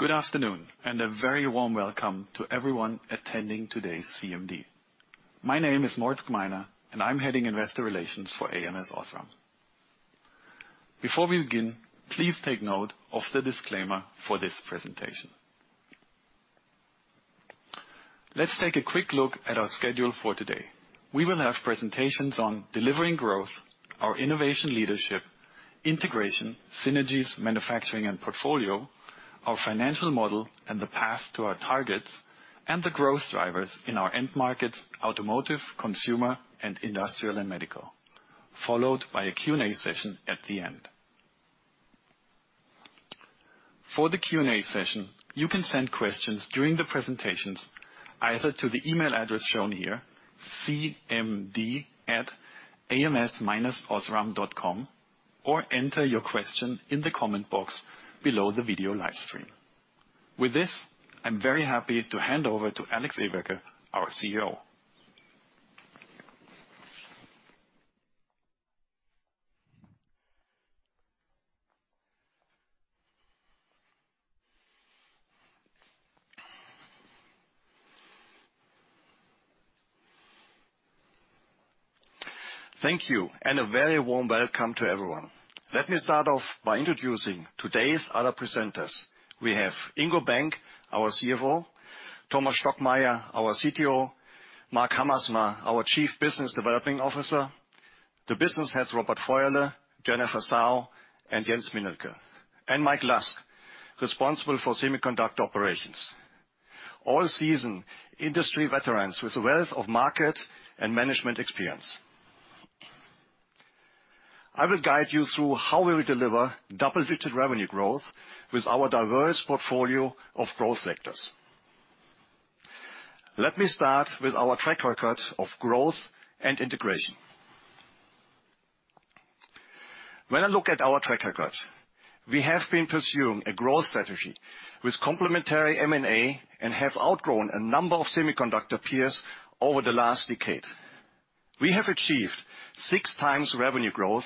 Good afternoon, and a very warm welcome to everyone attending today's CMD. My name is Moritz Gmeiner, and I'm heading Investor Relations for ams OSRAM. Before we begin, please take note of the disclaimer for this presentation. Let's take a quick look at our schedule for today. We will have presentations on delivering growth, our innovation leadership, integration, synergies, manufacturing and portfolio, our financial model and the path to our targets, and the growth drivers in our end markets, automotive, consumer, and industrial and medical, followed by a Q&A session at the end. For the Q&A session, you can send questions during the presentations, either to the email address shown here, cmd@ams-osram.com, or enter your question in the comment box below the video live stream. With this, I'm very happy to hand over to Alexander Everke, our CEO. Thank you, and a very warm welcome to everyone. Let me start off by introducing today's other presenters. We have Ingo Bank, our CFO, Thomas Stockmeier, our CTO, Mark Hamersma, our Chief Business Development Officer, the business heads, Robert Feurle, Jennifer Zhao, and Jens Münkel, and Mike Lusk, responsible for semiconductor operations, all seasoned industry veterans with a wealth of market and management experience. I will guide you through how we will deliver double-digit revenue growth with our diverse portfolio of growth sectors. Let me start with our track record of growth and integration. When I look at our track record, we have been pursuing a growth strategy with complementary M&A and have outgrown a number of semiconductor peers over the last decade. We have achieved 6x revenue growth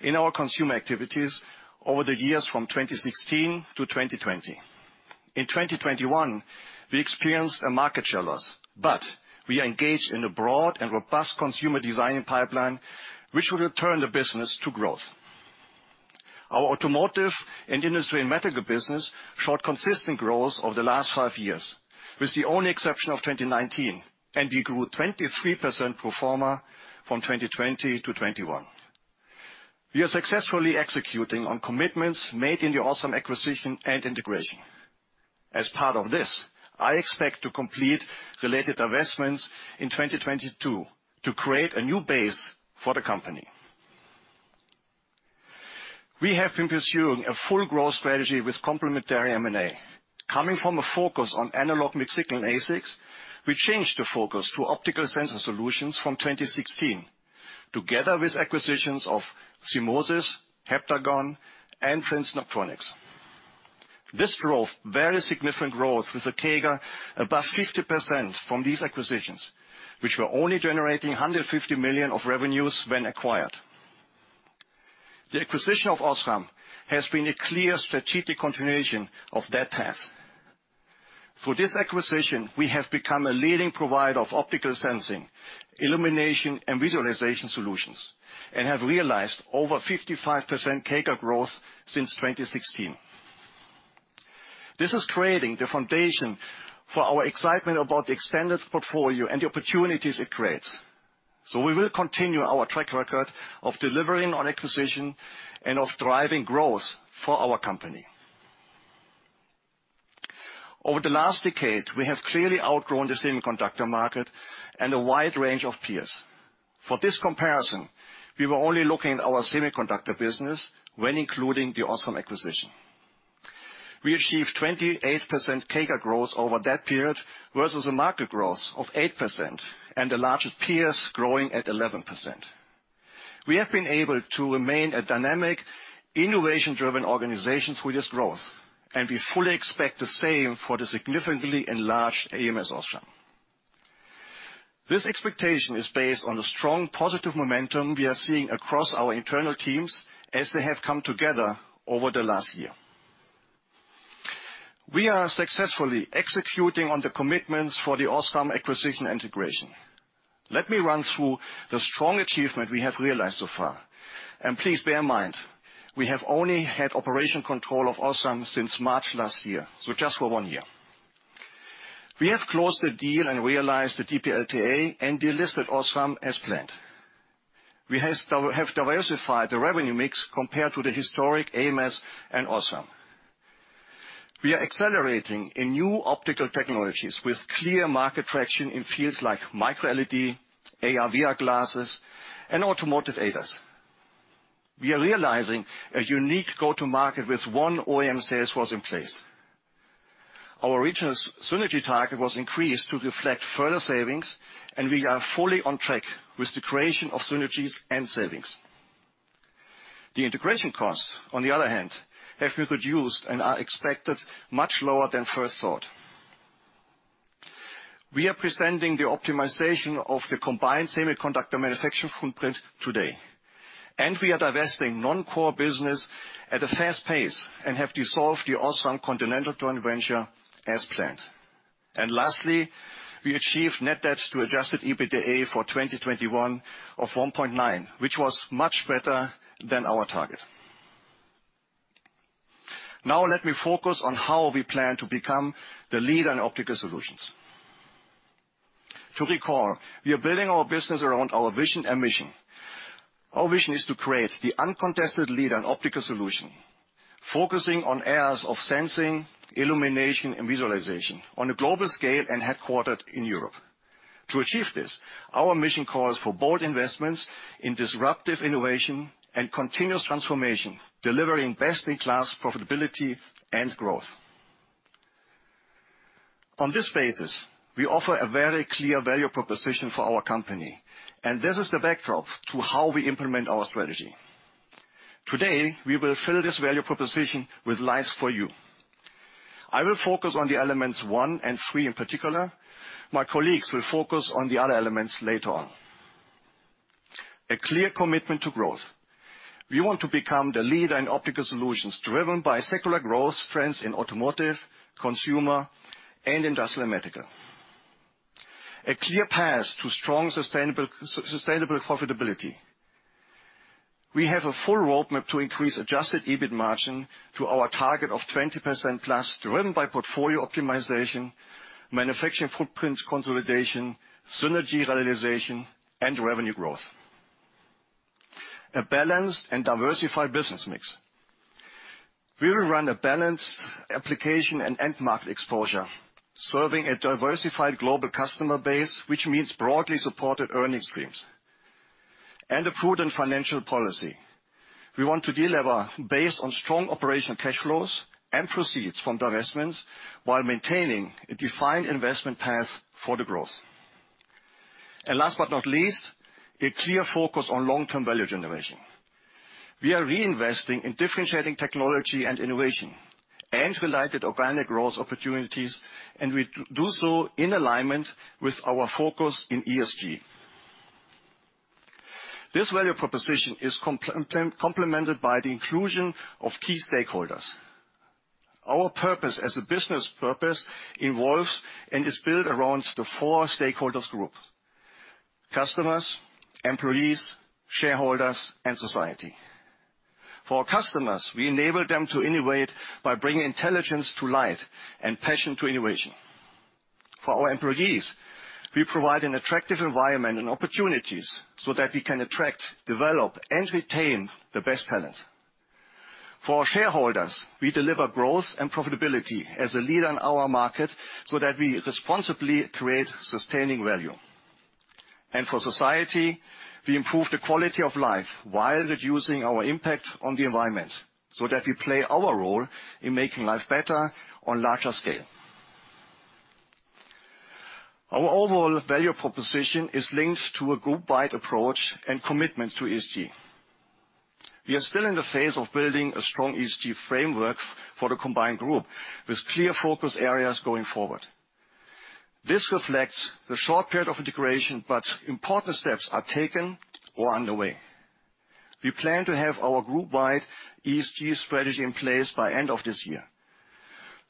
in our consumer activities over the years from 2016 to 2020. In 2021, we experienced a market share loss, but we are engaged in a broad and robust consumer design pipeline which will return the business to growth. Our automotive and industrial and medical business showed consistent growth over the last five years, with the only exception of 2019, and we grew 23% pro forma from 2020 to 2021. We are successfully executing on commitments made in the OSRAM acquisition and integration. As part of this, I expect to complete related divestments in 2022 to create a new base for the company. We have been pursuing a full growth strategy with complementary M&A. Coming from a focus on analog mixed signal ASICs, we changed the focus to optical sensor solutions from 2016, together with acquisitions of CMOSIS, Heptagon, and Transcept Photonics. This drove very significant growth with a CAGR above 50% from these acquisitions, which were only generating 150 million of revenues when acquired. The acquisition of OSRAM has been a clear strategic continuation of that path. Through this acquisition, we have become a leading provider of optical sensing, illumination, and visualization solutions and have realized over 55% CAGR growth since 2016. This is creating the foundation for our excitement about the extended portfolio and the opportunities it creates. We will continue our track record of delivering on acquisition and of driving growth for our company. Over the last decade, we have clearly outgrown the semiconductor market and a wide range of peers. For this comparison, we were only looking at our semiconductor business when including the OSRAM acquisition. We achieved 28% CAGR growth over that period versus a market growth of 8% and the largest peers growing at 11%. We have been able to remain a dynamic, innovation-driven organization through this growth, and we fully expect the same for the significantly enlarged ams OSRAM. This expectation is based on the strong positive momentum we are seeing across our internal teams as they have come together over the last year. We are successfully executing on the commitments for the OSRAM acquisition integration. Let me run through the strong achievement we have realized so far, and please bear in mind, we have only had operational control of OSRAM since March last year, so just for one year. We have closed the deal and realized the DPLTA and delisted OSRAM as planned. We have diversified the revenue mix compared to the historic ams and OSRAM. We are accelerating in new optical technologies with clear market traction in fields like Micro LED, AR/VR glasses, and automotive ADAS. We are realizing a unique go-to-market with one OEM sales force in place. Our original synergy target was increased to reflect further savings, and we are fully on track with the creation of synergies and savings. The integration costs, on the other hand, have been reduced and are expected much lower than first thought. We are presenting the optimization of the combined semiconductor manufacturing footprint today, and we are divesting non-core business at a fast pace and have dissolved the Osram Continental joint venture as planned. Lastly, we achieved net debt to adjusted EBITDA for 2021 of 1.9, which was much better than our target. Now let me focus on how we plan to become the leader in optical solutions. To recall, we are building our business around our vision and mission. Our vision is to create the uncontested leader in optical solutions, focusing on areas of sensing, illumination, and visualization on a global scale and headquartered in Europe. To achieve this, our mission calls for bold investments in disruptive innovation and continuous transformation, delivering best-in-class profitability and growth. On this basis, we offer a very clear value proposition for our company, and this is the backdrop to how we implement our strategy. Today, we will fill this value proposition with life for you. I will focus on the elements one and three in particular. My colleagues will focus on the other elements later on. A clear commitment to growth. We want to become the leader in optical solutions driven by secular growth trends in automotive, consumer, and industrial and medical. A clear path to strong, sustainable profitability. We have a full roadmap to increase adjusted EBIT margin to our target of 20%+, driven by portfolio optimization, manufacturing footprint consolidation, synergy realization, and revenue growth. A balanced and diversified business mix. We will run a balanced application and end market exposure, serving a diversified global customer base, which means broadly supported earnings streams. A prudent financial policy. We want to delever based on strong operational cash flows and proceeds from divestments while maintaining a defined investment path for the growth. Last but not least, a clear focus on long-term value generation. We are reinvesting in differentiating technology and innovation and related organic growth opportunities, and we do so in alignment with our focus in ESG. This value proposition is complemented by the inclusion of key stakeholders. Our purpose as a business purpose involves and is built around the four stakeholders group: customers, employees, shareholders, and society. For our customers, we enable them to innovate by bringing intelligence to light and passion to innovation. For our employees, we provide an attractive environment and opportunities so that we can attract, develop, and retain the best talent. For our shareholders, we deliver growth and profitability as a leader in our market so that we responsibly create sustaining value. For society, we improve the quality of life while reducing our impact on the environment so that we play our role in making life better on larger scale. Our overall value proposition is linked to a group-wide approach and commitment to ESG. We are still in the phase of building a strong ESG framework for the combined group with clear focus areas going forward. This reflects the short period of integration, but important steps are taken or underway. We plan to have our group-wide ESG strategy in place by end of this year.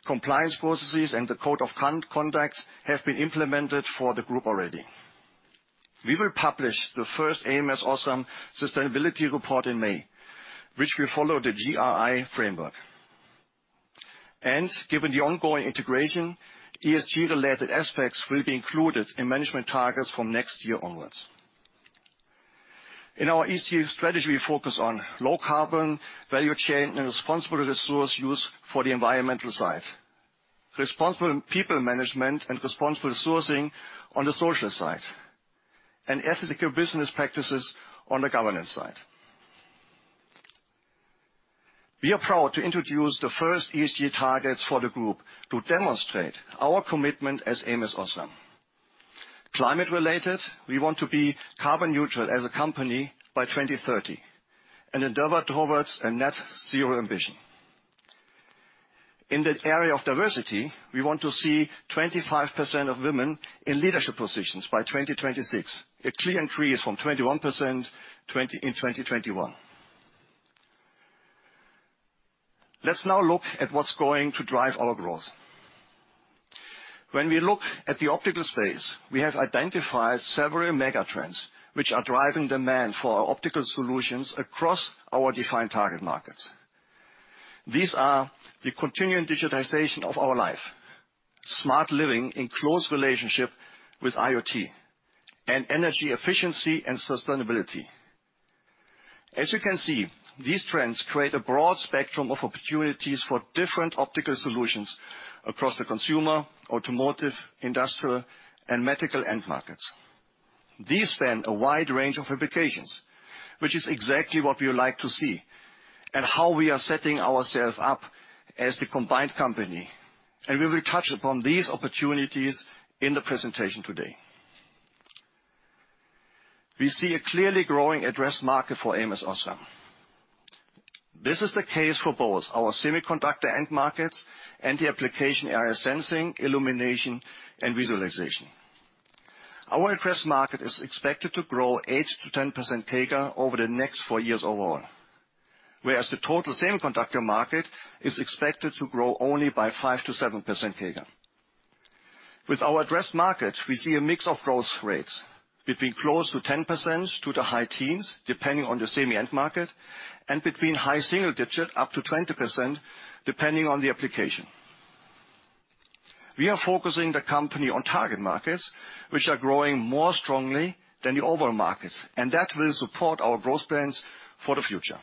Compliance processes and the code of conduct have been implemented for the group already. We will publish the first ams OSRAM sustainability report in May, which will follow the GRI framework. Given the ongoing integration, ESG-related aspects will be included in management targets from next year onwards. In our ESG strategy, we focus on low carbon, value chain, and responsible resource use for the environmental side. Responsible people management and responsible sourcing on the social side. Ethical business practices on the governance side. We are proud to introduce the first ESG targets for the group to demonstrate our commitment as ams OSRAM. Climate related, we want to be carbon neutral as a company by 2030 and endeavor towards a net zero ambition. In the area of diversity, we want to see 25% of women in leadership positions by 2026, a clear increase from 21% in 2021. Let's now look at what's going to drive our growth. When we look at the optical space, we have identified several mega trends which are driving demand for our optical solutions across our defined target markets. These are the continuing digitization of our life, smart living in close relationship with IoT, and energy efficiency and sustainability. As you can see, these trends create a broad spectrum of opportunities for different optical solutions across the consumer, automotive, industrial, and medical end markets. These span a wide range of applications, which is exactly what we would like to see and how we are setting ourselves up as the combined company, and we will touch upon these opportunities in the presentation today. We see a clearly growing address market for ams OSRAM. This is the case for both our semiconductor end markets and the application area sensing, illumination, and visualization. Our address market is expected to grow 8%-10% CAGR over the next four years overall, whereas the total semiconductor market is expected to grow only by 5%-7% CAGR. With our address market, we see a mix of growth rates between close to 10% to the high teens, depending on the semi end market, and between high single digit up to 20% depending on the application. We are focusing the company on target markets, which are growing more strongly than the overall market, and that will support our growth plans for the future.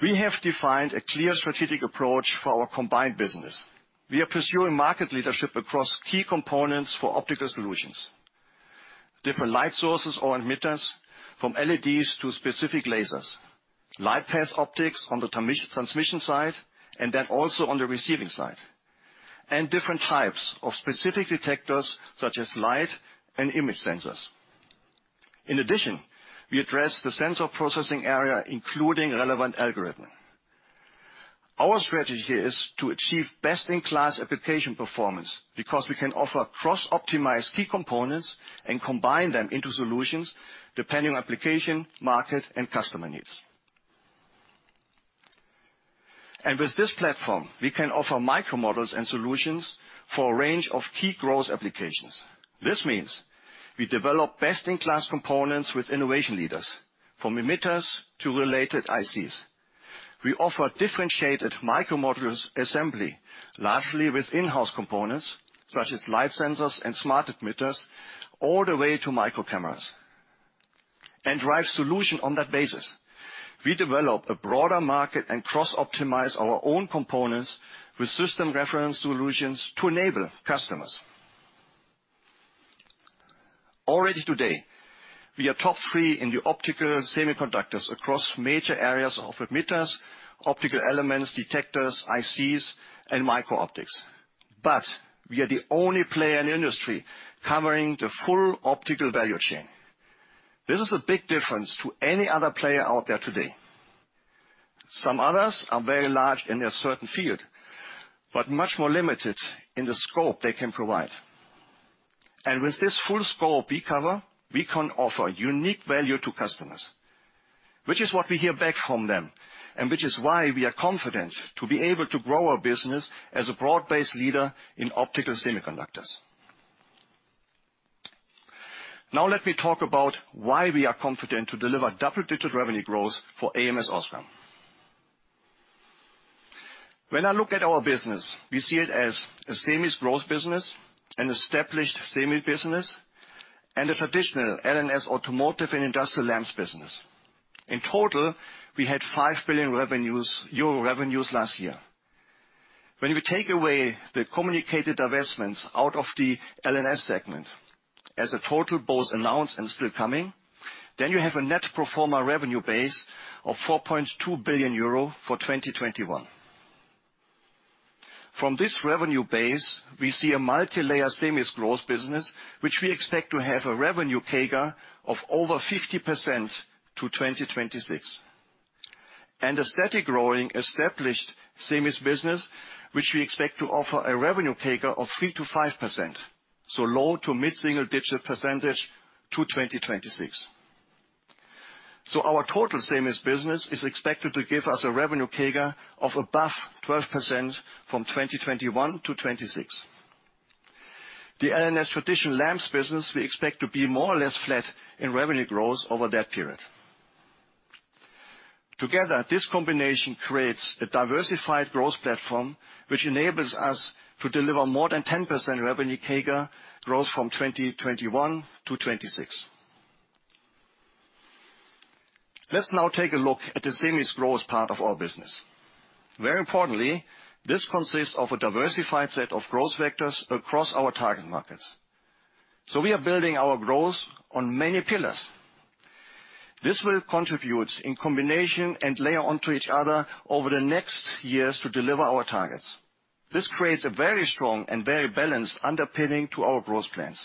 We have defined a clear strategic approach for our combined business. We are pursuing market leadership across key components for optical solutions, different light sources or emitters from LEDs to specific lasers, light path optics on the transmission side, and then also on the receiving side. Different types of specific detectors, such as light and image sensors. In addition, we address the sensor processing area, including relevant algorithm. Our strategy is to achieve best-in-class application performance, because we can offer cross-optimized key components and combine them into solutions depending on application, market, and customer needs. With this platform, we can offer micro models and solutions for a range of key growth applcations. This means we develop best-in-class components with innovation leaders, from emitters to related ICs. We offer differentiated micro modules assembly, largely with in-house components such as light sensors and smart emitters all the way to micro cameras, and drive solution on that basis. We develop a broader market and cross-optimize our own components with system reference solutions to enable customers. Already today, we are top three in the optical semiconductors across major areas of emitters, optical elements, detectors, ICs, and micro optics. We are the only player in the industry covering the full optical value chain. This is a big difference to any other player out there today. Some others are very large in a certain field, but much more limited in the scope they can provide. With this full scope we cover, we can offer unique value to customers, which is what we hear back from them, and which is why we are confident to be able to grow our business as a broad-based leader in optical semiconductors. Now let me talk about why we are confident to deliver double-digit revenue growth for ams OSRAM. When I look at our business, we see it as a semis growth business, an established semi business, and a traditional LNS automotive and industrial lamps business. In total, we had 5 billion euro revenues last year. When we take away the communicated divestments out of the LNS segment as a total, both announced and still coming, then you have a net pro forma revenue base of 4.2 billion euro for 2021. From this revenue base, we see a multilayer Semis growth business, which we expect to have a revenue CAGR of over 50% to 2026. A steady growing established Semis business, which we expect to offer a revenue CAGR of 3%-5%, so low to mid-single-digit percentage to 2026. Our total Semis business is expected to give us a revenue CAGR of above 12% from 2021 to 2026. The LNS traditional lamps business we expect to be more or less flat in revenue growth over that period. Together, this combination creates a diversified growth platform, which enables us to deliver more than 10% revenue CAGR growth from 2021 to 2026. Let's now take a look at the Semis growth part of our business. Very importantly, this consists of a diversified set of growth vectors across our target markets. We are building our growth on many pillars. This will contribute in combination and layer onto each other over the next years to deliver our targets. This creates a very strong and very balanced underpinning to our growth plans.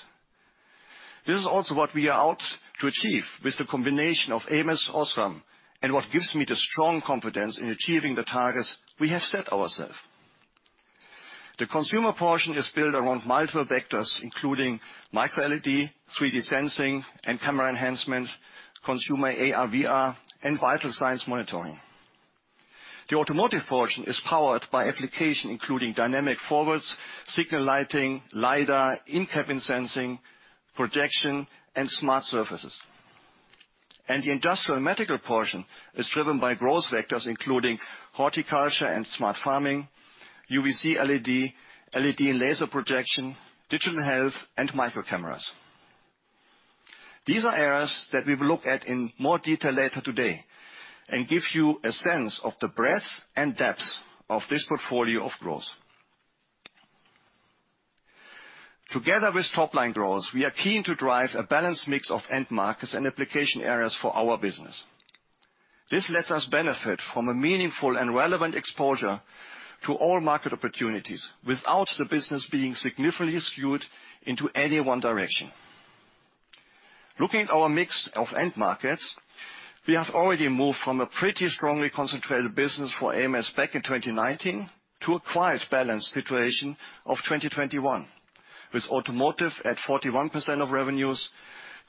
This is also what we are out to achieve with the combination of ams and OSRAM and what gives me the strong confidence in achieving the targets we have set ourselves. The consumer portion is built around multiple vectors, including Micro LED, 3D sensing and camera enhancement, consumer AR/VR, and vital signs monitoring. The automotive portion is powered by applications including dynamic forward lighting, signal lighting, lidar, in-cabin sensing, projection, and smart surfaces. The industrial and medical portion is driven by growth vectors including horticulture and smart farming, UVC LED and laser projection, digital health, and micro cameras. These are areas that we will look at in more detail later today and give you a sense of the breadth and depth of this portfolio of growth. Together with top-line growth, we are keen to drive a balanced mix of end markets and application areas for our business. This lets us benefit from a meaningful and relevant exposure to all market opportunities without the business being significantly skewed into any one direction. Looking at our mix of end markets, we have already moved from a pretty strongly concentrated business for ams back in 2019 to a quite balanced situation of 2021, with automotive at 41% of revenues,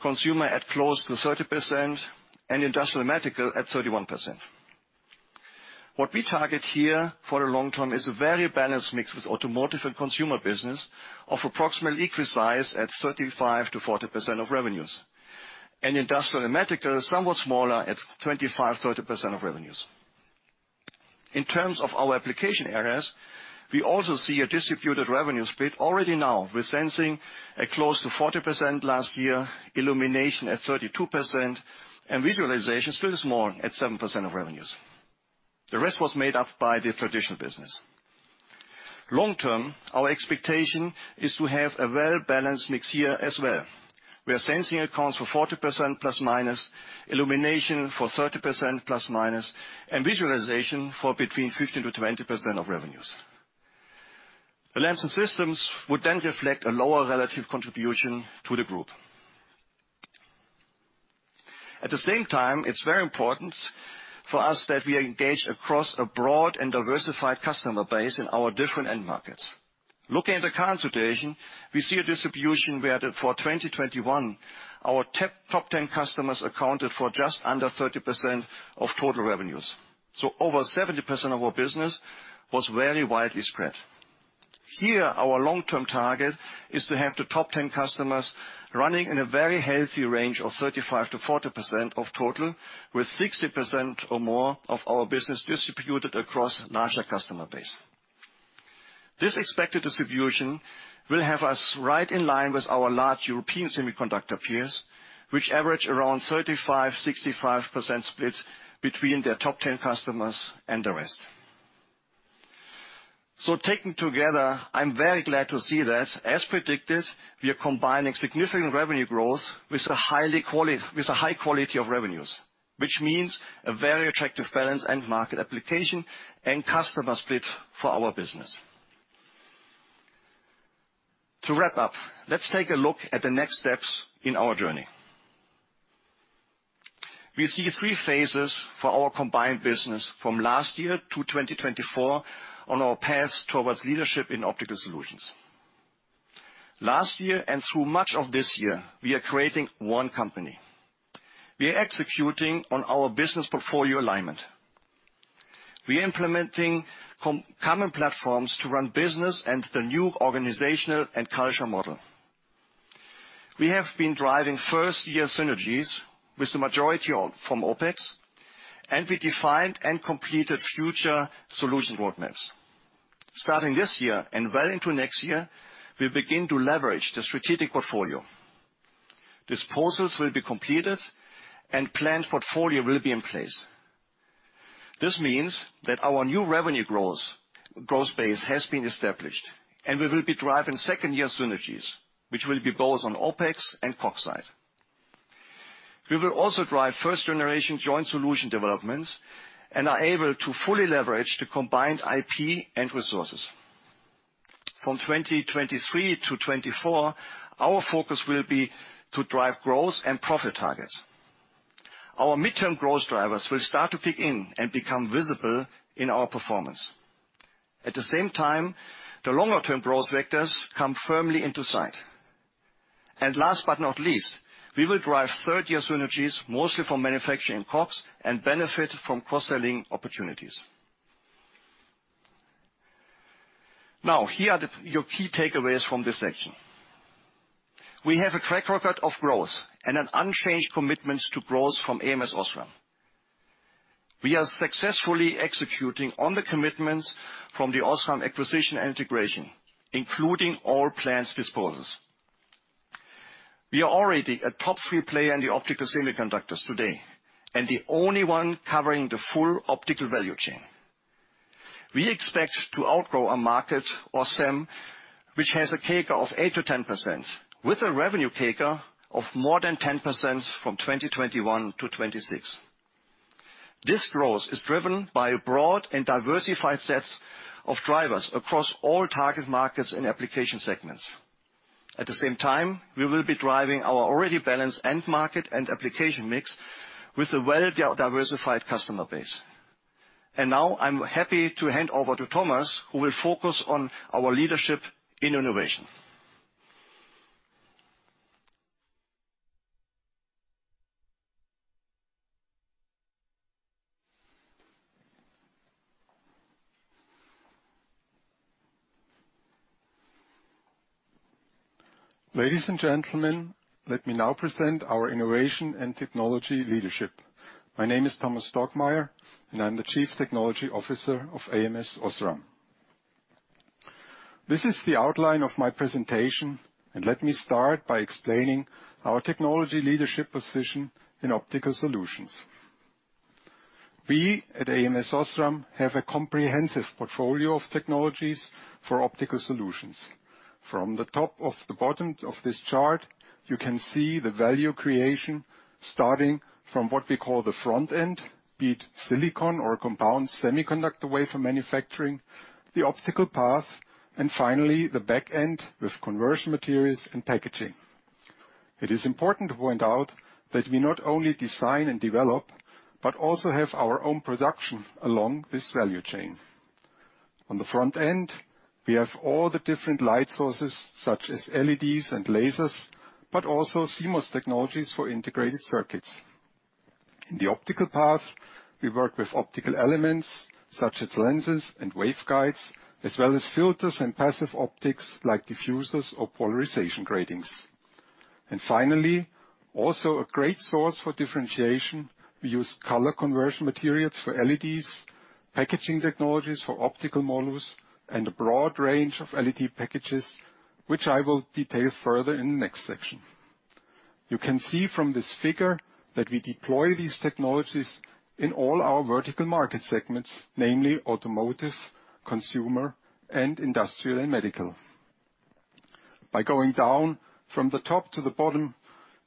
consumer at close to 30%, and industrial and medical at 31%. What we target here for the long term is a very balanced mix with automotive and consumer business of approximately equal size at 35%-40% of revenues, and industrial and medical somewhat smaller at 25%-30% of revenues. In terms of our application areas, we also see a distributed revenue split already now, with sensing at close to 40% last year, illumination at 32%, and visualization still small at 7% of revenues. The rest was made up by the traditional business. Long term, our expectation is to have a well-balanced mix here as well, where sensing accounts for 40% ±, illumination for 30% ±, and visualization for between 15%-20% of revenues. The Lamps and Systems would then reflect a lower relative contribution to the group. At the same time, it's very important for us that we engage across a broad and diversified customer base in our different end markets. Looking at the concentration, we see a distribution where for 2021, our top 10 customers accounted for just under 30% of total revenues. Over 70% of our business was very widely spread. Here, our long-term target is to have the top 10 customers running in a very healthy range of 35%-40% of total, with 60% or more of our business distributed across a larger customer base. This expected distribution will have us right in line with our large European semiconductor peers, which average around 35%-65% split between their top 10 customers and the rest. Taken together, I'm very glad to see that as predicted, we are combining significant revenue growth with a high quality of revenues, which means a very attractive balanced end-market application and customer split for our business. To wrap up, let's take a look at the next steps in our journey. We see three phases for our combined business from last year to 2024 on our path towards leadership in optical solutions. Last year and through much of this year, we are creating one company. We are executing on our business portfolio alignment. We are implementing common platforms to run business and the new organizational and cultural model. We have been driving first-year synergies with the majority from OpEx, and we defined and completed future solution roadmaps. Starting this year and well into next year, we'll begin to leverage the strategic portfolio. Disposals will be completed and planned portfolio will be in place. This means that our new revenue growth base has been established, and we will be driving second-year synergies, which will be both on OpEx and COGS side. We will also drive first-generation joint solution developments and are able to fully leverage the combined IP and resources. From 2023 to 2024, our focus will be to drive growth and profit targets. Our midterm growth drivers will start to kick in and become visible in our performance. At the same time, the longer-term growth vectors come firmly into sight. Last but not least, we will drive third-year synergies, mostly from manufacturing COGS, and benefit from cross-selling opportunities. Now, here are your key takeaways from this section. We have a track record of growth and an unchanged commitment to growth from ams OSRAM. We are successfully executing on the commitments from the OSRAM acquisition and integration, including all planned disposals. We are already a top-three player in the optical semiconductors today and the only one covering the full optical value chain. We expect to outgrow our market, our SAM, which has a CAGR of 8%-10%, with a revenue CAGR of more than 10% from 2021 to 2026. This growth is driven by a broad and diversified sets of drivers across all target markets and application segments. At the same time, we will be driving our already balanced end market and application mix with a well diversified customer base. Now I'm happy to hand over to Thomas, who will focus on our leadership in innovation. Ladies and gentlemen, let me now present our innovation and technology leadership. My name is Thomas Stockmeier, and I'm the Chief Technology Officer of ams OSRAM. This is the outline of my presentation, and let me start by explaining our technology leadership position in optical solutions. We at ams OSRAM have a comprehensive portfolio of technologies for optical solutions. From the top to the bottom of this chart, you can see the value creation starting from what we call the front end, be it silicon or compound semiconductor wafer manufacturing, the optical path, and finally the back end with conversion materials and packaging. It is important to point out that we not only design and develop, but also have our own production along this value chain. On the front end, we have all the different light sources such as LEDs and lasers, but also CMOS technologies for integrated circuits. In the optical path, we work with optical elements such as lenses and waveguides, as well as filters and passive optics like diffusers or polarization gratings. Finally, also a great source for differentiation, we use color conversion materials for LEDs, packaging technologies for optical modules, and a broad range of LED packages, which I will detail further in the next section. You can see from this figure that we deploy these technologies in all our vertical market segments, namely automotive, consumer, and industrial and medical. By going down from the top to the bottom,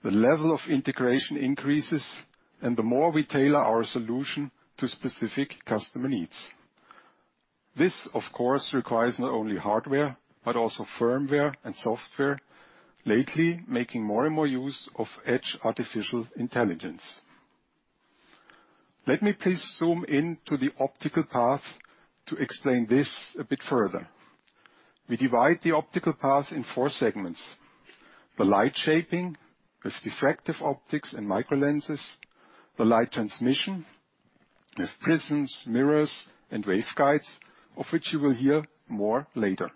the level of integration increases, and the more we tailor our solution to specific customer needs. This of course, requires not only hardware, but also firmware and software, lately, making more and more use of edge artificial intelligence. Let me please zoom in to the optical path to explain this a bit further. We divide the optical path in four segments. The light shaping with diffractive optics and micro lenses, the light transmission with prisms, mirrors, and waveguides, of which you will hear more later.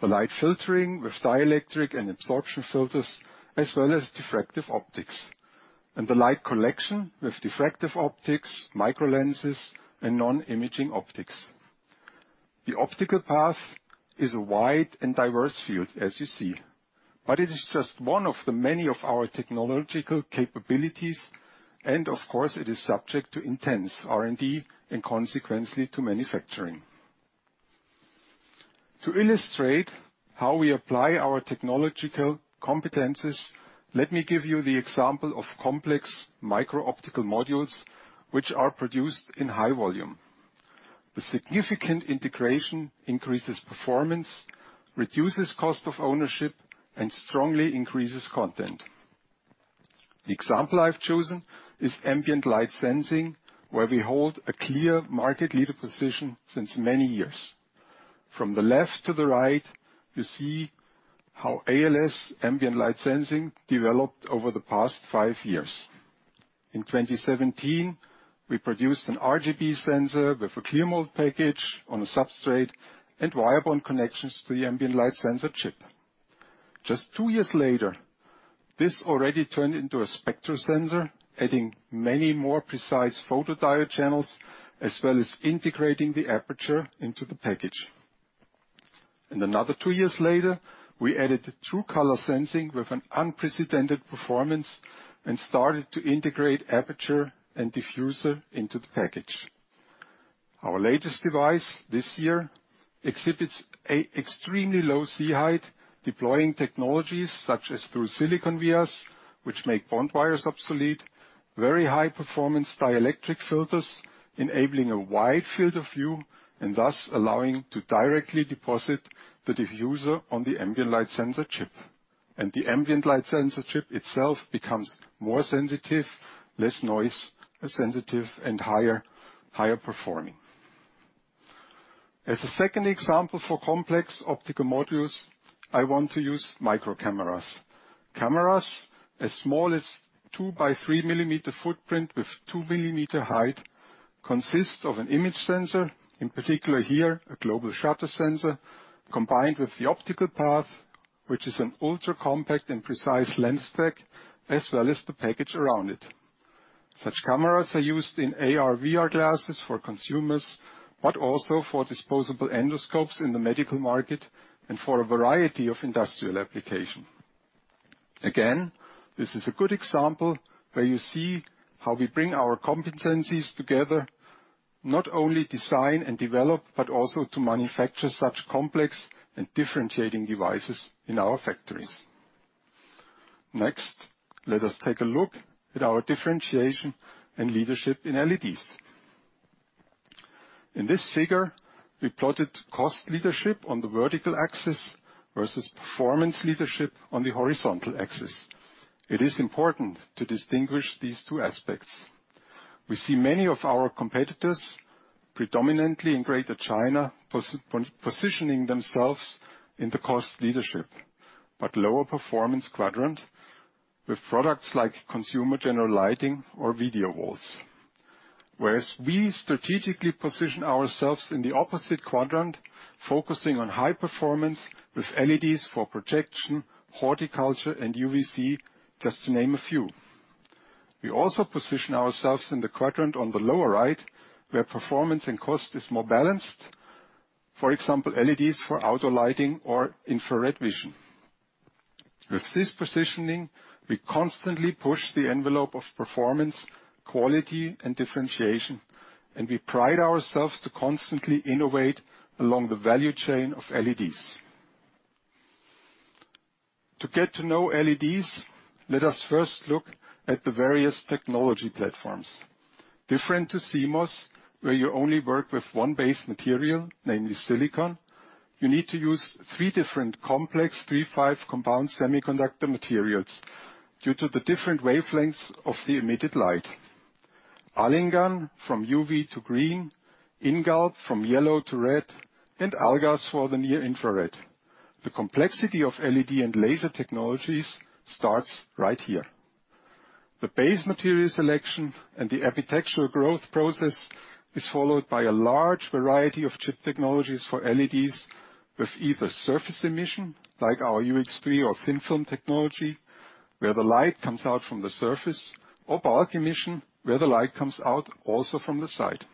The light filtering with dielectric and absorption filters, as well as diffractive optics. The light collection with diffractive optics, micro lenses, and non-imaging optics. The optical path is a wide and diverse field, as you see, but it is just one of the many of our technological capabilities, and of course, it is subject to intense R&D and consequently to manufacturing. To illustrate how we apply our technological competencies, let me give you the example of complex micro optical modules which are produced in high volume. The significant integration increases performance, reduces cost of ownership, and strongly increases content. The example I've chosen is ambient light sensing, where we hold a clear market leader position since many years. From the left to the right, you see how ALS, ambient light sensing, developed over the past five years. In 2017, we produced an RGB sensor with a clear mold package on a substrate and wire bond connections to the ambient light sensor chip. Just two years later, this already turned into a spectral sensor, adding many more precise photodiode channels, as well as integrating the aperture into the package. Another two years later, we added true color sensing with an unprecedented performance and started to integrate aperture and diffuser into the package. Our latest device this year exhibits extremely low C height, deploying technologies such as through-silicon vias, which make bond wires obsolete, very high performance dielectric filters, enabling a wide field of view, and thus allowing to directly deposit the diffuser on the ambient light sensor chip. The ambient light sensor chip itself becomes more sensitive, less noise sensitive, and higher performing. As a second example for complex optical modules, I want to use micro cameras. Cameras as small as 2x3 mm footprint with 2 mm height consists of an image sensor, in particular here, a global shutter sensor, combined with the optical path, which is an ultra compact and precise lens tech, as well as the package around it. Such cameras are used in AR/VR glasses for consumers, but also for disposable endoscopes in the medical market and for a variety of industrial application. Again, this is a good example where you see how we bring our competencies together, not only design and develop, but also to manufacture such complex and differentiating devices in our factories. Next, let us take a look at our differentiation and leadership in LEDs. In this figure, we plotted cost leadership on the vertical axis versus performance leadership on the horizontal axis. It is important to distinguish these two aspects. We see many of our competitors, predominantly in Greater China, positioning themselves in the cost leadership, but lower performance quadrant with products like consumer general lighting or video walls. Whereas we strategically position ourselves in the opposite quadrant, focusing on high performance with LEDs for projection, horticulture, and UVC, just to name a few. We also position ourselves in the quadrant on the lower right, where performance and cost is more balanced. For example, LEDs for outdoor lighting or infrared vision. With this positioning, we constantly push the envelope of performance, quality, and differentiation, and we pride ourselves to constantly innovate along the value chain of LEDs. To get to know LEDs, let us first look at the various technology platforms. Different to CMOS, where you only work with one base material, namely silicon. You need to use three different complex three-five compound semiconductor materials due to the different wavelengths of the emitted light. AlInGaN from UV to green, InGaP from yellow to red, and AlGaAs for the near infrared. The complexity of LED and laser technologies starts right here. The base material selection and the architectural growth process is followed by a large variety of chip technologies for LEDs, with either surface emission, like our UX:3 or thin-film technology, where the light comes out from the surface, or bulk emission, where the light comes out also from the side.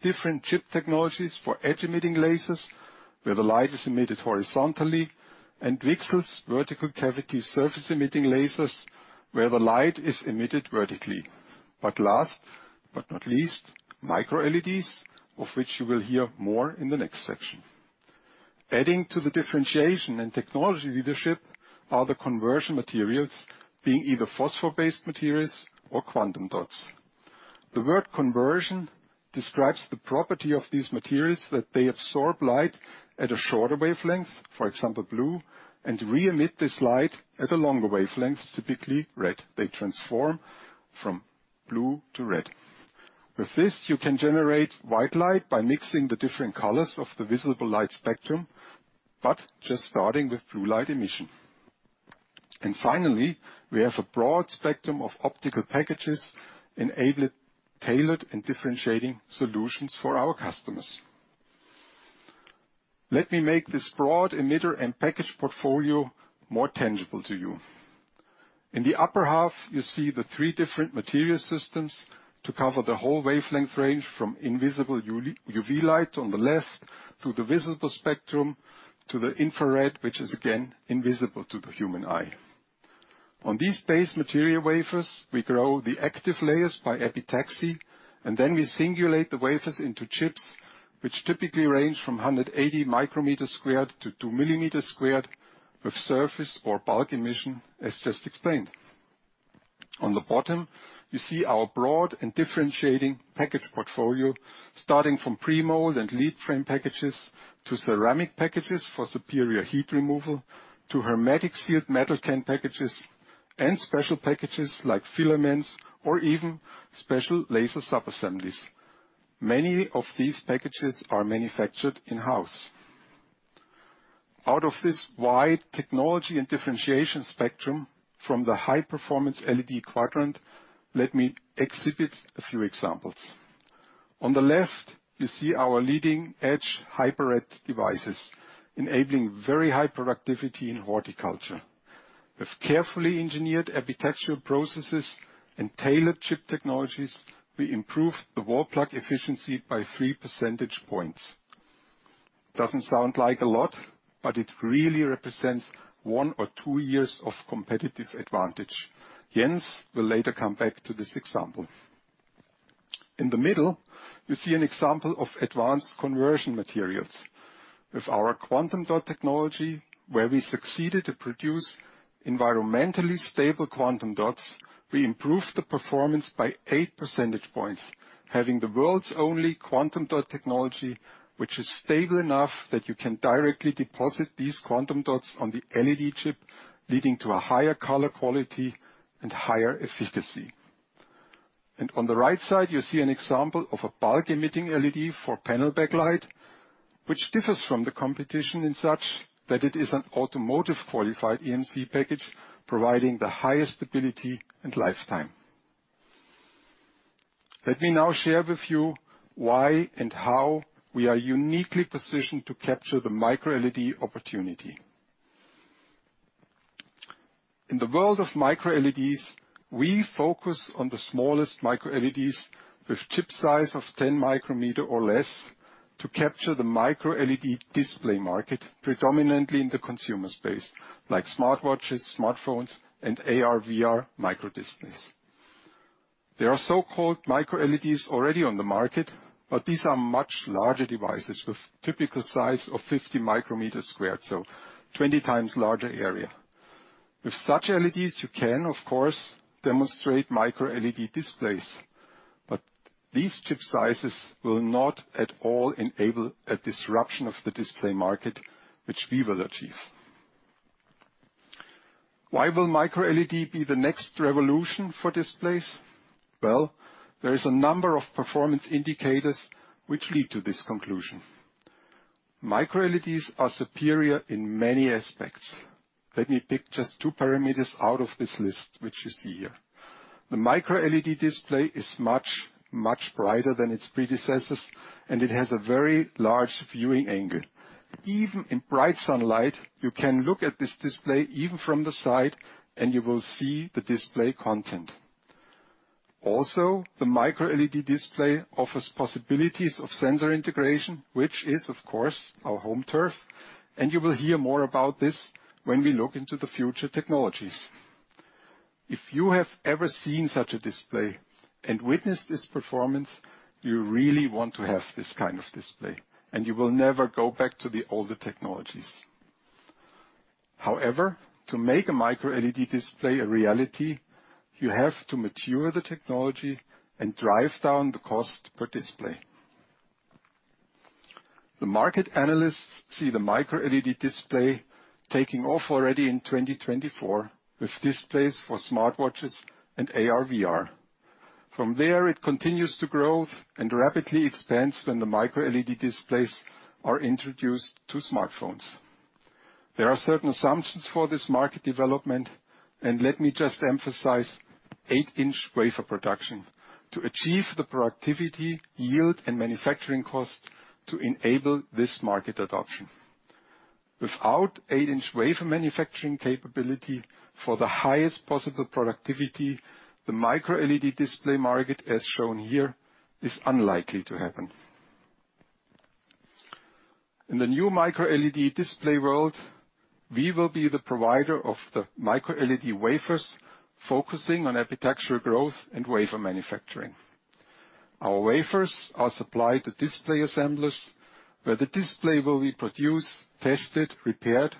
Different chip technologies for edge-emitting lasers, where the light is emitted horizontally, and VCSELs, vertical cavity surface emitting lasers, where the light is emitted vertically. Last, but not least, micro-LEDs, of which you will hear more in the next section. Adding to the differentiation and technology leadership are the conversion materials, being either phosphor-based materials or quantum dots. The word conversion describes the property of these materials that they absorb light at a shorter wavelength, for example, blue, and re-emit this light at a longer wavelength, typically red. They transform from blue to red. With this, you can generate white light by mixing the different colors of the visible light spectrum, but just starting with blue light emission. Finally, we have a broad spectrum of optical packages tailored, and differentiating solutions for our customers. Let me make this broad emitter and package portfolio more tangible to you. In the upper half, you see the three different material systems to cover the whole wavelength range from invisible UV light on the left, to the visible spectrum, to the infrared, which is again invisible to the human eye. On these base material wafers, we grow the active layers by epitaxy, and then we singulate the wafers into chips, which typically range from 180 micrometer squared to 2 mm squared, with surface or bulk emission, as just explained. On the bottom, you see our broad and differentiating package portfolio, starting from pre-mold and lead frame packages to ceramic packages for superior heat removal to hermetic sealed metal can packages and special packages like filaments or even special laser sub-assemblies. Many of these packages are manufactured in-house. Out of this wide technology and differentiation spectrum from the high-performance LED quadrant, let me exhibit a few examples. On the left, you see our leading edge Hyper Red devices, enabling very high productivity in horticulture. With carefully engineered architectural processes and tailored chip technologies, we improve the wall-plug efficiency by 3 percentage points. Doesn't sound like a lot, but it really represents one or two years of competitive advantage. Jens will later come back to this example. In the middle, you see an example of advanced conversion materials. With our quantum dot technology, where we succeeded to produce environmentally stable quantum dots, we improved the performance by 8 percentage points, having the world's only quantum dot technology which is stable enough that you can directly deposit these quantum dots on the LED chip, leading to a higher color quality and higher efficacy. On the right side, you see an example of a bulk emitting LED for panel backlight, which differs from the competition in that it is an automotive qualified EMC package providing the highest stability and lifetime. Let me now share with you why and how we are uniquely positioned to capture the Micro LED opportunity. In the world of Micro LEDs, we focus on the smallest Micro LEDs with chip size of 10 micrometer or less to capture the Micro LED display market, predominantly in the consumer space, like smartwatches, smartphones, and AR/VR micro displays. There are so-called Micro LEDs already on the market, but these are much larger devices with typical size of 50 micrometer squared, so 20 times larger area. With such LEDs, you can of course demonstrate Micro LED displays, but these chip sizes will not at all enable a disruption of the display market, which we will achieve. Why will Micro LED be the next revolution for displays? Well, there is a number of performance indicators which lead to this conclusion. Micro LEDs are superior in many aspects. Let me pick just two parameters out of this list, which you see here. The Micro LED display is much, much brighter than its predecessors, and it has a very large viewing angle. Even in bright sunlight, you can look at this display even from the side, and you will see the display content. Also, the Micro LED display offers possibilities of sensor integration, which is, of course, our home turf, and you will hear more about this when we look into the future technologies. If you have ever seen such a display and witnessed its performance, you really want to have this kind of display, and you will never go back to the older technologies. However, to make a Micro LED display a reality, you have to mature the technology and drive down the cost per display. The market analysts see the Micro LED display taking off already in 2024 with displays for smartwatches and AR/VR. From there, it continues to grow and rapidly expands when the Micro LED displays are introduced to smartphones. There are certain assumptions for this market development, and let me just emphasize 8-in wafer production to achieve the productivity, yield, and manufacturing cost to enable this market adoption. Without 8 in wafer manufacturing capability for the highest possible productivity, the Micro LED display market, as shown here, is unlikely to happen. In the new Micro LED display world, we will be the provider of the Micro LED wafers, focusing on epitaxial growth and wafer manufacturing. Our wafers are supplied to display assemblers, where the display will be produced, tested, repaired,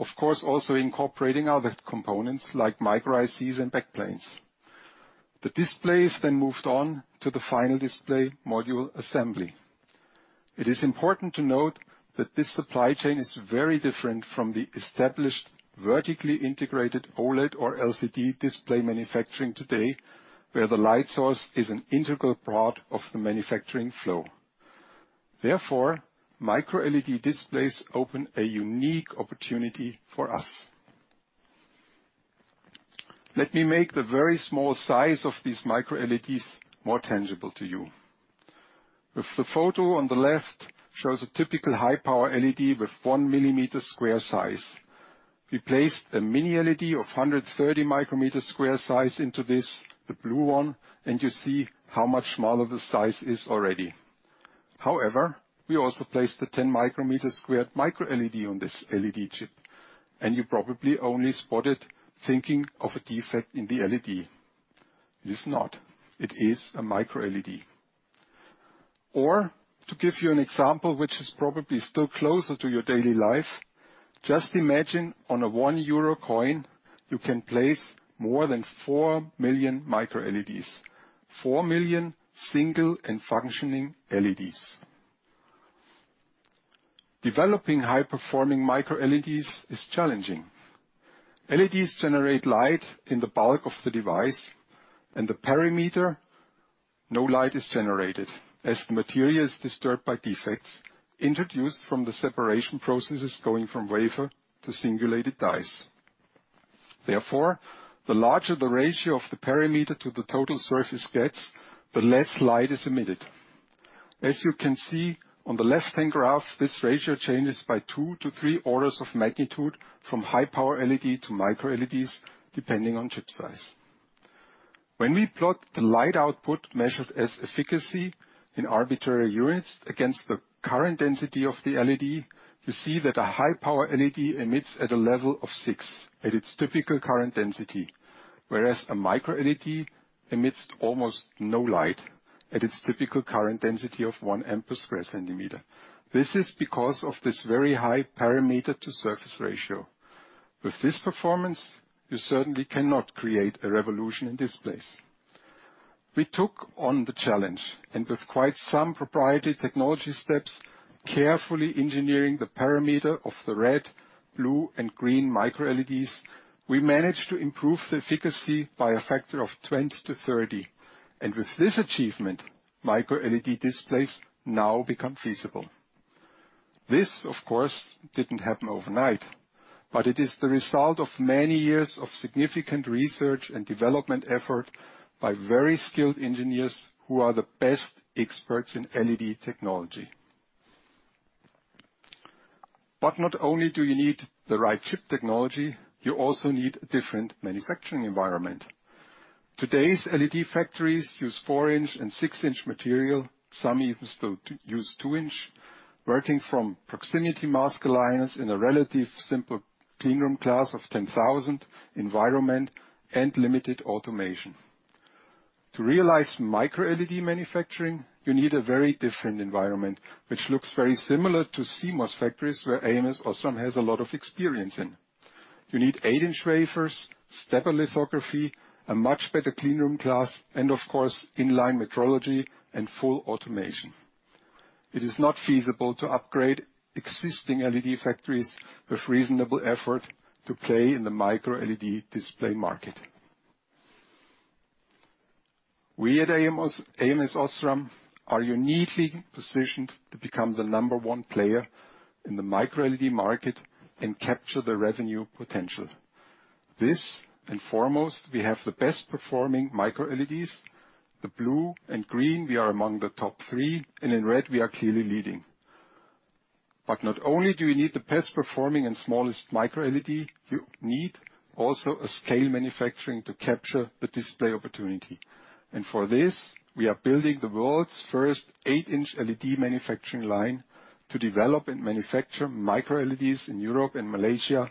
of course, also incorporating other components like micro ICs and backplanes. The display is then moved on to the final display module assembly. It is important to note that this supply chain is very different from the established, vertically integrated OLED or LCD display manufacturing today, where the light source is an integral part of the manufacturing flow. Therefore, Micro LED displays open a unique opportunity for us. Let me make the very small size of these Micro LEDs more tangible to you. The photo on the left shows a typical high-power LED with 1 mm square size. We placed a mini LED of 130 micrometer square size into this, the blue one, and you see how much smaller the size is already. However, we also placed the 10 micrometer squared Micro LED on this LED chip, and you probably only spotted, thinking of a defect in the LED. It is not. It is a Micro LED. Or to give you an example which is probably still closer to your daily life, just imagine on a 1 euro coin, you can place more than 4 million Micro LEDs, 4 million single and functioning LEDs. Developing high-performing Micro LEDs is challenging. LEDs generate light in the bulk of the device, and the perimeter, no light is generated as the material is disturbed by defects introduced from the separation processes going from wafer to singulated dies. Therefore, the larger the ratio of the perimeter to the total surface gets, the less light is emitted. As you can see on the left-hand graph, this ratio changes by two to three orders of magnitude from high-power LED to Micro LEDs, depending on chip size. When we plot the light output measured as efficacy in arbitrary units against the current density of the LED, you see that a high-power LED emits at a level of six at its typical current density, whereas a Micro LED emits almost no light at its typical current density of 1 amp per sq cm. This is because of this very high perimeter to surface ratio. With this performance, you certainly cannot create a revolution in displays. We took on the challenge, and with quite some proprietary technology steps, carefully engineering the parameter of the red, blue, and green Micro LEDs, we managed to improve the efficacy by a factor of 20-30. With this achievement, Micro LED displays now become feasible. This, of course, didn't happen overnight, but it is the result of many years of significant research and development effort by very skilled engineers who are the best experts in LED technology. Not only do you need the right chip technology, you also need a different manufacturing environment. Today's LED factories use 4-in and 6-in material. Some even still use 2-in. Working from proximity mask aligners in a relatively simple cleanroom class of 10,000 environment and limited automation. To realize Micro LED manufacturing, you need a very different environment, which looks very similar to CMOS factories, where ams OSRAM has a lot of experience in. You need 8-in wafers, stepper lithography, a much better clean room class, and of course, in-line metrology and full automation. It is not feasible to upgrade existing LED factories with reasonable effort to play in the Micro LED display market. We at ams OSRAM are uniquely positioned to become the number one player in the Micro LED market and capture the revenue potential. This and foremost, we have the best performing Micro LEDs. The blue and green, we are among the top three, and in red, we are clearly leading. Not only do you need the best performing and smallest Micro LED, you need also a scalable manufacturing to capture the display opportunity. For this, we are building the world's first 8-in LED manufacturing line to develop and manufacture Micro LEDs in Europe and Malaysia,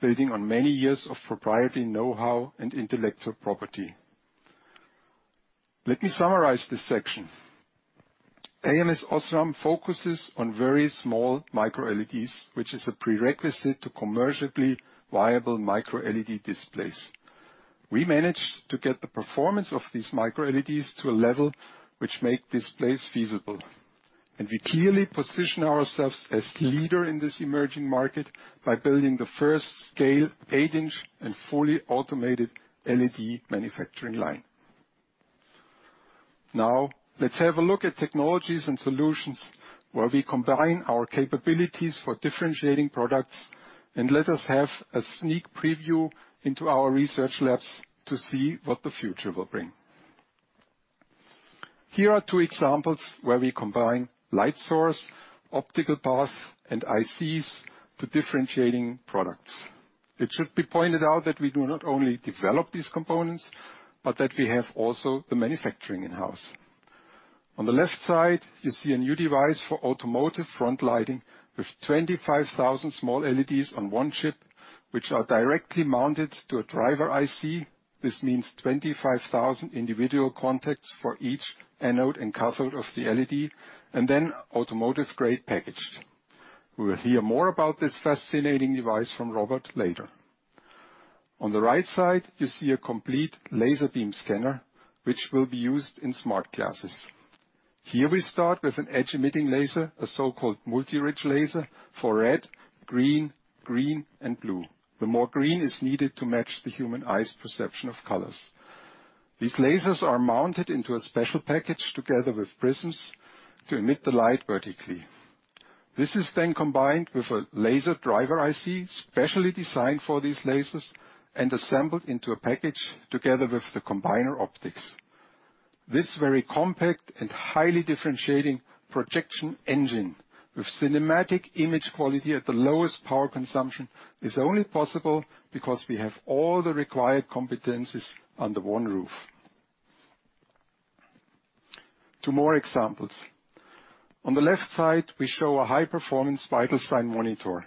building on many years of proprietary know-how and intellectual property. Let me summarize this section. ams OSRAM focuses on very small Micro LEDs, which is a prerequisite to commercially viable Micro LED displays. We managed to get the performance of these Micro LEDs to a level which make displays feasible. We clearly position ourselves as leader in this emerging market by building the first scale 8-in and fully automated LED manufacturing line. Now, let's have a look at technologies and solutions where we combine our capabilities for differentiating products, and let us have a sneak preview into our research labs to see what the future will bring. Here are two examples where we combine light source, optical path, and ICs to differentiating products. It should be pointed out that we do not only develop these components, but that we have also the manufacturing in-house. On the left side, you see a new device for automotive front lighting with 25,000 small LEDs on one chip, which are directly mounted to a driver IC. This means 25,000 individual contacts for each anode and cathode of the LED, and then automotive-grade packaged. We will hear more about this fascinating device from Robert later. On the right side, you see a complete laser beam scanner, which will be used in smart glasses. Here we start with an edge-emitting laser, a so-called multi-ridge laser for red, green, and blue. The more green is needed to match the human eye's perception of colors. These lasers are mounted into a special package together with prisms to emit the light vertically. This is then combined with a laser driver IC, specially designed for these lasers and assembled into a package together with the combiner optics. This very compact and highly differentiating projection engine with cinematic image quality at the lowest power consumption is only possible because we have all the required competencies under one roof. Two more examples. On the left side, we show a high-performance vital sign monitor,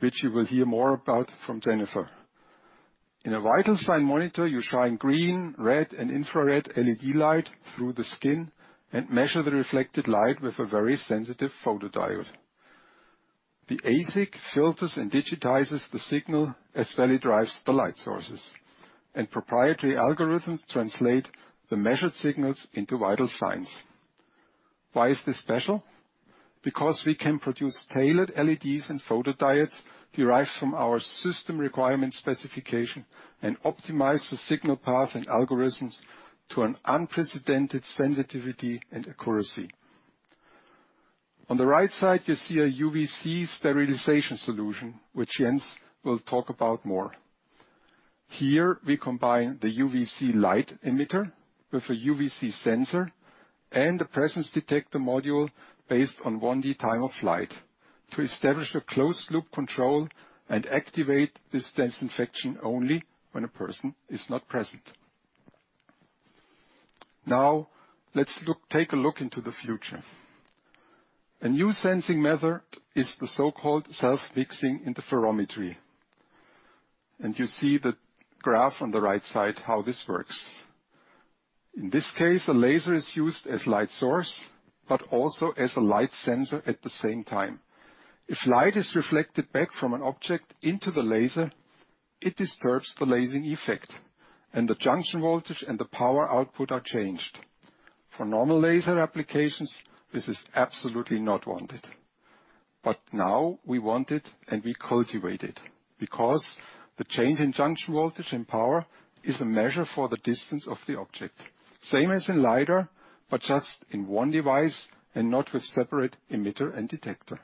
which you will hear more about from Jennifer. In a vital sign monitor, you shine green, red, and infrared LED light through the skin and measure the reflected light with a very sensitive photodiode. The ASIC filters and digitizes the signal as well as it drives the light sources. Proprietary algorithms translate the measured signals into vital signs. Why is this special? Because we can produce tailored LEDs and photodiodes derived from our system requirement specification and optimize the signal path and algorithms to an unprecedented sensitivity and accuracy. On the right side, you see a UVC sterilization solution, which Jens will talk about more. Here we combine the UVC light emitter with a UVC sensor and a presence detector module based on 1D time-of-flight to establish a closed loop control and activate this disinfection only when a person is not present. Now, take a look into the future. A new sensing method is the so-called self-mixing interferometry. You see the graph on the right side, how this works. In this case, a laser is used as light source, but also as a light sensor at the same time. If light is reflected back from an object into the laser, it disturbs the lasing effect, and the junction voltage and the power output are changed. For normal laser applications, this is absolutely not wanted. Now we want it, and we cultivate it because the change in junction voltage and power is a measure for the distance of the object. Same as in lidar, but just in one device and not with separate emitter and detector.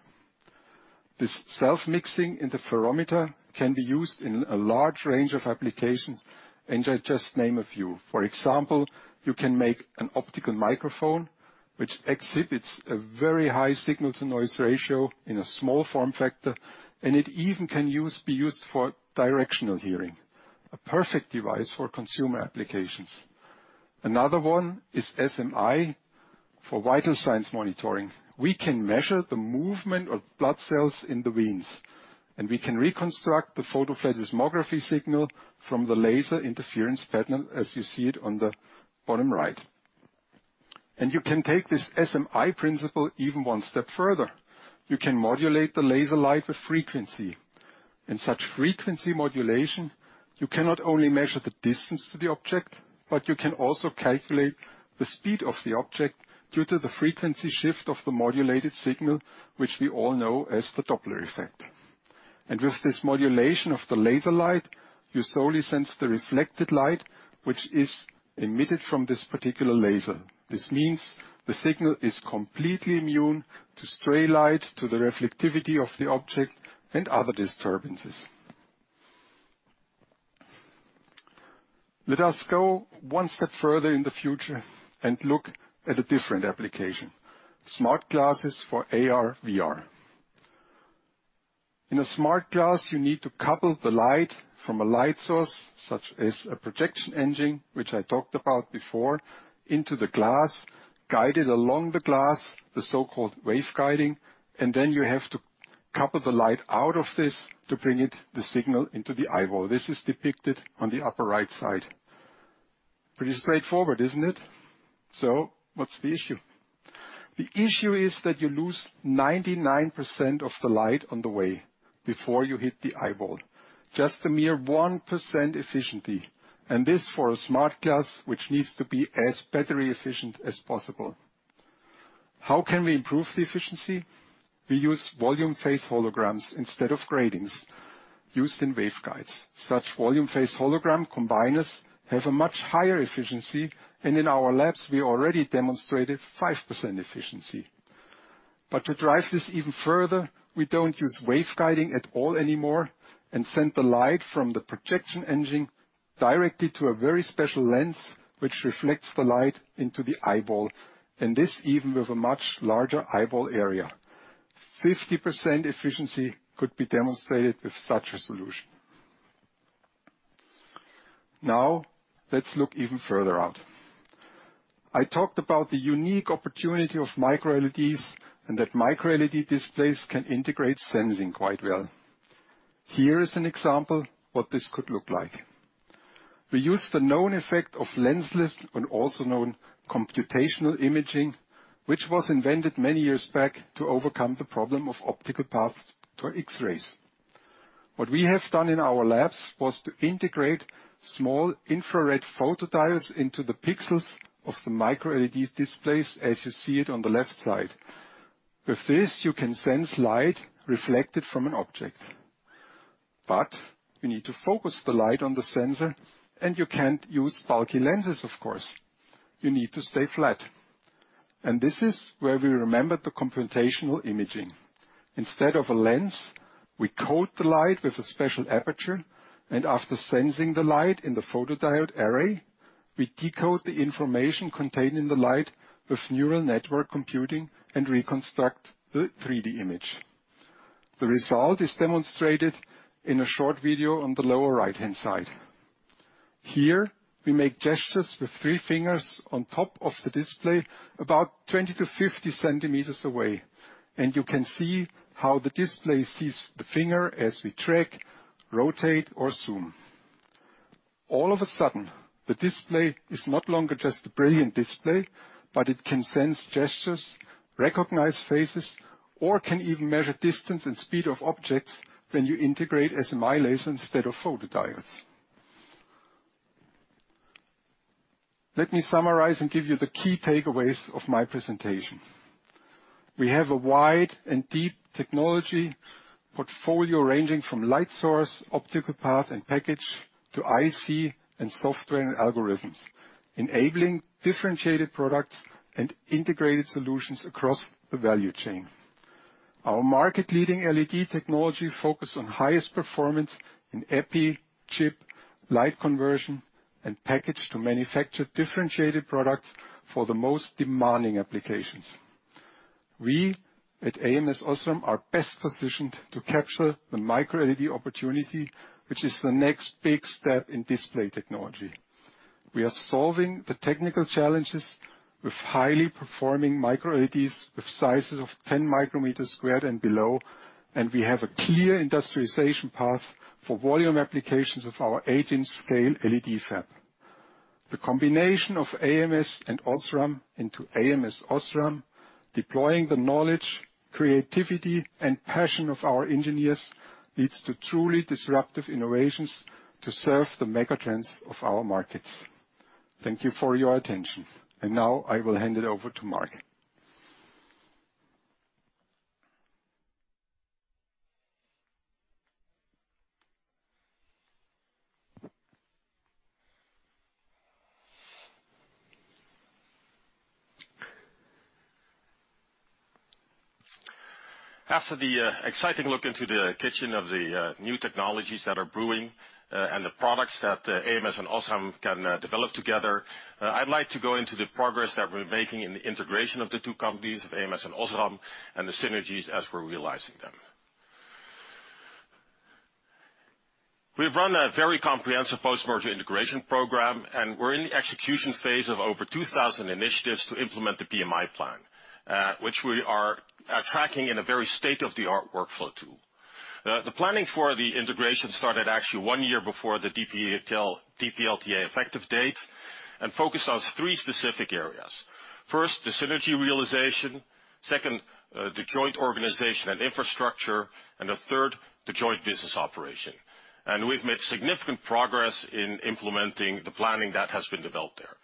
This self-mixing interferometer can be used in a large range of applications, and I just name a few. For example, you can make an optical microphone which exhibits a very high signal-to-noise ratio in a small form factor, and it even can be used for directional hearing. A perfect device for consumer applications. Another one is SMI for vital signs monitoring. We can measure the movement of blood cells in the veins, and we can reconstruct the photoplethysmography signal from the laser interference pattern as you see it on the bottom right. You can take this SMI principle even one step further. You can modulate the laser light with frequency. In such frequency modulation, you cannot only measure the distance to the object, but you can also calculate the speed of the object due to the frequency shift of the modulated signal, which we all know as the Doppler effect. With this modulation of the laser light, you solely sense the reflected light which is emitted from this particular laser. This means the signal is completely immune to stray light, to the reflectivity of the object, and other disturbances. Let us go one step further in the future and look at a different application, smart glasses for AR, VR. In a smart glass, you need to couple the light from a light source, such as a projection engine, which I talked about before, into the glass, guide it along the glass, the so-called waveguiding, and then you have to couple the light out of this to bring it, the signal, into the eyeball. This is depicted on the upper right side. Pretty straightforward, isn't it? What's the issue? The issue is that you lose 99% of the light on the way before you hit the eyeball. Just a mere 1% efficiency. This for a smart glass, which needs to be as battery efficient as possible. How can we improve the efficiency? We use volume phase holograms instead of gratings used in waveguides. Such volume phase hologram combiners have a much higher efficiency, and in our labs, we already demonstrated 5% efficiency. To drive this even further, we don't use waveguiding at all anymore and send the light from the projection engine directly to a very special lens, which reflects the light into the eyeball, and this even with a much larger eyeball area. 50% efficiency could be demonstrated with such a solution. Now, let's look even further out. I talked about the unique opportunity of Micro LEDs and that Micro LED displays can integrate sensing quite well. Here is an example what this could look like. We use the known effect of lensless, and also known computational imaging, which was invented many years back to overcome the problem of optical paths to X-rays. What we have done in our labs was to integrate small infrared photodiodes into the pixels of the Micro LED displays as you see it on the left side. With this, you can sense light reflected from an object. You need to focus the light on the sensor, and you can't use bulky lenses, of course. You need to stay flat. This is where we remember the computational imaging. Instead of a lens, we code the light with a special aperture, and after sensing the light in the photodiode array, we decode the information contained in the light with neural network computing and reconstruct the 3D image. The result is demonstrated in a short video on the lower right-hand side. Here, we make gestures with three fingers on top of the display, about 20 cm to 50 cm away. You can see how the display sees the finger as we track, rotate, or zoom. All of a sudden, the display is no longer just a brilliant display, but it can sense gestures, recognize faces, or can even measure distance and speed of objects when you integrate SMI lasers instead of photodiodes. Let me summarize and give you the key takeaways of my presentation. We have a wide and deep technology portfolio ranging from light source, optical path, and package to IC and software and algorithms, enabling differentiated products and integrated solutions across the value chain. Our market-leading LED technology focus on highest performance in epi, chip, light conversion, and package to manufacture differentiated products for the most demanding applications. We at ams OSRAM are best positioned to capture the Micro LED opportunity, which is the next big step in display technology. We are solving the technical challenges with highly performing micro-LEDs with sizes of 10 micrometers squared and below, and we have a clear industrialization path for volume applications with our 8-in scale LED fab. The combination of ams and OSRAM into ams OSRAM, deploying the knowledge, creativity, and passion of our engineers, leads to truly disruptive innovations to serve the mega trends of our markets. Thank you for your attention. Now I will hand it over to Mark. After the exciting look into the kitchen of the new technologies that are brewing and the products that ams and OSRAM can develop together, I'd like to go into the progress that we're making in the integration of the two companies of ams and OSRAM and the synergies as we're realizing them. We've run a very comprehensive post-merger integration program, and we're in the execution phase of over 2,000 initiatives to implement the PMI plan, which we are tracking in a very state-of-the-art workflow tool. The planning for the integration started actually one year before the DPLTA effective date and focused on three specific areas. First, the synergy realization, second, the joint organization and infrastructure, and the third, the joint business operation. We've made significant progress in implementing the planning that has been developed there.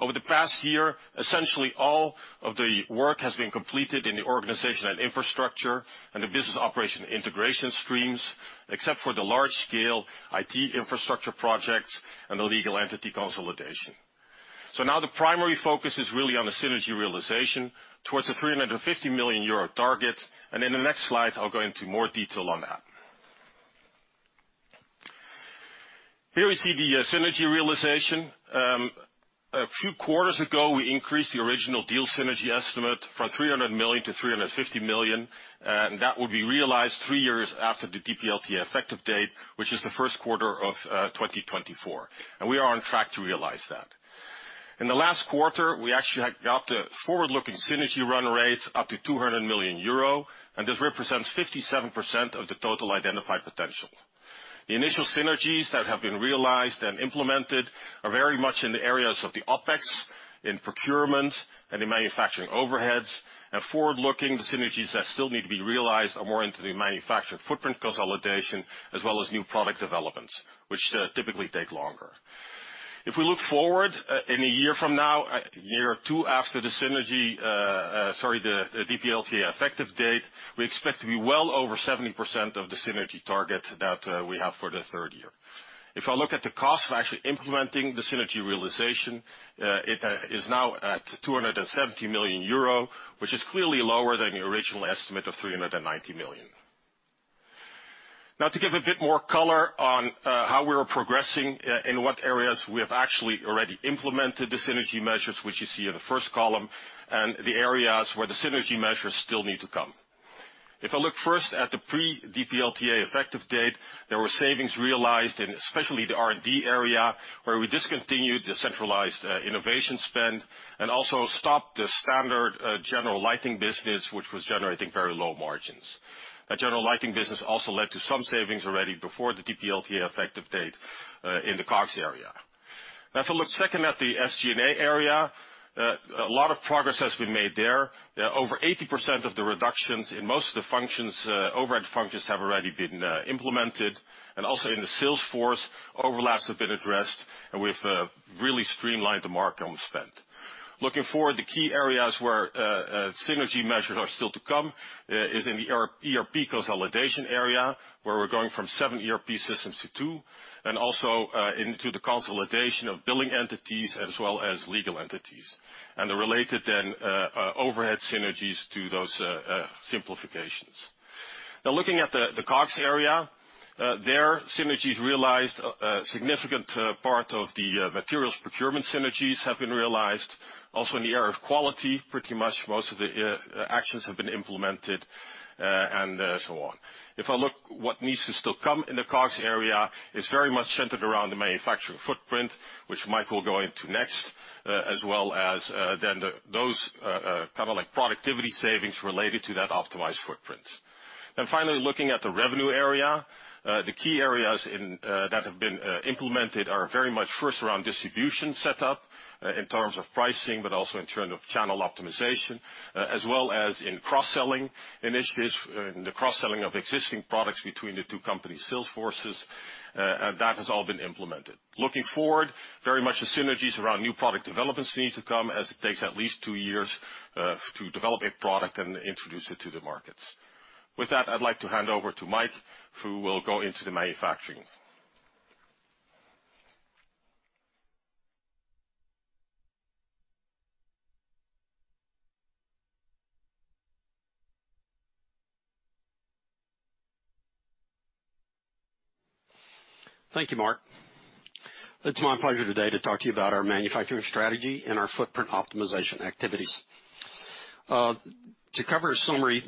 Over the past year, essentially all of the work has been completed in the organization and infrastructure and the business operation integration streams, except for the large-scale IT infrastructure projects and the legal entity consolidation. Now the primary focus is really on the synergy realization towards the 350 million euro target. In the next slide, I'll go into more detail on that. Here we see the synergy realization. A few quarters ago, we increased the original deal synergy estimate from 300 million-350 million, and that will be realized three years after the delisting effective date, which is the first quarter of 2024. We are on track to realize that. In the last quarter, we actually had got the forward-looking synergy run rates up to 200 million euro, and this represents 57% of the total identified potential. The initial synergies that have been realized and implemented are very much in the areas of the OpEx, in procurement, and in manufacturing overheads. Looking forward, the synergies that still need to be realized are more into the manufacturing footprint consolidation as well as new product developments, which typically take longer. If we look forward in a year from now, a year or two after the DPLT effective date, we expect to be well over 70% of the synergy target that we have for the third year. If I look at the cost of actually implementing the synergy realization, it is now at 270 million euro, which is clearly lower than the original estimate of 390 million. Now to give a bit more color on how we are progressing in what areas we have actually already implemented the synergy measures, which you see in the first column, and the areas where the synergy measures still need to come. If I look first at the pre-DPLT effective date, there were savings realized in especially the R&D area, where we discontinued the centralized innovation spend and also stopped the standard general lighting business, which was generating very low margins. A general lighting business also led to some savings already before the DPLT effective date in the COGS area. Now if I look second at the SG&A area, a lot of progress has been made there. Over 80% of the reductions in most of the overhead functions have already been implemented. Also in the sales force, overlaps have been addressed, and we've really streamlined the marketing spend. Looking forward, the key areas where synergy measures are still to come is in the ERP consolidation area, where we're going from 7 ERP systems to two, and also into the consolidation of billing entities as well as legal entities. The related then overhead synergies to those simplifications. Now looking at the COGS area, the synergies realized a significant part of the materials procurement synergies have been realized. Also in the area of quality, pretty much most of the actions have been implemented, and so on. If I look at what needs to still come in the COGS area, it's very much centered around the manufacturing footprint, which Mike will go into next, as well as then those kind of like productivity savings related to that optimized footprint. Finally, looking at the revenue area, the key areas in that have been implemented are very much first around distribution setup, in terms of pricing, but also in terms of channel optimization, as well as in cross-selling initiatives, in the cross-selling of existing products between the two companies' sales forces. That has all been implemented. Looking forward, very much the synergies around new product developments need to come as it takes at least two years to develop a product and introduce it to the markets. With that, I'd like to hand over to Mike, who will go into the manufacturing. Thank you, Mark. It's my pleasure today to talk to you about our manufacturing strategy and our footprint optimization activities. To cover a summary,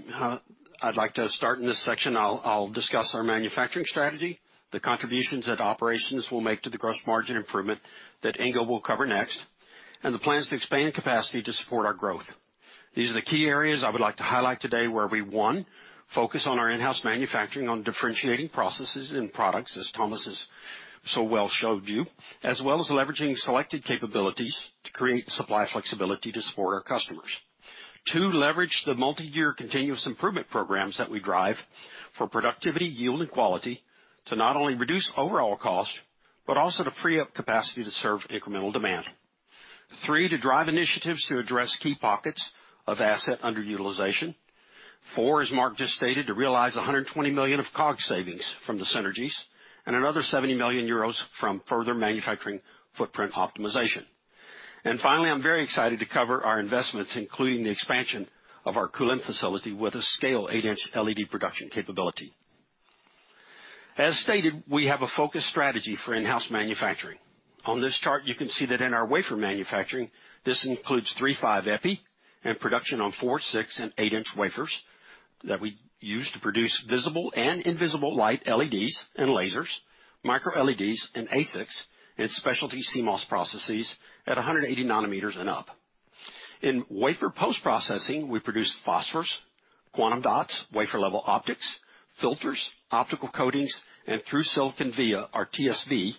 I'd like to start in this section. I'll discuss our manufacturing strategy, the contributions that operations will make to the gross margin improvement that Ingo will cover next, and the plans to expand capacity to support our growth. These are the key areas I would like to highlight today, where we, one, focus on our in-house manufacturing on differentiating processes and products, as Thomas has so well showed you, as well as leveraging selected capabilities to create supply flexibility to support our customers. Two, leverage the multi-year continuous improvement programs that we drive for productivity, yield, and quality to not only reduce overall cost, but also to free up capacity to serve incremental demand. Three, to drive initiatives to address key pockets of asset underutilization. Four, as Mark just stated, to realize 120 million of COGS savings from the synergies and another 70 million euros from further manufacturing footprint optimization. Finally, I'm very excited to cover our investments, including the expansion of our Kulim facility with a scale 8-in LED production capability. As stated, we have a focus strategy for in-house manufacturing. On this chart, you can see that in our wafer manufacturing, this includes III-V epi and production on 4-in, 6-in and 8-in wafers that we use to produce visible and invisible light LEDs and lasers, micro LEDs and ASICs, and specialty CMOS processes at 180 nanometers and up. In wafer post-processing, we produce phosphors, quantum dots, wafer-level optics, filters, optical coatings, and through-silicon via our TSV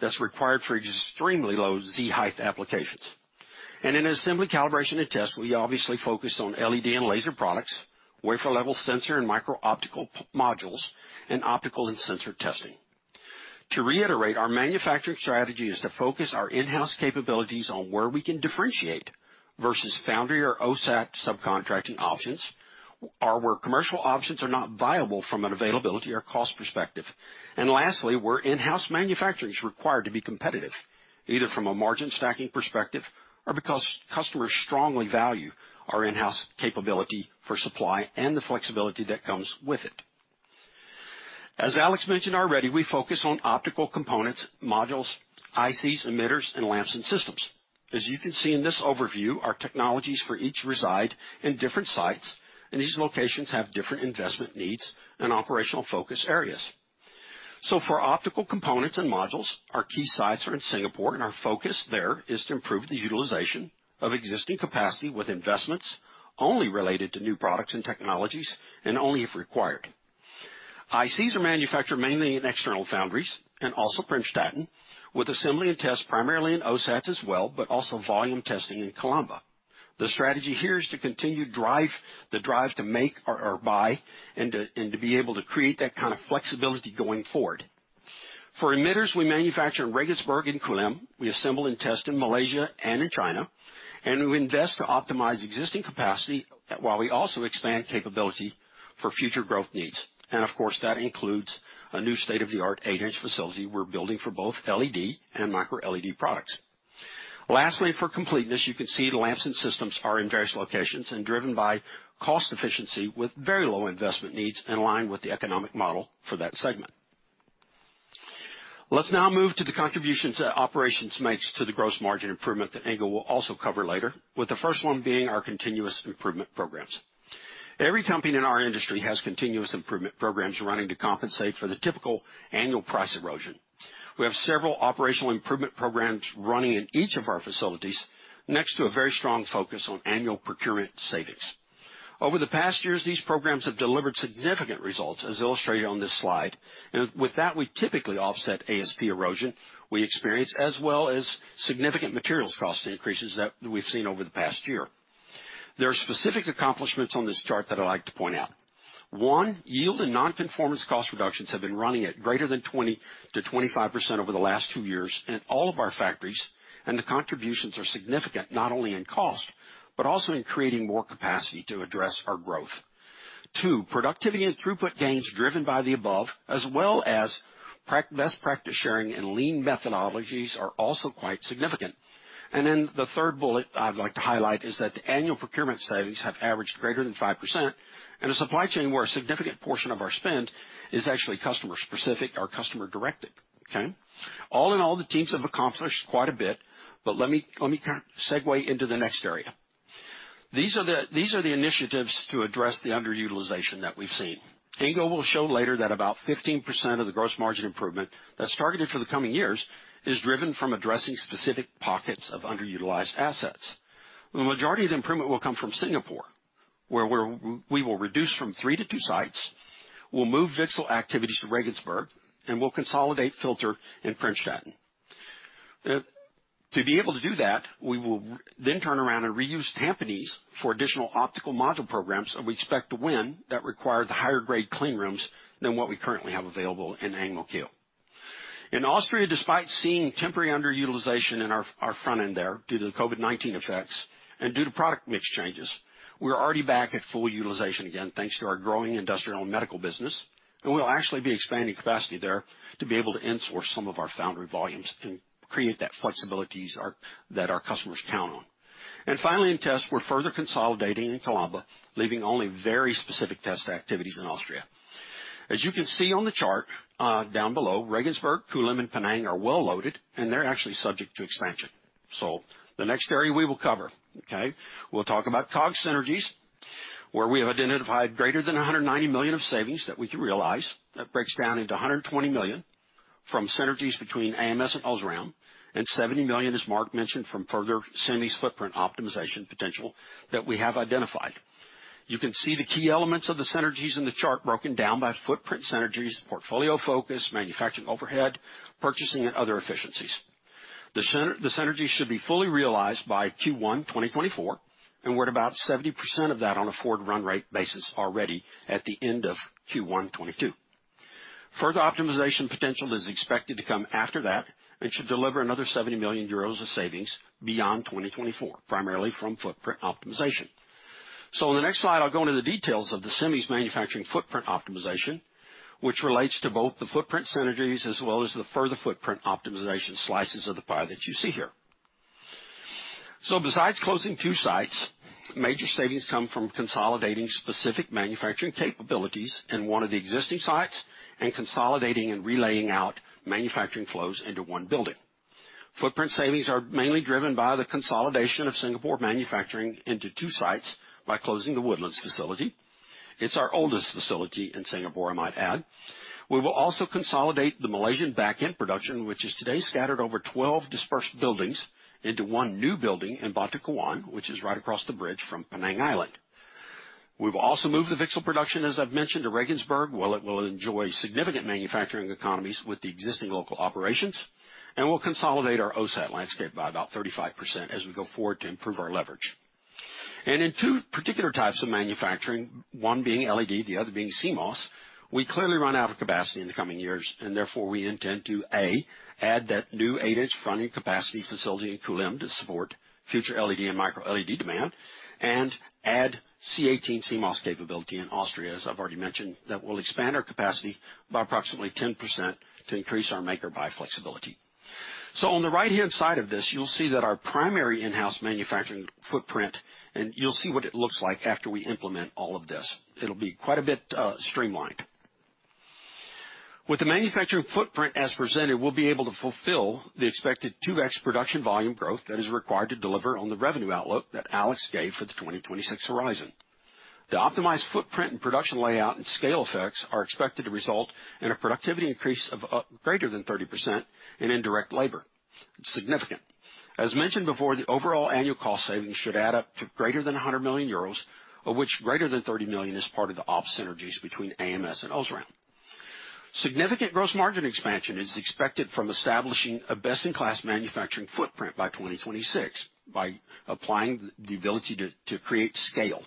that's required for extremely low Z height applications. In assembly calibration and test, we obviously focus on LED and laser products, wafer-level sensor and micro optical modules, and optical and sensor testing. To reiterate, our manufacturing strategy is to focus our in-house capabilities on where we can differentiate versus foundry or OSAT subcontracting options where commercial options are not viable from an availability or cost perspective. Lastly, where in-house manufacturing is required to be competitive, either from a margin stacking perspective or because customers strongly value our in-house capability for supply and the flexibility that comes with it. As Alex mentioned already, we focus on optical components, modules, ICs, emitters, and Lamps & Systems. As you can see in this overview, our technologies for each reside in different sites, and these locations have different investment needs and operational focus areas. For optical components and modules, our key sites are in Singapore, and our focus there is to improve the utilization of existing capacity with investments only related to new products and technologies, and only if required. ICs are manufactured mainly in external foundries and also Prinshofen, with assembly and test primarily in OSATs as well, but also volume testing in Calamba. The strategy here is to continue the drive to make or buy and to be able to create that kind of flexibility going forward. For emitters, we manufacture in Regensburg and Kulim, we assemble and test in Malaysia and in China, and we invest to optimize existing capacity while we also expand capability for future growth needs. Of course, that includes a new state-of-the-art 8-in facility we're building for both LED and micro-LED products. Lastly, for completeness, you can see Lamps & Systems are in various locations and driven by cost efficiency with very low investment needs in line with the economic model for that segment. Let's now move to the contributions that operations makes to the gross margin improvement that Ingo Bank will also cover later, with the first one being our continuous improvement programs. Every company in our industry has continuous improvement programs running to compensate for the typical annual price erosion. We have several operational improvement programs running in each of our facilities, next to a very strong focus on annual procurement savings. Over the past years, these programs have delivered significant results, as illustrated on this slide. With that, we typically offset ASP erosion we experience, as well as significant materials cost increases that we've seen over the past year. There are specific accomplishments on this chart that I'd like to point out. One, yield and nonconformance cost reductions have been running at greater than 20%-25% over the last two years in all of our factories, and the contributions are significant, not only in cost, but also in creating more capacity to address our growth. Two, productivity and throughput gains driven by the above, as well as best practice sharing and lean methodologies are also quite significant. The third bullet I'd like to highlight is that the annual procurement savings have averaged greater than 5% in a supply chain where a significant portion of our spend is actually customer specific or customer directed. Okay? All in all, the teams have accomplished quite a bit, but let me kinda segue into the next area. These are the initiatives to address the underutilization that we've seen. Ingo will show later that about 15% of the gross margin improvement that's targeted for the coming years is driven from addressing specific pockets of underutilized assets. The majority of the improvement will come from Singapore, where we will reduce from three to two sites. We'll move VCSEL activities to Regensburg, and we'll consolidate filter in Premstätten. To be able to do that, we will then turn around and reuse Tampines for additional optical module programs that we expect to win that require the higher grade clean rooms than what we currently have available in Ang Mo Kio. In Austria, despite seeing temporary underutilization in our front end there due to the COVID-19 effects and due to product mix changes, we're already back at full utilization again, thanks to our growing industrial and medical business. We'll actually be expanding capacity there to be able to in-source some of our foundry volumes and create that flexibility that our customers count on. Finally, in tests, we're further consolidating in Calamba, leaving only very specific test activities in Austria. As you can see on the chart down below, Regensburg, Kulim, and Penang are well loaded, and they're actually subject to expansion. The next area we will cover, okay. We'll talk about COGS synergies, where we have identified greater than 190 million of savings that we can realize. That breaks down into 120 million from synergies between ams and OSRAM, and 70 million, as Mark mentioned, from further Semis footprint optimization potential that we have identified. You can see the key elements of the synergies in the chart broken down by footprint synergies, portfolio focus, manufacturing overhead, purchasing, and other efficiencies. The synergies should be fully realized by Q1 2024, and we're at about 70% of that on a forward run rate basis already at the end of Q1 2022. Further optimization potential is expected to come after that, and should deliver another 70 million euros of savings beyond 2024, primarily from footprint optimization. In the next slide, I'll go into the details of the Semis manufacturing footprint optimization, which relates to both the footprint synergies as well as the further footprint optimization slices of the pie that you see here. Besides closing two sites, major savings come from consolidating specific manufacturing capabilities in one of the existing sites and consolidating and relaying out manufacturing flows into one building. Footprint savings are mainly driven by the consolidation of Singapore manufacturing into two sites by closing the Woodlands facility. It's our oldest facility in Singapore, I might add. We will also consolidate the Malaysian back-end production, which is today scattered over 12 dispersed buildings, into one new building in Batu Kawan, which is right across the bridge from Penang Island. We will also move the VCSEL production, as I've mentioned, to Regensburg, where it will enjoy significant manufacturing economies with the existing local operations. We'll consolidate our OSAT landscape by about 35% as we go forward to improve our leverage. In two particular types of manufacturing, one being LED, the other being CMOS. We clearly run out of capacity in the coming years, and therefore we intend to, A, add that new 8-in front-end capacity facility in Kulim to support future LED and Micro LED demand and add C18 CMOS capability in Austria, as I've already mentioned, that will expand our capacity by approximately 10% to increase our make or buy flexibility. On the right-hand side of this, you'll see that our primary in-house manufacturing footprint, and you'll see what it looks like after we implement all of this. It'll be quite a bit streamlined. With the manufacturing footprint as presented, we'll be able to fulfill the expected 2x production volume growth that is required to deliver on the revenue outlook that Alex gave for the 2026 horizon. The optimized footprint and production layout and scale effects are expected to result in a productivity increase of greater than 30% in indirect labor. It's significant. As mentioned before, the overall annual cost savings should add up to greater than 100 million euros, of which greater than 30 million is part of the OpEx synergies between ams and OSRAM. Significant gross margin expansion is expected from establishing a best-in-class manufacturing footprint by 2026 by applying the ability to create scale.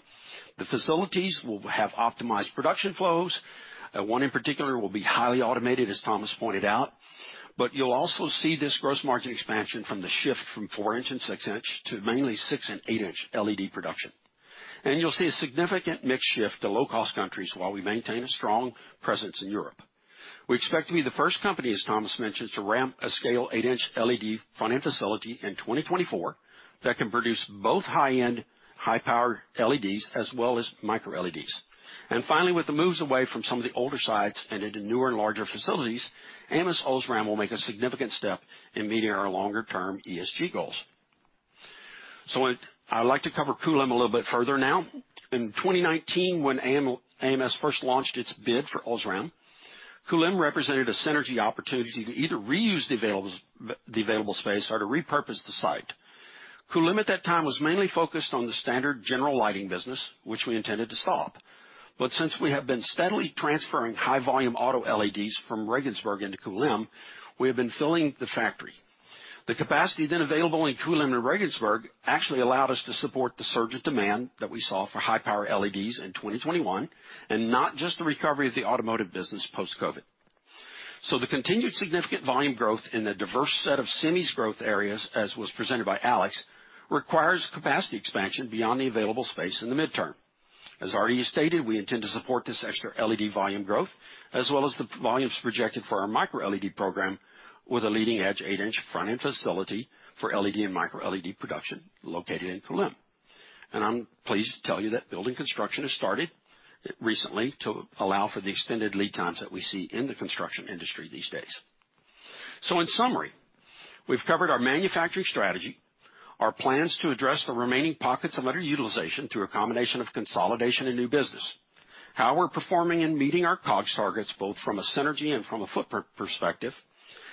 The facilities will have optimized production flows. One, in particular, will be highly automated, as Thomas pointed out. You'll also see this gross margin expansion from the shift from 4-in and 6-in to mainly 6-in and 8-in LED production. You'll see a significant mix shift to low-cost countries while we maintain a strong presence in Europe. We expect to be the first company, as Thomas mentioned, to ramp a scale 8-in LED front-end facility in 2024 that can produce both high-end, high-power LEDs as well as micro-LEDs. Finally, with the moves away from some of the older sites and into newer and larger facilities, ams OSRAM will make a significant step in meeting our longer-term ESG goals. I'd like to cover Kulim a little bit further now. In 2019, when ams first launched its bid for OSRAM, Kulim represented a synergy opportunity to either reuse the available space or to repurpose the site. Kulim at that time was mainly focused on the standard general lighting business, which we intended to stop. Since we have been steadily transferring high-volume auto LEDs from Regensburg into Kulim, we have been filling the factory. The capacity then available in Kulim and Regensburg actually allowed us to support the surge of demand that we saw for high-power LEDs in 2021 and not just the recovery of the automotive business post-COVID. The continued significant volume growth in a diverse set of SMI's growth areas, as was presented by Alex, requires capacity expansion beyond the available space in the midterm. As already stated, we intend to support this extra LED volume growth, as well as the volumes projected for our micro-LED program with a leading-edge 8-in front-end facility for LED and micro-LED production located in Kulim. I'm pleased to tell you that building construction has started recently to allow for the extended lead times that we see in the construction industry these days. In summary, we've covered our manufacturing strategy, our plans to address the remaining pockets of underutilization through a combination of consolidation and new business, how we're performing and meeting our COGS targets, both from a synergy and from a footprint perspective,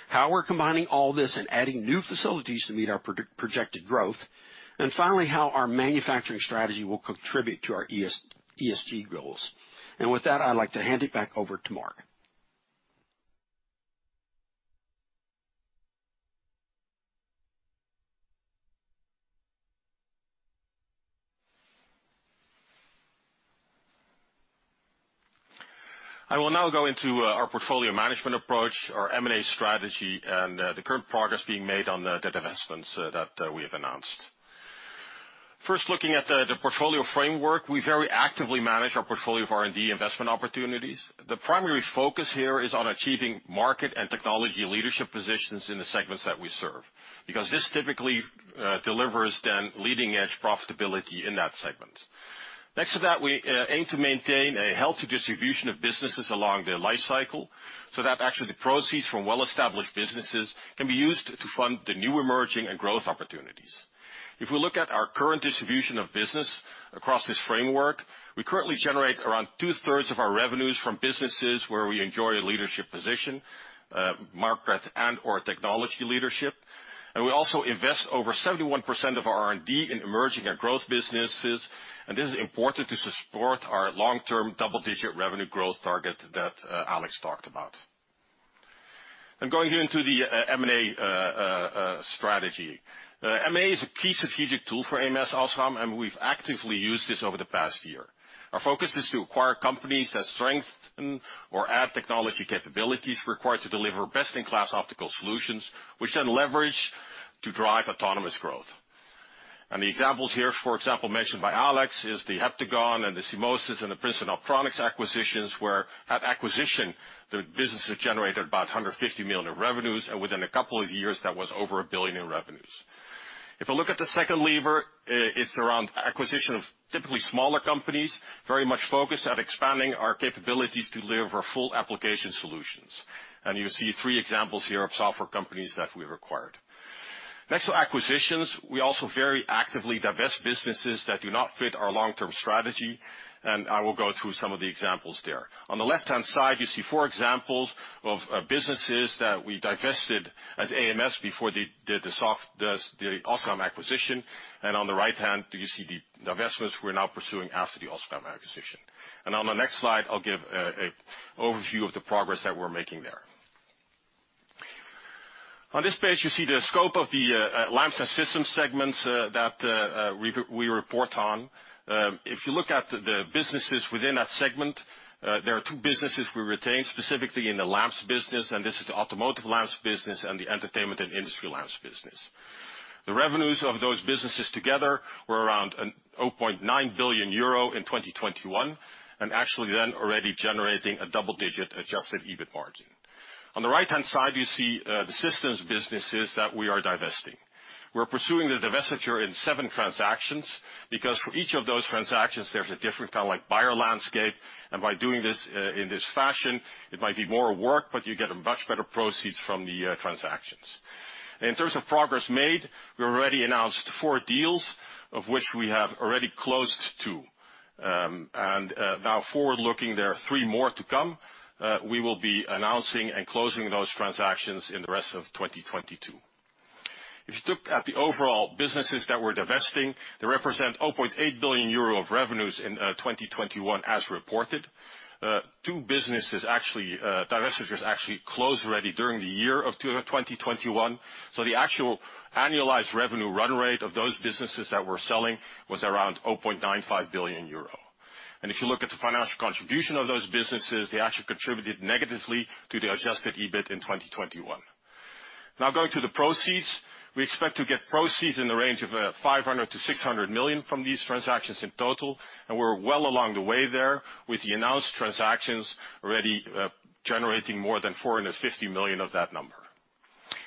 how we're combining all this and adding new facilities to meet our projected growth, and finally, how our manufacturing strategy will contribute to our ESG goals. With that, I'd like to hand it back over to Mark. I will now go into our portfolio management approach, our M&A strategy, and the current progress being made on the divestments that we have announced. First, looking at the portfolio framework, we very actively manage our portfolio of R&D investment opportunities. The primary focus here is on achieving market and technology leadership positions in the segments that we serve because this typically delivers then leading-edge profitability in that segment. Next to that, we aim to maintain a healthy distribution of businesses along their life cycle so that actually the proceeds from well-established businesses can be used to fund the new emerging and growth opportunities. If we look at our current distribution of business across this framework, we currently generate around two-thirds of our revenues from businesses where we enjoy a leadership position, market and/or technology leadership. We also invest over 71% of our R&D in emerging our growth businesses, and this is important to support our long-term double-digit revenue growth target that Alex talked about. I'm going here into the M&A strategy. M&A is a key strategic tool for ams OSRAM, and we've actively used this over the past year. Our focus is to acquire companies that strengthen or add technology capabilities required to deliver best-in-class optical solutions, which then leverage to drive autonomous growth. The examples here, for example, mentioned by Alex, is the Heptagon and the CMOSIS and the Princeton Optronics acquisitions, where at acquisition, the businesses generated about 150 million in revenues, and within a couple of years, that was over a billion in revenues. If I look at the second lever, it's around acquisition of typically smaller companies, very much focused at expanding our capabilities to deliver full application solutions. You see three examples here of software companies that we acquired. Next to acquisitions, we also very actively divest businesses that do not fit our long-term strategy, and I will go through some of the examples there. On the left-hand side, you see four examples of businesses that we divested as ams before the OSRAM acquisition. On the right-hand, you see the divestments we're now pursuing after the OSRAM acquisition. On the next slide, I'll give an overview of the progress that we're making there. On this page, you see the scope of the Lamps & Systems segments that we report on. If you look at the businesses within that segment, there are two businesses we retain, specifically in the lamps business, and this is the automotive lamps business and the entertainment and industry lamps business. The revenues of those businesses together were around 0.9 billion euro in 2021, and actually then already generating a double-digit adjusted EBIT margin. On the right-hand side, you see the systems businesses that we are divesting. We're pursuing the divestiture in seven transactions because for each of those transactions there's a different kinda like buyer landscape, and by doing this in this fashion, it might be more work, but you get a much better proceeds from the transactions. In terms of progress made, we already announced four deals, of which we have already closed two. Now forward-looking, there are three more to come. We will be announcing and closing those transactions in the rest of 2022. If you look at the overall businesses that we're divesting, they represent 0.8 billion euro of revenues in 2021 as reported. Two businesses actually, divestitures actually closed already during the year of 2021. The actual annualized revenue run rate of those businesses that we're selling was around 0.95 billion euro. If you look at the financial contribution of those businesses, they actually contributed negatively to the adjusted EBIT in 2021. Now, going to the proceeds. We expect to get proceeds in the range of 500 million-600 million from these transactions in total, and we're well along the way there with the announced transactions already generating more than 450 million of that number.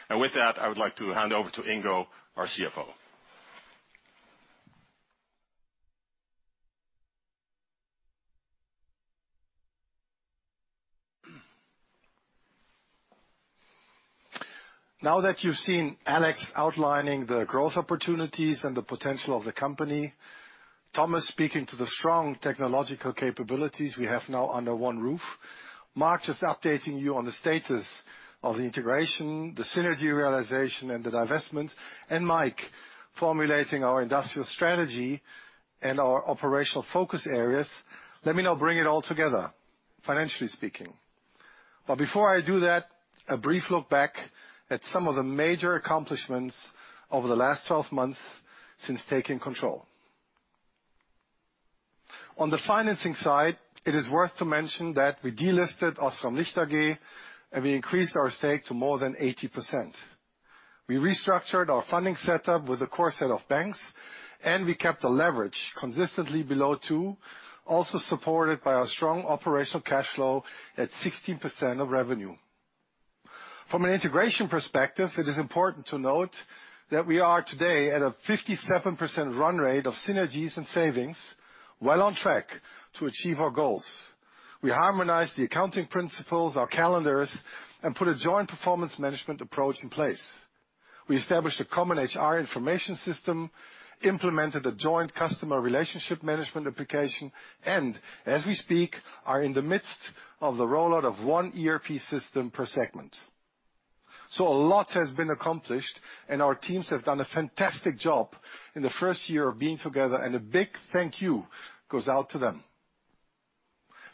With that, I would like to hand over to Ingo, our CFO. Now that you've seen Alex outlining the growth opportunities and the potential of the company, Thomas speaking to the strong technological capabilities we have now under one roof, Mark just updating you on the status of the integration, the synergy realization, and the divestment, and Mike formulating our industrial strategy and our operational focus areas, let me now bring it all together, financially speaking. Before I do that, a brief look back at some of the major accomplishments over the last 12 months since taking control. On the financing side, it is worth to mention that we delisted Osram Licht AG, and we increased our stake to more than 80%. We restructured our funding setup with a core set of banks, and we kept the leverage consistently below two, also supported by our strong operational cash flow at 16% of revenue. From an integration perspective, it is important to note that we are today at a 57% run rate of synergies and savings while on track to achieve our goals. We harmonized the accounting principles, our calendars, and put a joint performance management approach in place. We established a common HR information system, implemented a joint customer relationship management application, and as we speak, are in the midst of the rollout of one ERP system per segment. A lot has been accomplished, and our teams have done a fantastic job in the first year of being together, and a big thank you goes out to them.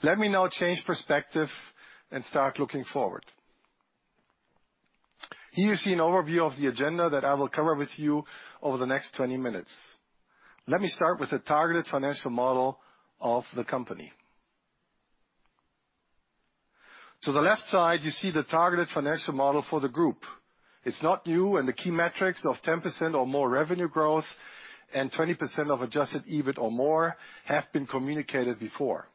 Let me now change perspective and start looking forward. Here you see an overview of the agenda that I will cover with you over the next 20 min. Let me start with the targeted financial model of the company. To the left side, you see the targeted financial model for the group. It's not new, and the key metrics of 10% or more revenue growth and 20% of adjusted EBIT or more have been communicated before.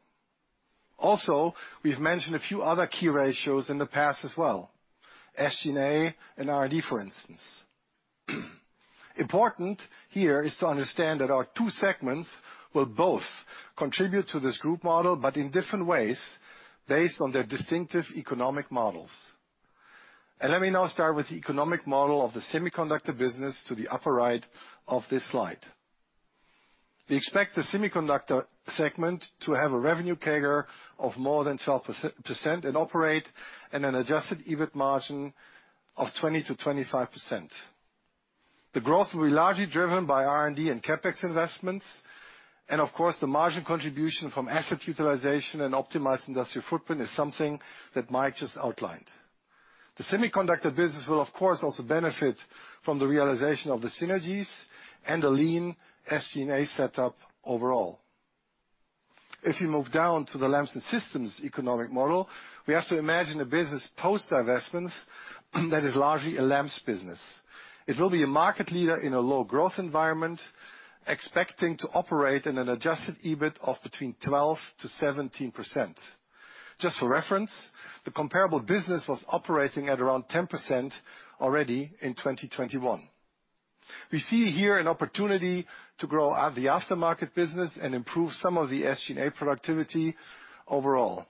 Also, we've mentioned a few other key ratios in the past as well, SG&A and R&D, for instance. Important here is to understand that our two segments will both contribute to this group model, but in different ways based on their distinctive economic models. Let me now start with the economic model of the Semiconductor business to the upper right of this slide. We expect the Semiconductor segment to have a revenue CAGR of more than 12% operating and an adjusted EBIT margin of 20%-25%. The growth will be largely driven by R&D and CapEx investments, and of course, the margin contribution from assets utilization and optimized industrial footprint is something that Mike just outlined. The Semiconductor business will, of course, also benefit from the realization of the synergies and a lean SG&A setup overall. If you move down to the Lamps and Systems economic model, we have to imagine a business post-divestments that is largely a lamps business. It will be a market leader in a low-growth environment, expecting to operate in an adjusted EBIT of between 12%-17%. Just for reference, the comparable business was operating at around 10% already in 2021. We see here an opportunity to grow the aftermarket business and improve some of the SG&A productivity overall.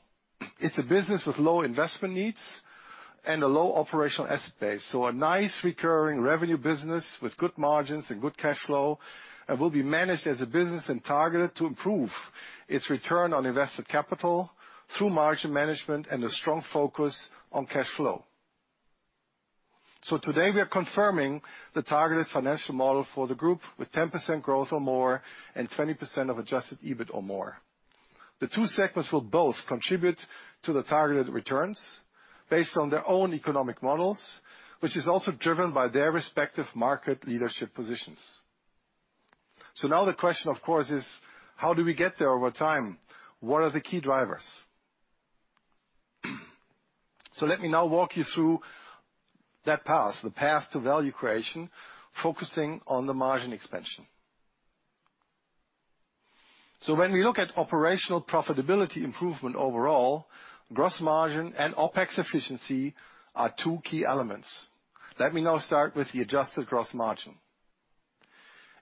It's a business with low investment needs and a low operational asset base, so a nice recurring revenue business with good margins and good cash flow, and will be managed as a business and targeted to improve its return on invested capital through margin management and a strong focus on cash flow. Today we are confirming the targeted financial model for the group with 10% growth or more and 20% of adjusted EBIT or more. The two segments will both contribute to the targeted returns based on their own economic models, which is also driven by their respective market leadership positions. Now the question of course is how do we get there over time? What are the key drivers? Let me now walk you through that path, the path to value creation, focusing on the margin expansion. When we look at operational profitability improvement overall, gross margin and OpEx efficiency are two key elements. Let me now start with the adjusted gross margin.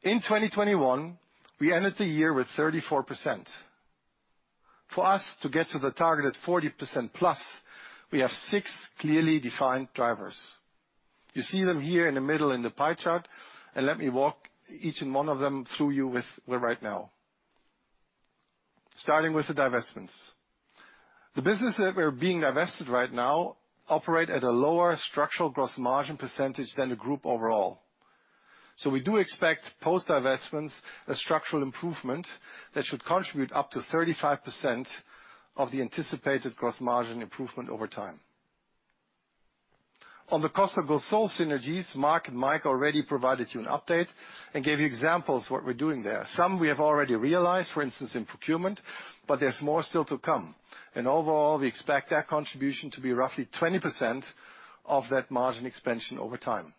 In 2021, we ended the year with 34%. For us to get to the target at 40%+, we have six clearly defined drivers. You see them here in the middle in the pie chart, and let me walk you through each one of them right now. Starting with the divestments. The businesses that are being divested right now operate at a lower structural gross margin percentage than the group overall. We do expect post divestments a structural improvement that should contribute up to 35% of the anticipated gross margin improvement over time. On the cost of goods sold synergies, Mark and Mike already provided you an update and gave you examples what we're doing there. Some we have already realized, for instance, in procurement, but there's more still to come. Overall, we expect that contribution to be roughly 20% of that margin expansion over time.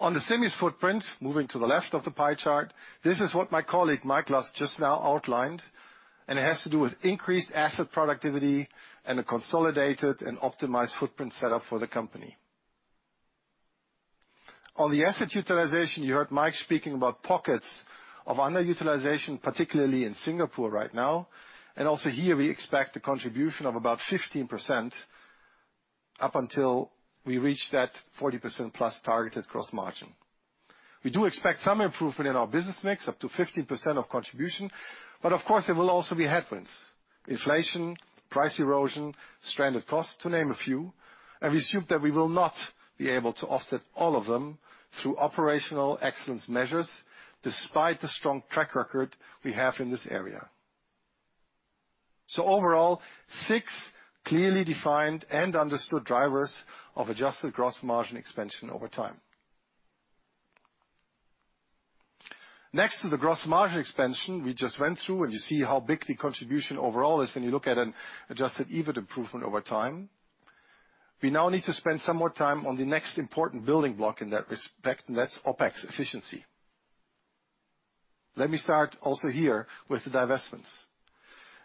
On the semis footprint, moving to the left of the pie chart, this is what my colleague Mike Lusk just now outlined, and it has to do with increased asset productivity and a consolidated and optimized footprint setup for the company. On the asset utilization, you heard Mike Lusk speaking about pockets of underutilization, particularly in Singapore right now. Also here, we expect a contribution of about 15% up until we reach that 40%+ targeted gross margin. We do expect some improvement in our business mix, up to 15% of contribution. Of course, there will also be headwinds, inflation, price erosion, stranded costs, to name a few. We assume that we will not be able to offset all of them through operational excellence measures despite the strong track record we have in this area. Overall, six clearly defined and understood drivers of adjusted gross margin expansion over time. Next to the gross margin expansion we just went through, and you see how big the contribution overall is when you look at an adjusted EBIT improvement over time. We now need to spend some more time on the next important building block in that respect, and that's OpEx efficiency. Let me start also here with the divestments.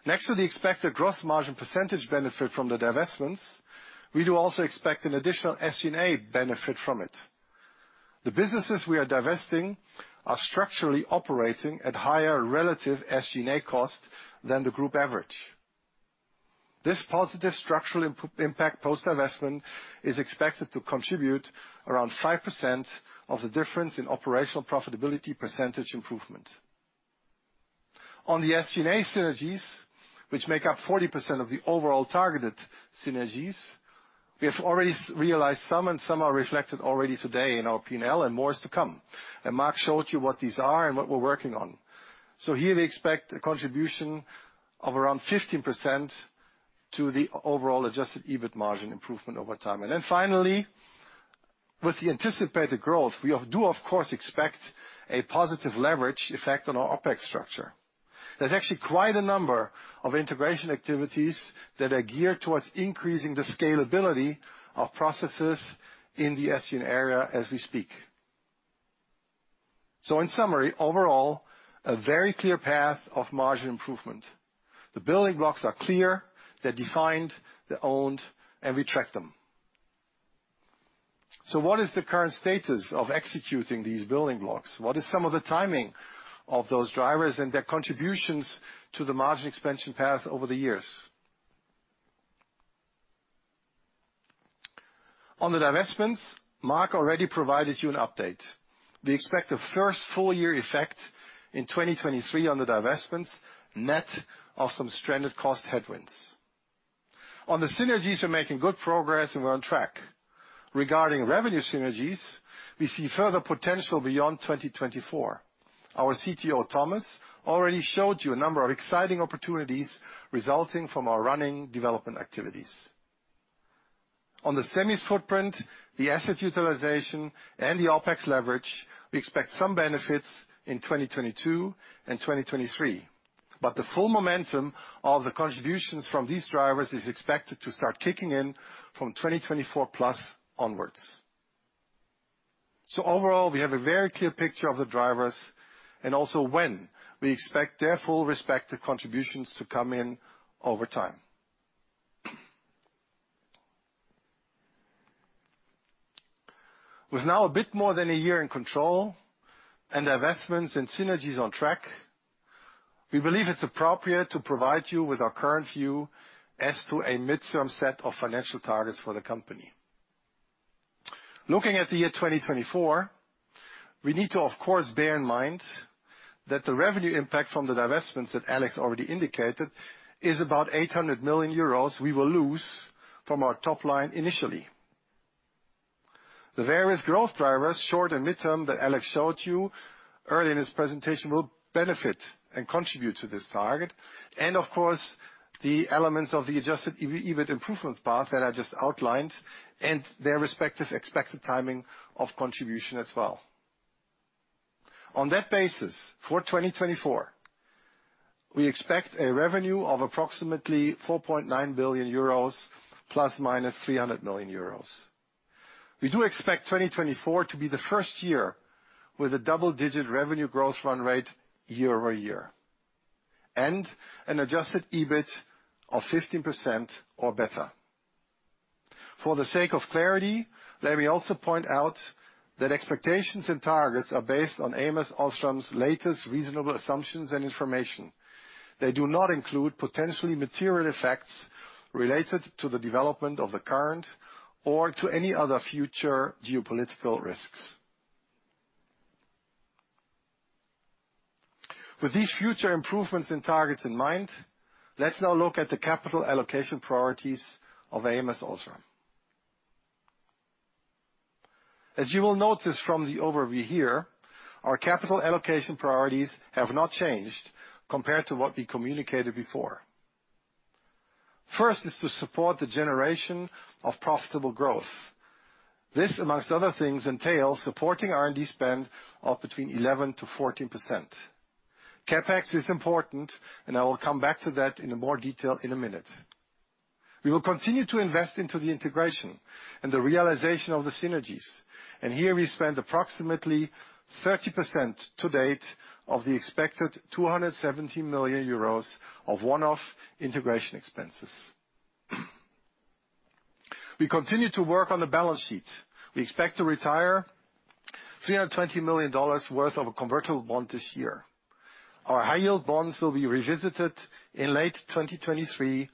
Next to the expected gross margin percentage benefit from the divestments, we do also expect an additional SG&A benefit from it. The businesses we are divesting are structurally operating at higher relative SG&A costs than the group average. This positive structural impact post-divestment is expected to contribute around 5% of the difference in operational profitability percentage improvement. On the SG&A synergies, which make up 40% of the overall targeted synergies, we have already realized some, and some are reflected already today in our P&L, and more is to come. Mark showed you what these are and what we're working on. Here we expect a contribution of around 15% to the overall adjusted EBIT margin improvement over time. Then finally, with the anticipated growth, we do of course expect a positive leverage effect on our OpEx structure. There's actually quite a number of integration activities that are geared towards increasing the scalability of processes in the SG&A area as we speak. In summary, overall, a very clear path of margin improvement. The building blocks are clear, they're defined, they're owned, and we track them. What is the current status of executing these building blocks? What is some of the timing of those drivers and their contributions to the margin expansion path over the years? On the divestments, Mark already provided you an update. We expect the first full year effect in 2023 on the divestments, net of some stranded cost headwinds. On the synergies, we're making good progress and we're on track. Regarding revenue synergies, we see further potential beyond 2024. Our CTO, Thomas, already showed you a number of exciting opportunities resulting from our running development activities. On the semis footprint, the asset utilization, and the OpEx leverage, we expect some benefits in 2022 and 2023. The full momentum of the contributions from these drivers is expected to start kicking in from 2024 plus onwards. Overall, we have a very clear picture of the drivers and also when we expect their full respective contributions to come in over time. With now a bit more than a year in control and the investments and synergies on track, we believe it's appropriate to provide you with our current view as to a mid-term set of financial targets for the company. Looking at the year 2024, we need to of course bear in mind that the revenue impact from the divestments that Alex already indicated is about 800 million euros we will lose from our top line initially. The various growth drivers, short and mid-term, that Alex showed you early in his presentation, will benefit and contribute to this target. Of course, the elements of the adjusted EBIT improvement path that I just outlined and their respective expected timing of contribution as well. On that basis, for 2024, we expect a revenue of approximately 4.9 billion euros, ±300 million euros. We do expect 2024 to be the first year with a double-digit revenue growth run rate year-over-year, and an adjusted EBIT of 15% or better. For the sake of clarity, let me also point out that expectations and targets are based on ams OSRAM's latest reasonable assumptions and information. They do not include potentially material effects related to the development of the current or to any other future geopolitical risks. With these future improvements and targets in mind, let's now look at the capital allocation priorities of ams OSRAM. As you will notice from the overview here, our capital allocation priorities have not changed compared to what we communicated before. First is to support the generation of profitable growth. This, among other things, entails supporting R&D spend of between 11%-14%. CapEx is important, and I will come back to that in more detail in a minute. We will continue to invest into the integration and the realization of the synergies. Here we spend approximately 30% to date of the expected 270 million euros of one-off integration expenses. We continue to work on the balance sheet. We expect to retire $320 million worth of a convertible bond this year. Our high-yield bonds will be revisited in late 2023,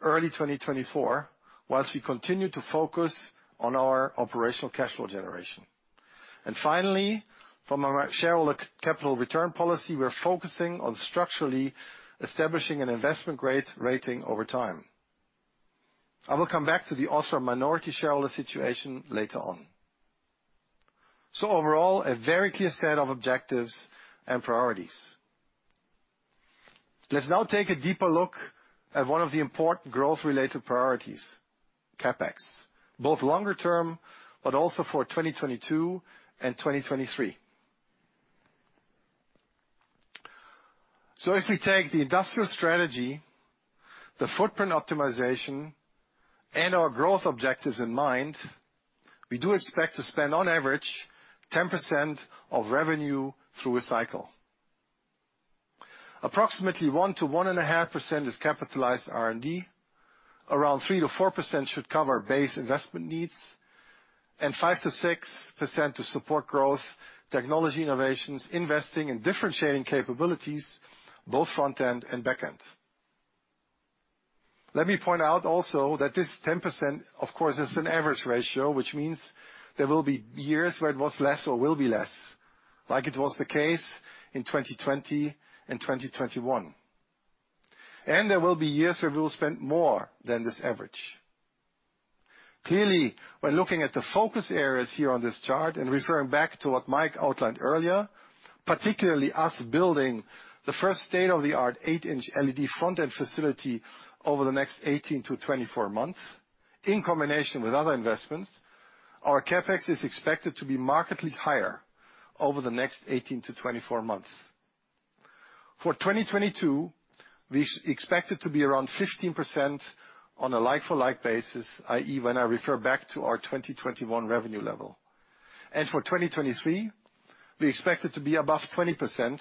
early 2024, while we continue to focus on our operational cash flow generation. Finally, from our shareholder capital return policy, we're focusing on structurally establishing an investment grade rating over time. I will come back to the OSRAM minority shareholder situation later on. Overall, a very clear set of objectives and priorities. Let's now take a deeper look at one of the important growth-related priorities, CapEx, both longer term, but also for 2022 and 2023. As we take the industrial strategy, the footprint optimization, and our growth objectives in mind, we do expect to spend on average 10% of revenue through a cycle. Approximately 1%-1.5% is capitalized R&D, around 3%-4% should cover base investment needs, and 5%-6% to support growth, technology innovations, investing in differentiating capabilities, both front-end and back-end. Let me point out also that this 10%, of course, is an average ratio, which means there will be years where it was less or will be less, like it was the case in 2020 and 2021. There will be years where we will spend more than this average. Clearly, by looking at the focus areas here on this chart and referring back to what Mike outlined earlier, particularly us building the first state-of-the-art eight-inch LED front-end facility over the next 18-24 months, in combination with other investments, our CapEx is expected to be markedly higher over the next 18-24 months. For 2022, we expect it to be around 15% on a like-for-like basis, i.e., when I refer back to our 2021 revenue level. For 2023, we expect it to be above 20%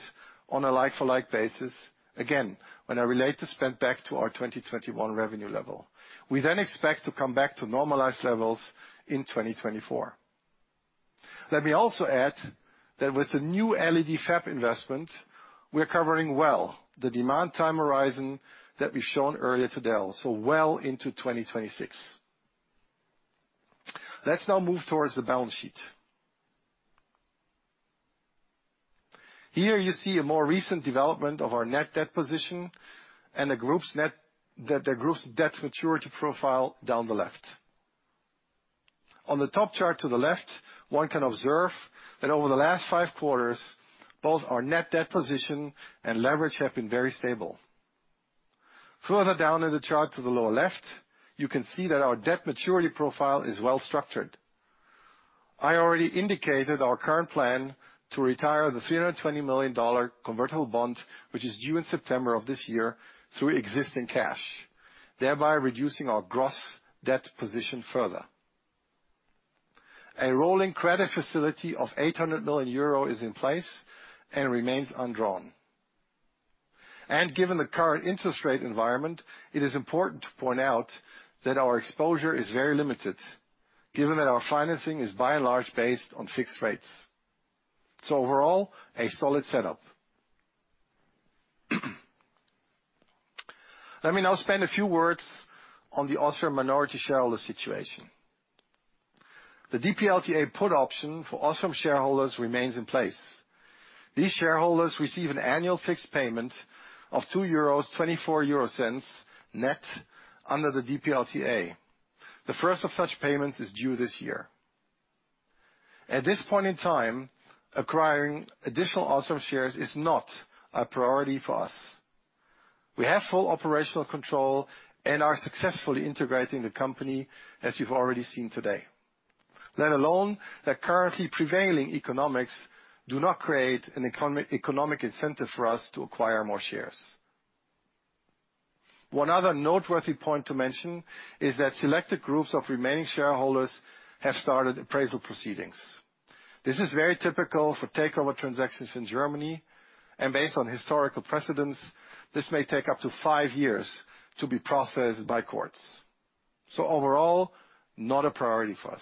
on a like-for-like basis, again, when I relate the spend back to our 2021 revenue level. We then expect to come back to normalized levels in 2024. Let me also add that with the new LED fab investment, we're covering well the demand time horizon that we've shown earlier today, so well into 2026. Let's now move towards the balance sheet. Here you see a more recent development of our net debt position and the group's debt maturity profile down the left. On the top chart to the left, one can observe that over the last five quarters, both our net debt position and leverage have been very stable. Further down in the chart to the lower left, you can see that our debt maturity profile is well structured. I already indicated our current plan to retire the $320 million convertible bond, which is due in September of this year through existing cash, thereby reducing our gross debt position further. A rolling credit facility of 800 million euro is in place and remains undrawn. Given the current interest rate environment, it is important to point out that our exposure is very limited, given that our financing is by and large based on fixed rates. Overall, a solid setup. Let me now spend a few words on the OSRAM minority shareholder situation. The DPLTA put option for OSRAM shareholders remains in place. These shareholders receive an annual fixed payment of 2.24 euros net under the DPLTA. The first of such payments is due this year. At this point in time, acquiring additional OSRAM shares is not a priority for us. We have full operational control and are successfully integrating the company as you've already seen today. Let alone the currently prevailing economics do not create an economic incentive for us to acquire more shares. One other noteworthy point to mention is that selected groups of remaining shareholders have started appraisal proceedings. This is very typical for takeover transactions in Germany, and based on historical precedents, this may take up to five years to be processed by courts. Overall, not a priority for us.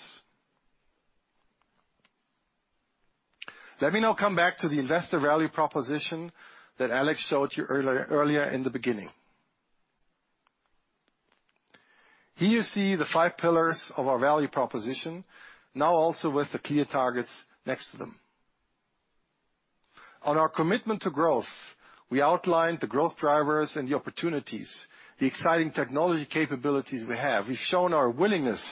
Let me now come back to the investor value proposition that Alex showed you earlier in the beginning. Here you see the five pillars of our value proposition now also with the clear targets next to them. On our commitment to growth, we outlined the growth drivers and the opportunities, the exciting technology capabilities we have. We've shown our willingness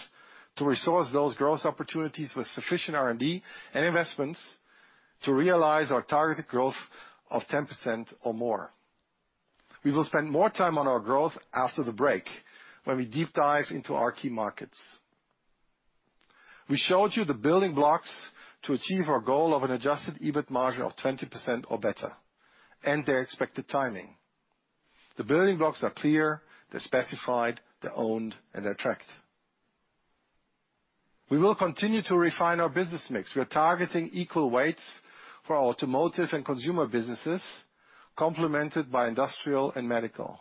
to resource those growth opportunities with sufficient R&D and investments to realize our targeted growth of 10% or more. We will spend more time on our growth after the break when we deep dive into our key markets. We showed you the building blocks to achieve our goal of an adjusted EBIT margin of 20% or better, and their expected timing. The building blocks are clear, they're specified, they're owned, and they're tracked. We will continue to refine our business mix. We are targeting equal weights for our automotive and consumer businesses, complemented by industrial and medical.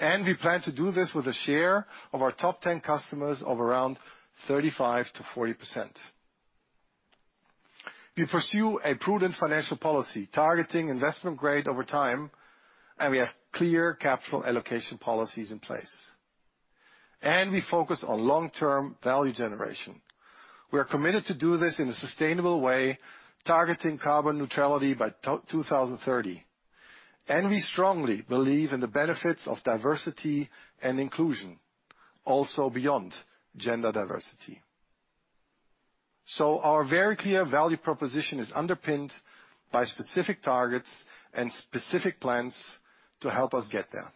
We plan to do this with a share of our top 10 customers of around 35%-40%. We pursue a prudent financial policy, targeting investment grade over time, and we have clear capital allocation policies in place. We focus on long-term value generation. We are committed to do this in a sustainable way, targeting carbon neutrality by 2030. We strongly believe in the benefits of diversity and inclusion, also beyond gender diversity. Our very clear value proposition is underpinned by specific targets and specific plans to help us get there.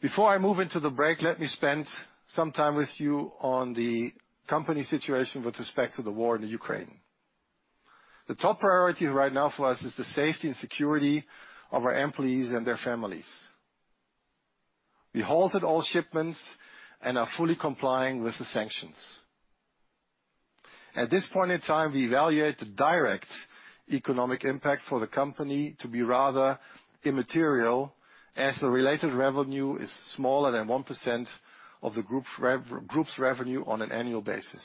Before I move into the break, let me spend some time with you on the company situation with respect to the war in Ukraine. The top priority right now for us is the safety and security of our employees and their families. We halted all shipments and are fully complying with the sanctions. At this point in time, we evaluate the direct economic impact for the company to be rather immaterial, as the related revenue is smaller than 1% of the group's revenue on an annual basis.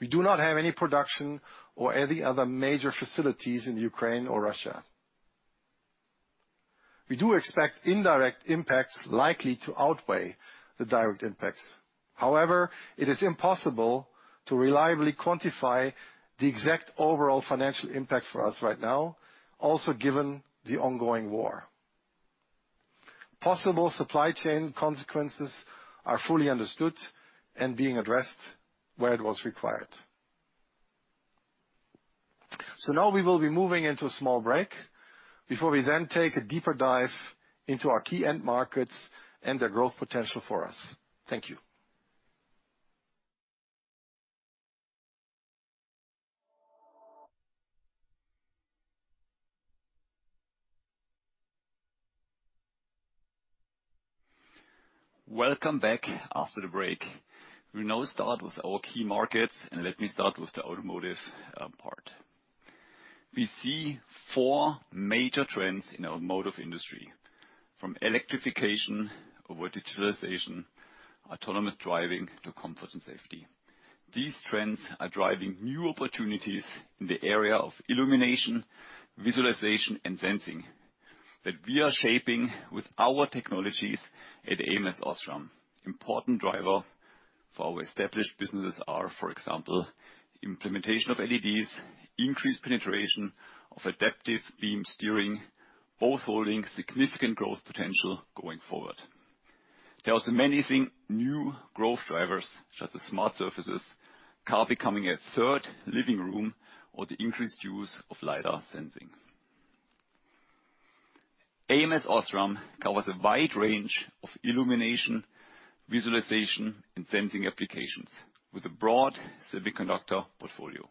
We do not have any production or any other major facilities in Ukraine or Russia. We do expect indirect impacts likely to outweigh the direct impacts. However, it is impossible to reliably quantify the exact overall financial impact for us right now, also given the ongoing war. Possible supply chain consequences are fully understood and being addressed where it was required. Now we will be moving into a small break before we then take a deeper dive into our key end markets and their growth potential for us. Thank you. Welcome back after the break. We now start with our key markets, and let me start with the automotive part. We see four major trends in our automotive industry, from electrification over digitalization, autonomous driving to comfort and safety. These trends are driving new opportunities in the area of illumination, visualization, and sensing that we are shaping with our technologies at ams OSRAM. Important driver for our established businesses are, for example, implementation of LEDs, increased penetration of adaptive beam steering, both holding significant growth potential going forward. There are some amazing new growth drivers such as smart surfaces, car becoming a third living room, or the increased use of lidar sensing. ams OSRAM covers a wide range of illumination, visualization, and sensing applications with a broad semiconductor portfolio.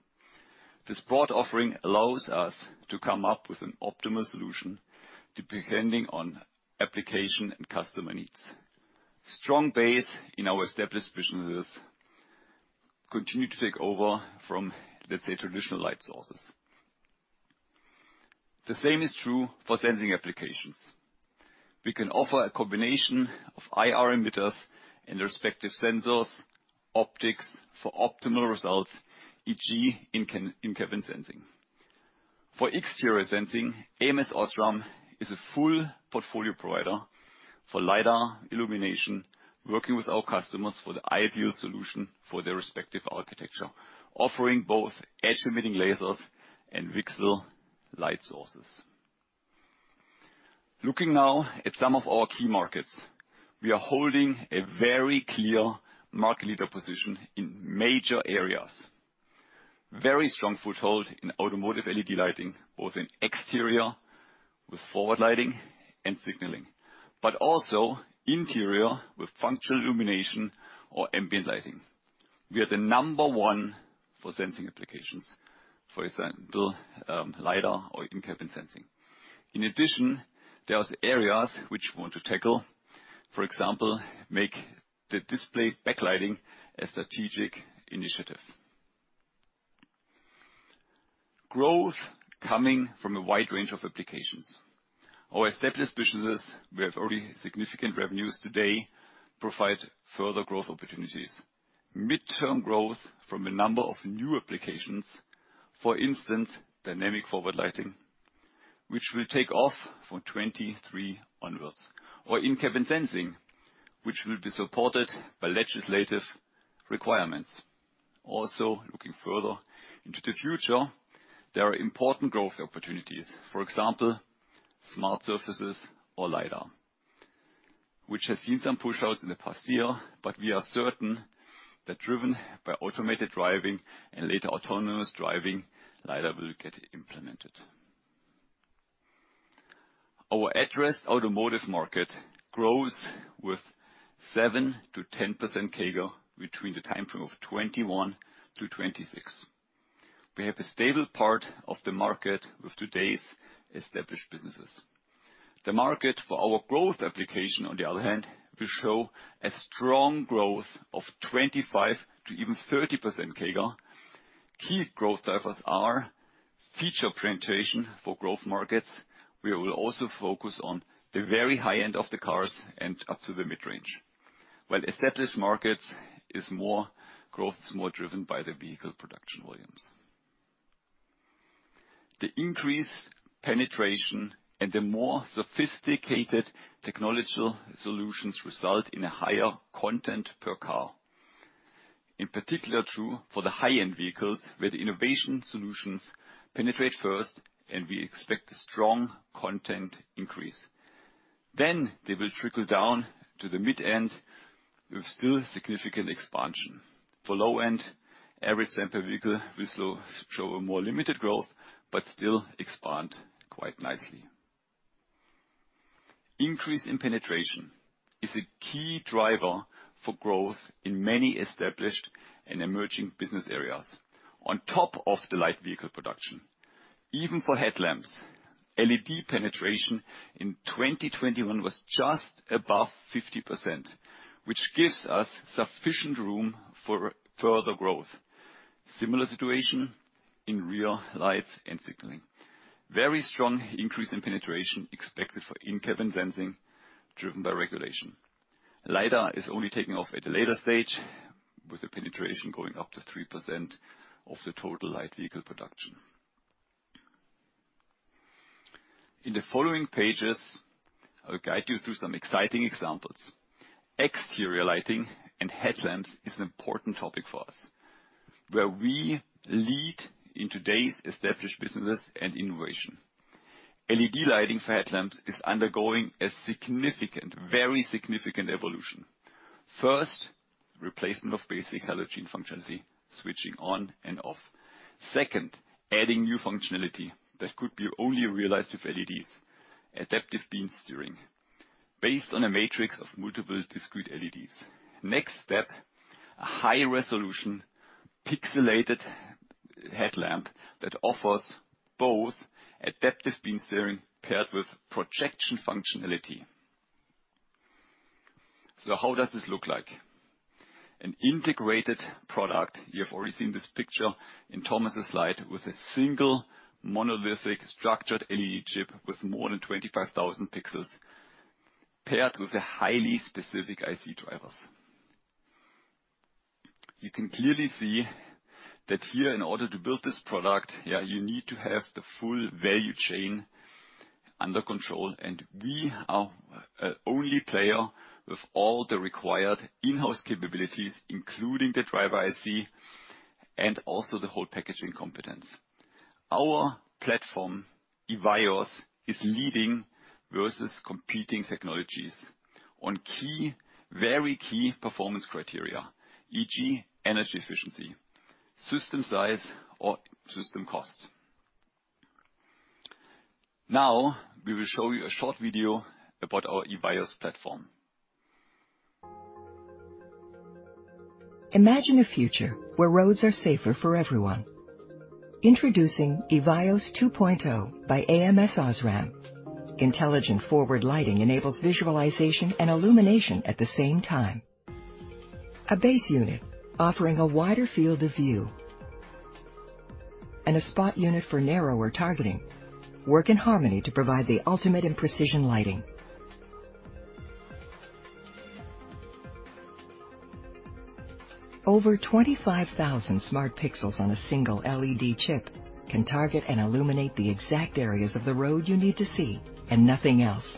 This broad offering allows us to come up with an optimal solution depending on application and customer needs. Strong base in our established businesses continue to take over from, let's say, traditional light sources. The same is true for sensing applications. We can offer a combination of IR emitters and respective sensors, optics for optimal results, e.g., in in-cabin sensing. For exterior sensing, ams OSRAM is a full portfolio provider for lidar, illumination, working with our customers for the ideal solution for their respective architecture, offering both edge-emitting lasers and VCSEL light sources. Looking now at some of our key markets, we are holding a very clear market leader position in major areas. Very strong foothold in automotive LED lighting, both in exterior with forward lighting and signaling. Also interior with functional illumination or ambient lighting. We are the number one for sensing applications. For example, lidar or in-cabin sensing. In addition, there's areas which we want to tackle. For example, make the display backlighting a strategic initiative. Growth coming from a wide range of applications. Our established businesses, we have already significant revenues today, provide further growth opportunities. Midterm growth from a number of new applications, for instance, dynamic forward lighting, which will take off from 2023 onwards, or in-cabin sensing, which will be supported by legislative requirements. Also, looking further into the future, there are important growth opportunities. For example, smart surfaces or lidar, which has seen some push outs in the past year, but we are certain that driven by automated driving and later autonomous driving, lidar will get implemented. Our addressed automotive market grows with 7%-10% CAGR between the time frame of 2021 to 2026. We have a stable part of the market with today's established businesses. The market for our growth application, on the other hand, will show a strong growth of 25%-30% CAGR. Key growth drivers are feature penetration for growth markets. We will also focus on the very high end of the cars and up to the mid-range. Growth is more driven by the vehicle production volumes. The increased penetration and the more sophisticated technological solutions result in a higher content per car. In particular true for the high-end vehicles, where the innovation solutions penetrate first, and we expect a strong content increase. Then they will trickle down to the mid-end with still significant expansion. For low-end, average sample vehicle will show a more limited growth, but still expand quite nicely. Increase in penetration is a key driver for growth in many established and emerging business areas. On top of the light vehicle production, even for headlamps, LED penetration in 2021 was just above 50%, which gives us sufficient room for further growth. Similar situation in rear lights and signaling. Very strong increase in penetration expected for in-cabin sensing driven by regulation. Lidar is only taking off at a later stage with the penetration going up to 3% of the total light vehicle production. In the following pages, I'll guide you through some exciting examples. Exterior lighting and headlamps is an important topic for us, where we lead in today's established businesses and innovation. LED lighting for headlamps is undergoing a significant, very significant evolution. First, replacement of basic halogen functionality, switching on and off. Second, adding new functionality that could be only realized with LEDs, adaptive beam steering based on a matrix of multiple discrete LEDs. Next step, a high-resolution pixelated headlamp that offers both adaptive beam steering paired with projection functionality. How does this look like? An integrated product, you have already seen this picture in Thomas' slide, with a single monolithic structured LED chip with more than 25,000 pixels paired with a highly specific IC drivers. You can clearly see that here, in order to build this product, yeah, you need to have the full value chain under control, and we are the only player with all the required in-house capabilities, including the driver IC and also the whole packaging competence. Our platform, EVIYOS, is leading versus competing technologies on key, very key performance criteria, e.g., energy efficiency, system size or system cost. Now, we will show you a short video about our EVIYOS platform. Imagine a future where roads are safer for everyone. Introducing EVIYOS 2.0 by ams OSRAM. Intelligent forward lighting enables visualization and illumination at the same time. A base unit offering a wider field of view and a spot unit for narrower targeting work in harmony to provide the ultimate in precision lighting. Over 25,000 smart pixels on a single LED chip can target and illuminate the exact areas of the road you need to see and nothing else.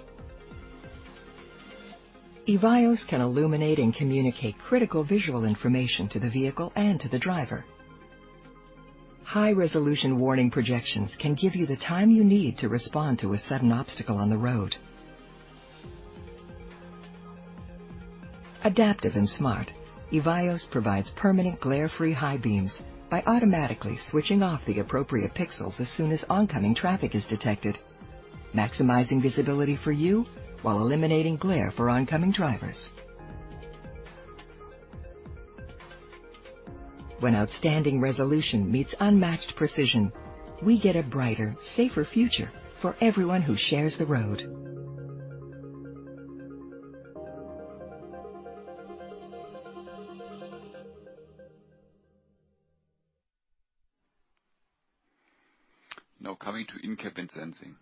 EVIYOS can illuminate and communicate critical visual information to the vehicle and to the driver. High resolution warning projections can give you the time you need to respond to a sudden obstacle on the road. Adaptive and smart, EVIYOS provides permanent glare-free high beams by automatically switching off the appropriate pixels as soon as oncoming traffic is detected, maximizing visibility for you while eliminating glare for oncoming drivers. When outstanding resolution meets unmatched precision, we get a brighter, safer future for everyone who shares the road. Now coming to in-cabin sensing.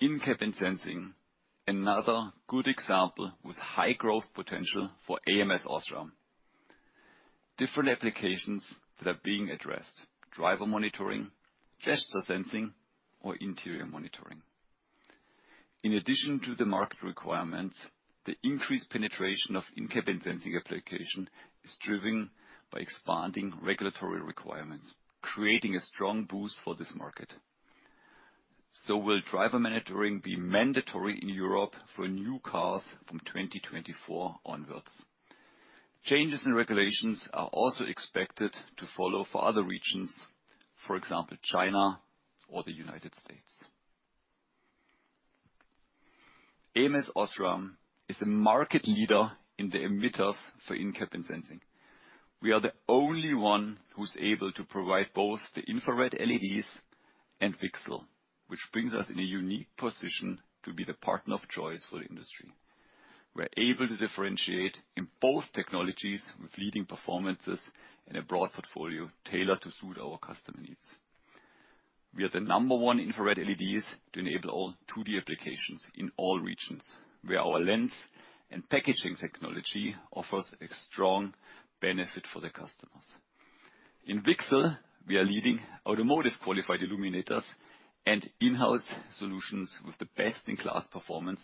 In-cabin sensing, another good example with high growth potential for ams OSRAM. Different applications that are being addressed, driver monitoring, gesture sensing, or interior monitoring. In addition to the market requirements, the increased penetration of in-cabin sensing application is driven by expanding regulatory requirements, creating a strong boost for this market. Will driver monitoring be mandatory in Europe for new cars from 2024 onwards? Changes in regulations are also expected to follow for other regions, for example, China or the United States. ams OSRAM is the market leader in the emitters for in-cabin sensing. We are the only one who's able to provide both the infrared LEDs and VCSEL, which brings us in a unique position to be the partner of choice for the industry. We're able to differentiate in both technologies with leading performances and a broad portfolio tailored to suit our customer needs. We are the number one infrared LEDs to enable all 2D applications in all regions, where our lens and packaging technology offers a strong benefit for the customers. In VCSEL, we are leading automotive qualified illuminators and in-house solutions with the best-in-class performance,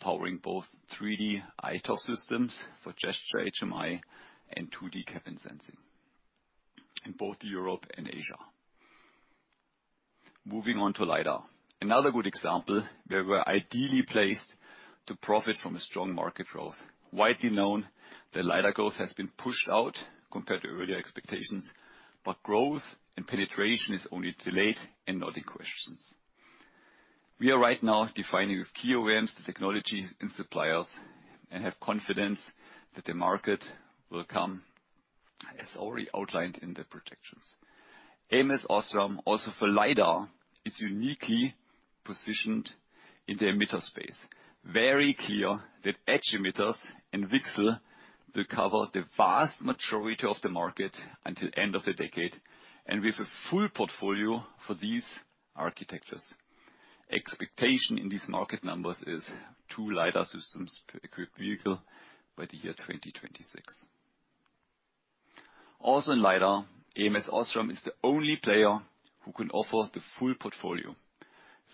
powering both 3D iToF systems for gesture HMI and 2D cabin sensing in both Europe and Asia. Moving on to lidar. Another good example where we're ideally placed to profit from a strong market growth. Widely known, the lidar growth has been pushed out compared to earlier expectations, but growth and penetration is only delayed and not in questions. We are right now defining with key OEMs the technologies and suppliers and have confidence that the market will come as already outlined in the projections. ams OSRAM also for lidar is uniquely positioned in the emitter space. Very clear that edge emitters and VCSEL will cover the vast majority of the market until end of the decade, and with a full portfolio for these architectures. Expectation in these market numbers is two lidar systems per equipped vehicle by the year 2026. Also in lidar, ams OSRAM is the only player who can offer the full portfolio,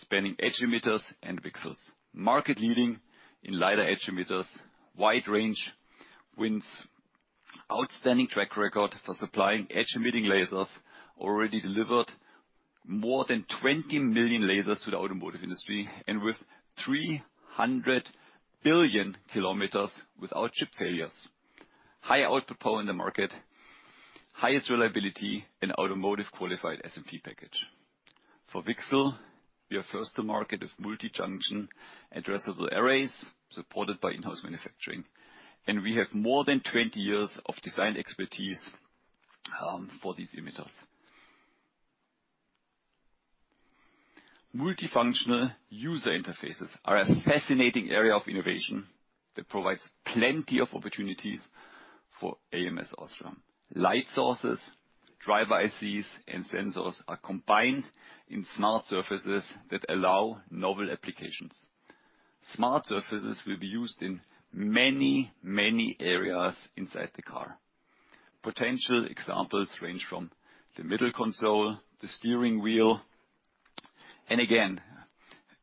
spanning edge emitters and VCSELs. Market-leading in lidar edge emitters, wide range wins, outstanding track record for supplying edge emitting lasers, already delivered more than 20 million lasers to the automotive industry, and with 300 billion kilometers without chip failures. High output power in the market, highest reliability, and automotive qualified SMD package. For VCSEL, we are first to market with multi-junction addressable arrays supported by in-house manufacturing, and we have more than 20 years of design expertise for these emitters. Multifunctional user interfaces are a fascinating area of innovation that provides plenty of opportunities for ams OSRAM. Light sources, driver ICs, and sensors are combined in smart surfaces that allow novel applications. Smart surfaces will be used in many, many areas inside the car. Potential examples range from the middle console, the steering wheel. Again,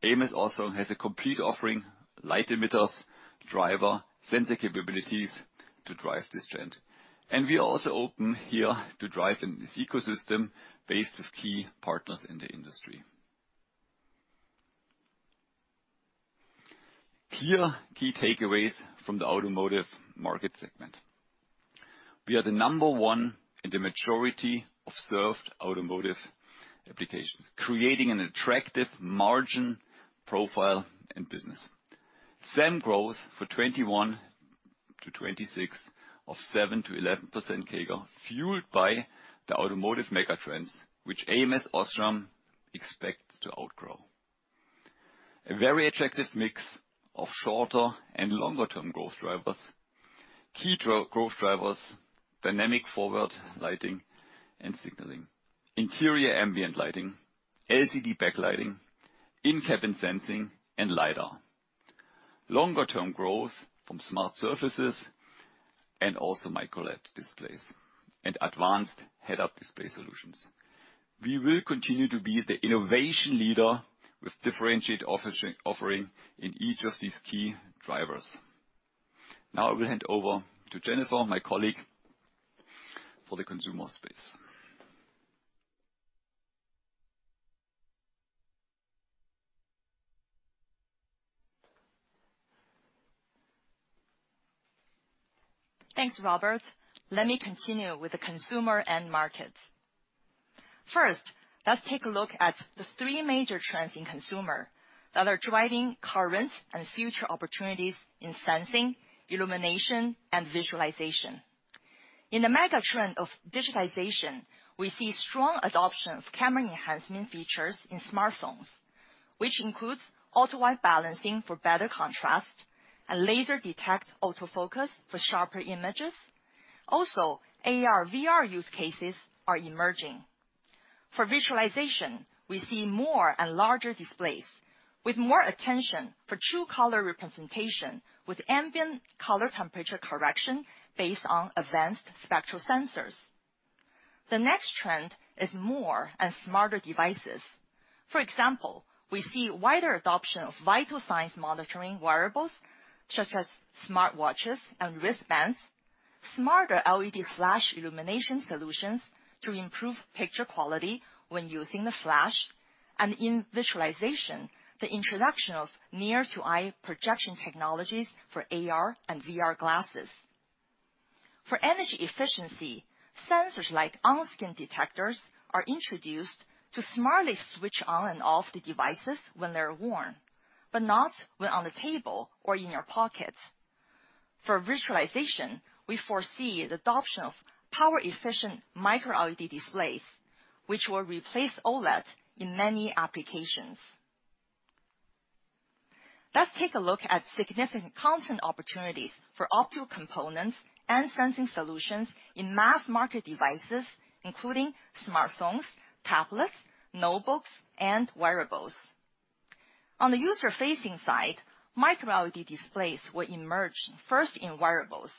ams OSRAM has a complete offering light emitters, driver, sensor capabilities to drive this trend. We are also open here to drive in this ecosystem based with key partners in the industry. Here, key takeaways from the automotive market segment. We are the number one in the majority of served automotive applications, creating an attractive margin profile and business. Same growth for 2021-2026 of 7%-11% CAGR, fueled by the automotive megatrends which ams OSRAM expects to outgrow. A very attractive mix of shorter and longer term growth drivers. Key growth drivers, dynamic forward lighting and signaling, interior ambient lighting, LCD backlighting, in-cabin sensing, and lidar. Longer term growth from smart surfaces and also Micro LED displays and advanced head-up display solutions. We will continue to be the innovation leader with differentiated offering in each of these key drivers. Now I will hand over to Jennifer, my colleague, for the consumer space. Thanks, Robert. Let me continue with the consumer end markets. First, let's take a look at the three major trends in consumer that are driving current and future opportunities in sensing, illumination, and visualization. In the mega trend of digitization, we see strong adoption of camera enhancement features in smartphones, which includes auto white balancing for better contrast and laser detect autofocus for sharper images. Also, AR/VR use cases are emerging. For visualization, we see more and larger displays with more attention for true color representation with ambient color temperature correction based on advanced spectral sensors. The next trend is more and smarter devices. For example, we see wider adoption of vital signs monitoring wearables such as smartwatches and wristbands, smarter LED flash illumination solutions to improve picture quality when using the flash. In visualization, the introduction of near to eye projection technologies for AR and VR glasses. For energy efficiency, sensors like on-skin detectors are introduced to smartly switch on and off the devices when they're worn, but not when on the table or in your pocket. For visualization, we foresee the adoption of power-efficient Micro LED displays, which will replace OLED in many applications. Let's take a look at significant content opportunities for optical components and sensing solutions in mass market devices, including smartphones, tablets, notebooks, and wearables. On the user-facing side, Micro LED displays will emerge first in wearables,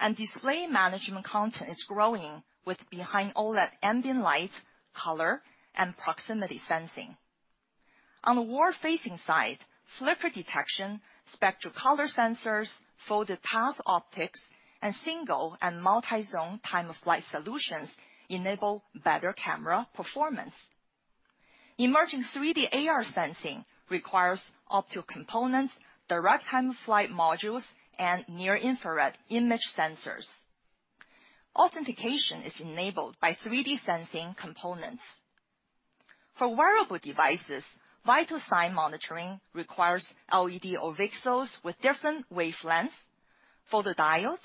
and display management content is growing with behind OLED ambient light, color, and proximity sensing. On the world-facing side, flicker detection, spectral color sensors, folded path optics, and single and multi-zone time of flight solutions enable better camera performance. Emerging 3D AR sensing requires optical components, direct time of flight modules, and near-infrared image sensors. Authentication is enabled by 3D sensing components. For wearable devices, vital sign monitoring requires LED or VCSELs with different wavelengths, photodiodes,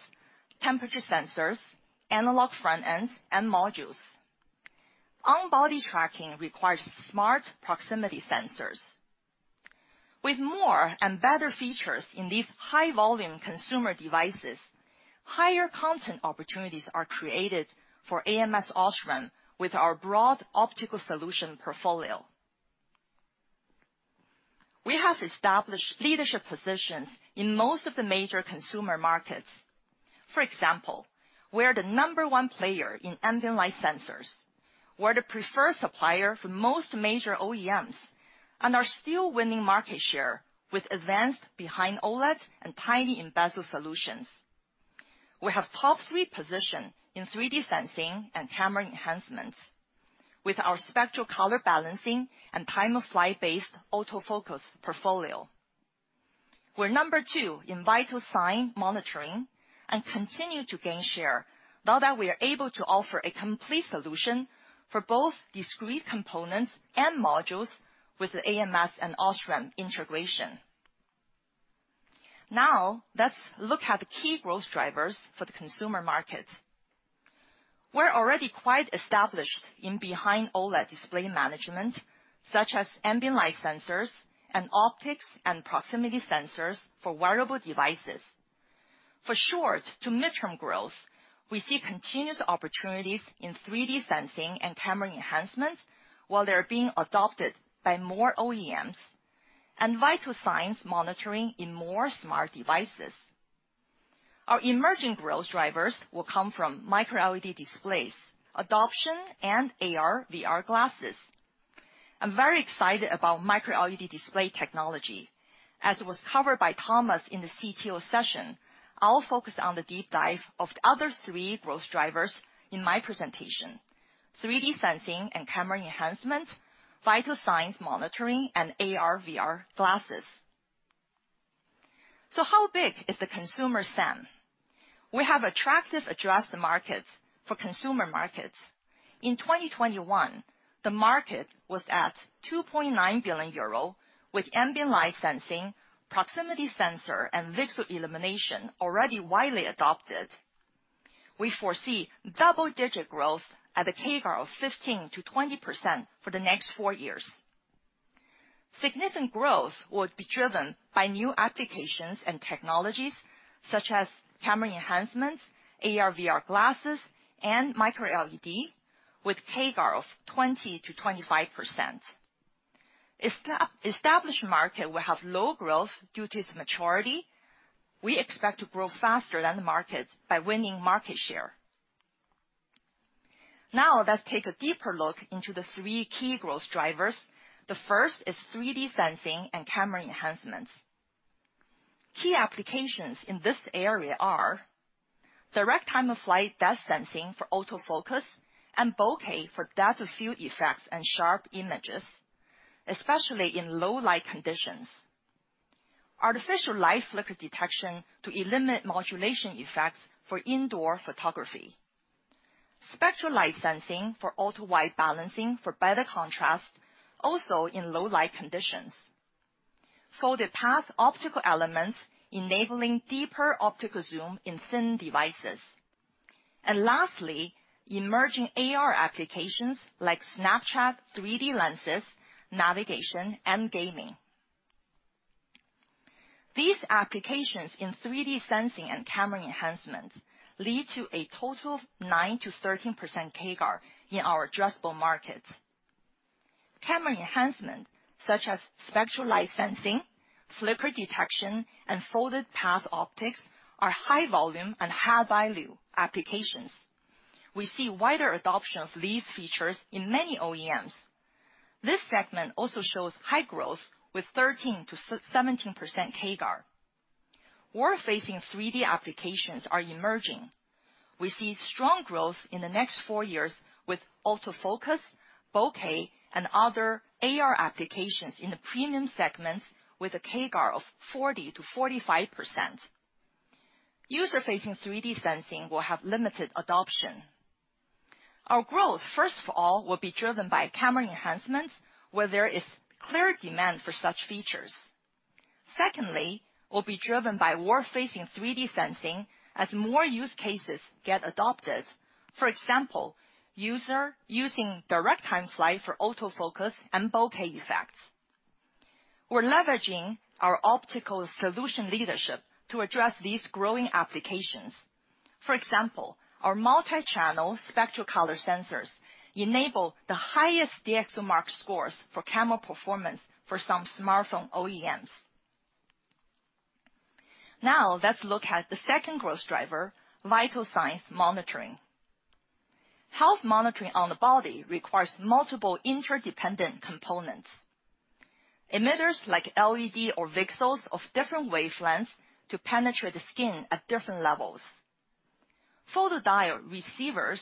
temperature sensors, analog front ends, and modules. On-body tracking requires smart proximity sensors. With more and better features in these high volume consumer devices, higher content opportunities are created for ams OSRAM with our broad optical solution portfolio. We have established leadership positions in most of the major consumer markets. For example, we are the number one player in ambient light sensors. We're the preferred supplier for most major OEMs, and are still winning market share with advanced behind OLED and tiny in-bezel solutions. We have top three position in 3D sensing and camera enhancements with our spectral color balancing and time of flight-based autofocus portfolio. We're number two in vital signs monitoring and continue to gain share now that we are able to offer a complete solution for both discrete components and modules with the ams and OSRAM integration. Now, let's look at the key growth drivers for the consumer market. We're already quite established in behind OLED display management, such as ambient light sensors and optics and proximity sensors for wearable devices. For short to mid-term growth, we see continuous opportunities in 3D sensing and camera enhancements, while they're being adopted by more OEMs and vital signs monitoring in more smart devices. Our emerging growth drivers will come from Micro LED displays, adoption, and AR/VR glasses. I'm very excited about Micro LED display technology. As was covered by Thomas in the CTO session, I'll focus on the deep dive of the other three growth drivers in my presentation, 3D sensing and camera enhancement, vital signs monitoring, and AR/VR glasses. How big is the consumer SAM? We have attractive addressed markets for consumer markets. In 2021, the market was at 2.9 billion euro, with ambient light sensing, proximity sensor, and VCSEL illumination already widely adopted. We foresee double-digit growth at a CAGR of 15%-20% for the next four years. Significant growth will be driven by new applications and technologies such as camera enhancements, AR/VR glasses, and Micro LED with CAGR of 20%-25%. Established market will have low growth due to its maturity. We expect to grow faster than the market by winning market share. Now let's take a deeper look into the three key growth drivers. The first is 3D sensing and camera enhancements. Key applications in this area are direct time of flight depth sensing for autofocus and bokeh for depth of field effects and sharp images, especially in low light conditions. Artificial light flicker detection to eliminate modulation effects for indoor photography. Spectral light sensing for auto white balancing for better contrast, also in low light conditions. Folded path optical elements enabling deeper optical zoom in thin devices. Lastly, emerging AR applications like Snapchat, 3D lenses, navigation, and gaming. These applications in 3D sensing and camera enhancements lead to a total of 9%-13% CAGR in our addressable markets. Camera enhancement, such as spectral light sensing, flicker detection, and folded path optics, are high volume and high value applications. We see wider adoption of these features in many OEMs. This segment also shows high growth with 13%-17% CAGR. World-facing 3D applications are emerging. We see strong growth in the next four years with autofocus, bokeh, and other AR applications in the premium segments with a CAGR of 40%-45%. User-facing 3D sensing will have limited adoption. Our growth, first of all, will be driven by camera enhancements where there is clear demand for such features. Secondly, it will be driven by world-facing 3D sensing as more use cases get adopted. For example, use cases using direct time-of-flight for autofocus and bokeh effects. We're leveraging our optical solution leadership to address these growing applications. For example, our multi-channel spectral color sensors enable the highest DXOMARK scores for camera performance for some smartphone OEMs. Now, let's look at the second growth driver, vital signs monitoring. Health monitoring on the body requires multiple interdependent components. Emitters like LED or VCSELs of different wavelengths to penetrate the skin at different levels. Photodiode receivers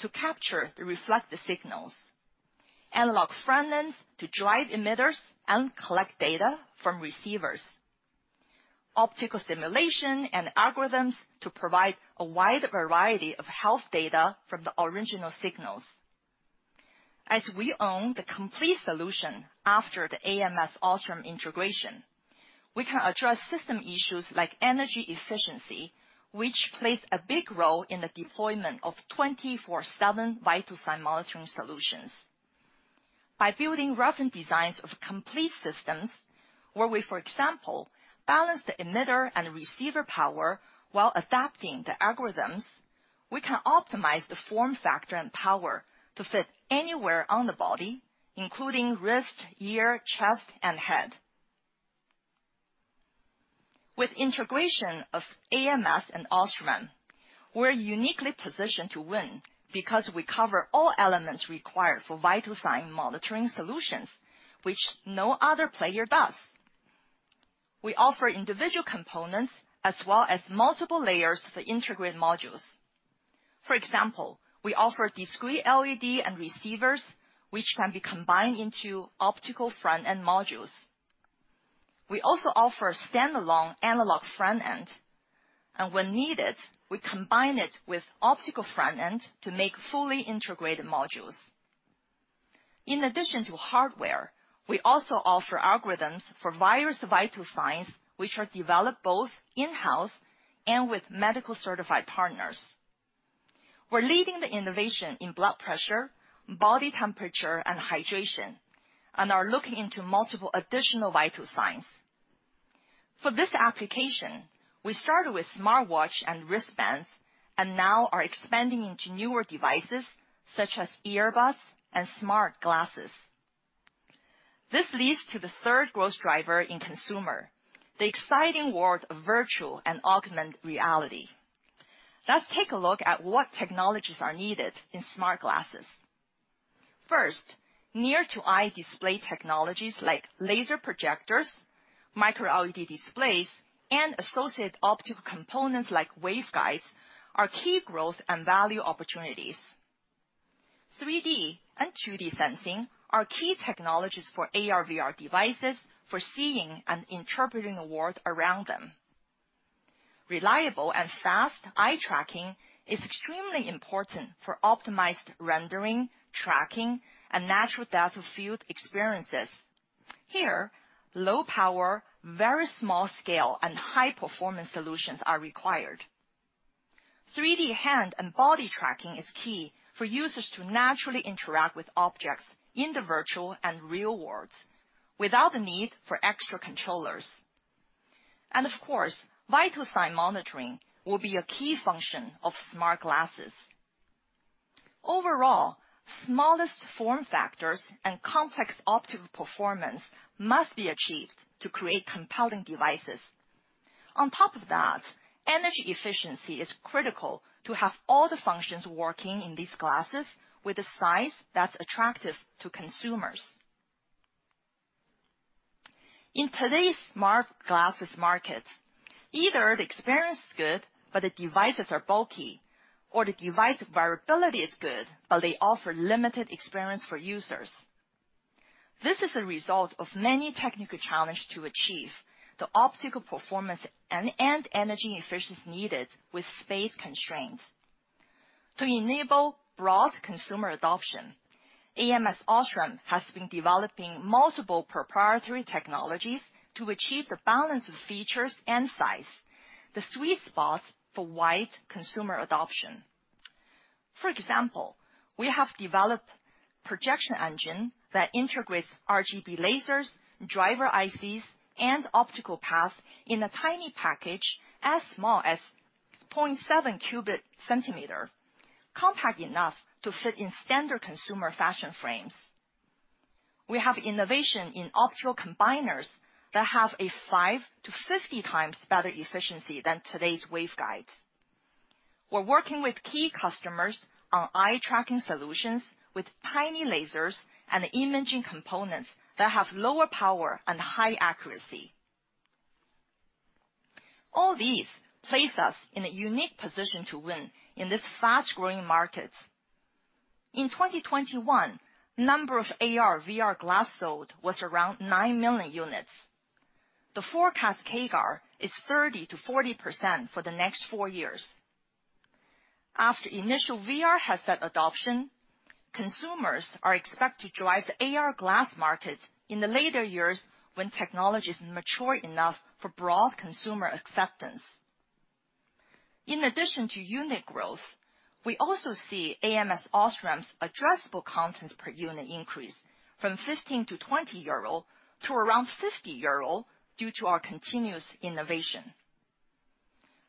to capture the reflected signals. Analog front ends to drive emitters and collect data from receivers. Optical simulation and algorithms to provide a wide variety of health data from the original signals. We own the complete solution after the ams OSRAM integration, so we can address system issues like energy efficiency, which plays a big role in the deployment of 24/7 vital signs monitoring solutions. By building reference designs of complete systems, where we, for example, balance the emitter and receiver power while adapting the algorithms, we can optimize the form factor and power to fit anywhere on the body, including wrist, ear, chest, and head. With integration of ams and OSRAM, we're uniquely positioned to win because we cover all elements required for vital signs monitoring solutions, which no other player does. We offer individual components as well as multiple layers for integrated modules. For example, we offer discrete LED and receivers, which can be combined into optical front-end modules. We also offer standalone analog front end, and when needed, we combine it with optical front end to make fully integrated modules. In addition to hardware, we also offer algorithms for various vital signs which are developed both in-house and with medical certified partners. We're leading the innovation in blood pressure, body temperature, and hydration, and are looking into multiple additional vital signs. For this application, we started with smartwatch and wristbands, and now are expanding into newer devices such as earbuds and smart glasses. This leads to the third growth driver in consumer, the exciting world of virtual and augmented reality. Let's take a look at what technologies are needed in smart glasses. First, near-to-eye display technologies like laser projectors, Micro LED displays, and associated optical components like waveguides are key growth and value opportunities. 3D and 2D sensing are key technologies for AR/VR devices for seeing and interpreting the world around them. Reliable and fast eye tracking is extremely important for optimized rendering, tracking, and natural depth of field experiences. Here, low power, very small scale, and high-performance solutions are required. 3D hand and body tracking is key for users to naturally interact with objects in the virtual and real worlds without the need for extra controllers. Of course, vital signs monitoring will be a key function of smart glasses. Overall, smallest form factors and complex optical performance must be achieved to create compelling devices. On top of that, energy efficiency is critical to have all the functions working in these glasses with a size that's attractive to consumers. In today's smart glasses market, either the experience is good but the devices are bulky, or the device wearability is good, but they offer limited experience for users. This is a result of many technical challenges to achieve the optical performance and energy efficiency needed with space constraints. To enable broad consumer adoption, ams OSRAM has been developing multiple proprietary technologies to achieve the balance of features and size, the sweet spot for wide consumer adoption. For example, we have developed a projection engine that integrates RGB lasers, driver ICs, and optical path in a tiny package as small as 0.7 cubic centimeter, compact enough to fit in standard consumer fashion frames. We have innovation in optical combiners that have a five to 50 times better efficiency than today's waveguides. We're working with key customers on eye-tracking solutions with tiny lasers and imaging components that have lower power and high accuracy. All these place us in a unique position to win in this fast-growing market. In 2021, number of AR/VR glasses sold was around 9 million units. The forecast CAGR is 30%-40% for the next four years. After initial VR headset adoption, consumers are expected to drive the AR glasses market in the later years when technology is mature enough for broad consumer acceptance. In addition to unit growth, we also see ams OSRAM's addressable content per unit increase from 15-20 euro to around 50 euro due to our continuous innovation.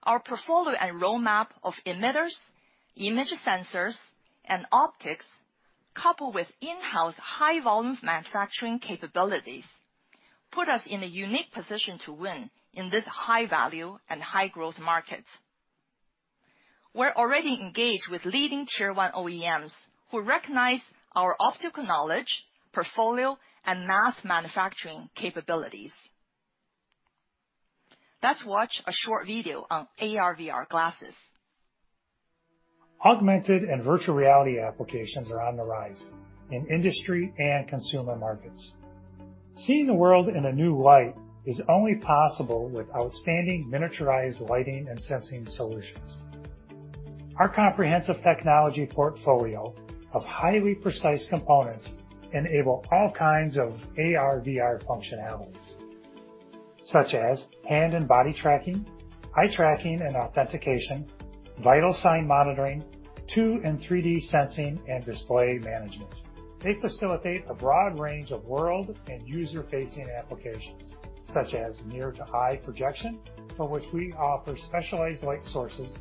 Our portfolio and roadmap of emitters, image sensors, and optics, coupled with in-house high-volume manufacturing capabilities, put us in a unique position to win in this high-value and high-growth market. We're already engaged with leading tier one OEMs who recognize our optical knowledge, portfolio, and mass manufacturing capabilities. Let's watch a short video on AR/VR glasses. Augmented and virtual reality applications are on the rise in industry and consumer markets. Seeing the world in a new light is only possible with outstanding miniaturized lighting and sensing solutions. Our comprehensive technology portfolio of highly precise components enable all kinds of AR/VR functionalities, such as hand and body tracking, eye tracking and authentication, vital sign monitoring, 2D and 3D sensing and display management. They facilitate a broad range of world and user-facing applications, such as near to eye projection, for which we offer specialized light sources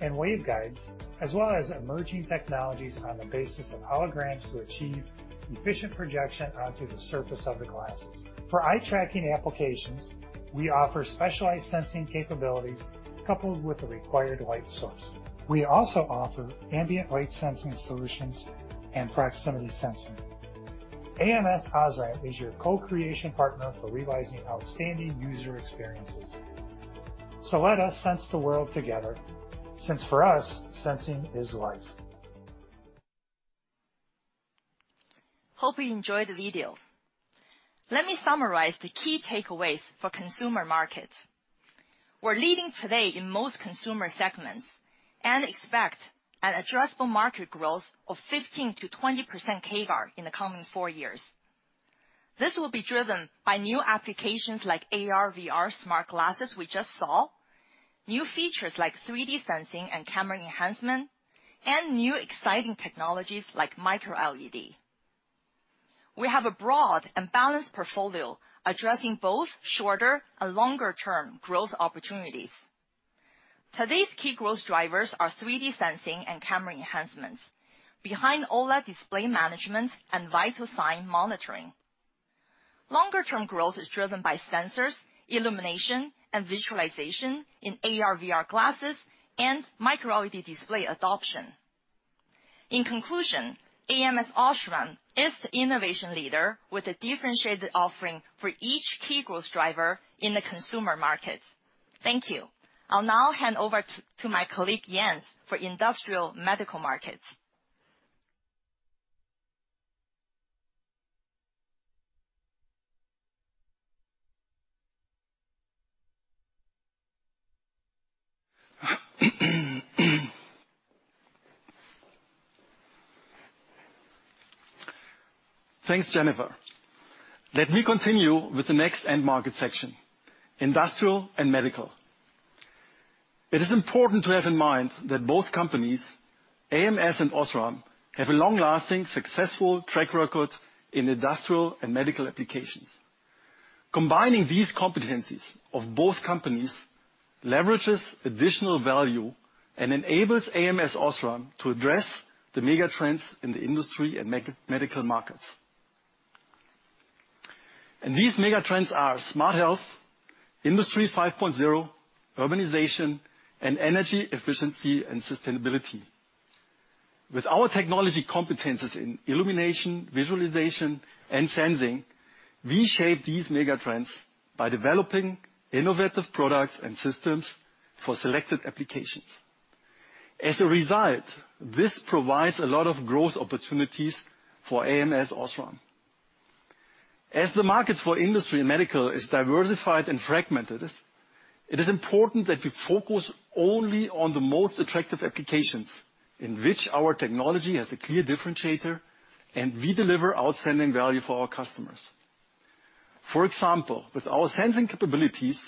and waveguides, as well as emerging technologies on the basis of holograms to achieve efficient projection onto the surface of the glasses. For eye tracking applications, we offer specialized sensing capabilities coupled with the required light source. We also offer ambient light sensing solutions and proximity sensing. ams OSRAM is your co-creation partner for realizing outstanding user experiences. Let us sense the world together, since for us, sensing is life. Hope you enjoyed the video. Let me summarize the key takeaways for consumer market. We're leading today in most consumer segments and expect an addressable market growth of 15%-20% CAGR in the coming four years. This will be driven by new applications like AR/VR smart glasses we just saw, new features like 3D sensing and camera enhancement, and new exciting technologies like Micro LED. We have a broad and balanced portfolio addressing both shorter and longer-term growth opportunities. Today's key growth drivers are 3D sensing and camera enhancements behind all our display management and vital signs monitoring. Longer-term growth is driven by sensors, illumination, and visualization in AR/VR glasses and Micro LED display adoption. In conclusion, ams OSRAM is the innovation leader with a differentiated offering for each key growth driver in the consumer market. Thank you. I'll now hand over to my colleague, Jens, for industrial medical markets. Thanks, Jennifer. Let me continue with the next end market section, industrial and medical. It is important to have in mind that both companies, ams and OSRAM, have a long-lasting, successful track record in industrial and medical applications. Combining these competencies of both companies leverages additional value and enables ams OSRAM to address the mega trends in the industry and medical markets. These mega trends are smart health, Industry 5.0, urbanization, and energy efficiency and sustainability. With our technology competencies in illumination, visualization, and sensing, we shape these mega trends by developing innovative products and systems for selected applications. As a result, this provides a lot of growth opportunities for ams OSRAM. As the market for industry and medical is diversified and fragmented, it is important that we focus only on the most attractive applications in which our technology has a clear differentiator, and we deliver outstanding value for our customers. For example, with our sensing capabilities,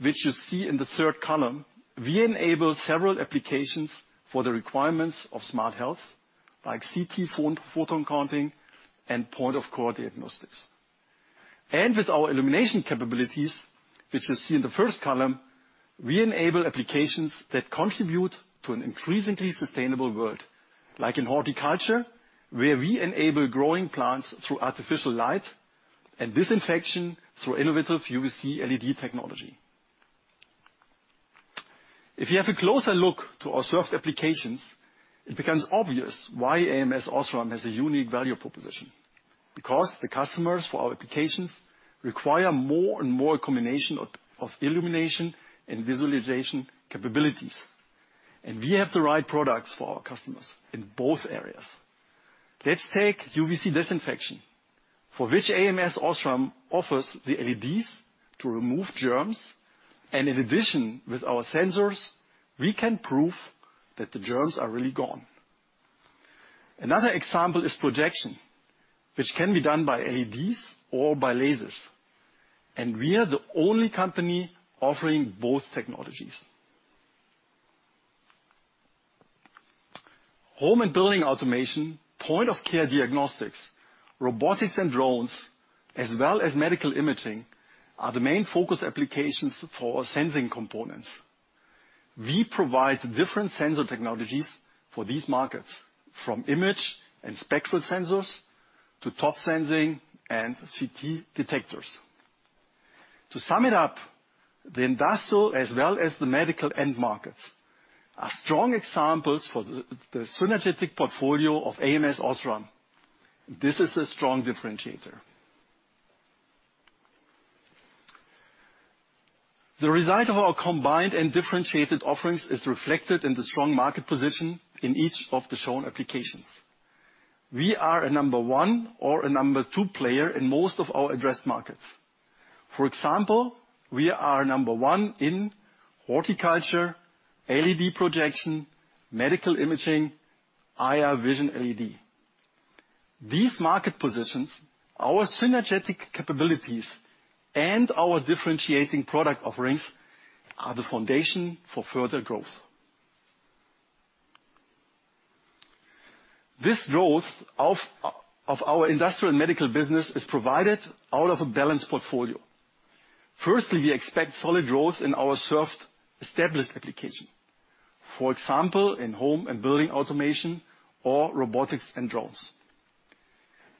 which you see in the third column, we enable several applications for the requirements of smart health, like CT photon counting and point-of-care diagnostics. With our illumination capabilities, which you see in the first column, we enable applications that contribute to an increasingly sustainable world, like in horticulture, where we enable growing plants through artificial light, and disinfection through innovative UVC LED technology. If you have a closer look to our served applications, it becomes obvious why ams OSRAM has a unique value proposition. Because the customers for our applications require more and more combination of illumination and visualization capabilities. We have the right products for our customers in both areas. Let's take UVC disinfection, for which ams OSRAM offers the LEDs to remove germs, and in addition, with our sensors, we can prove that the germs are really gone. Another example is projection, which can be done by LEDs or by lasers. We are the only company offering both technologies. Home and building automation, point-of-care diagnostics, robotics and drones, as well as medical imaging are the main focus applications for our sensing components. We provide different sensor technologies for these markets, from image and spectral sensors, to touch sensing and CT detectors. To sum it up, the industrial as well as the medical end markets are strong examples for the synergistic portfolio of ams OSRAM. This is a strong differentiator. The result of our combined and differentiated offerings is reflected in the strong market position in each of the shown applications. We are a number one or a number two player in most of our addressed markets. For example, we are number one in horticulture, LED projection, medical imaging, IR vision LED. These market positions, our synergetic capabilities, and our differentiating product offerings are the foundation for further growth. This growth of our industrial and medical business is provided out of a balanced portfolio. Firstly, we expect solid growth in our served established application. For example, in home and building automation or robotics and drones.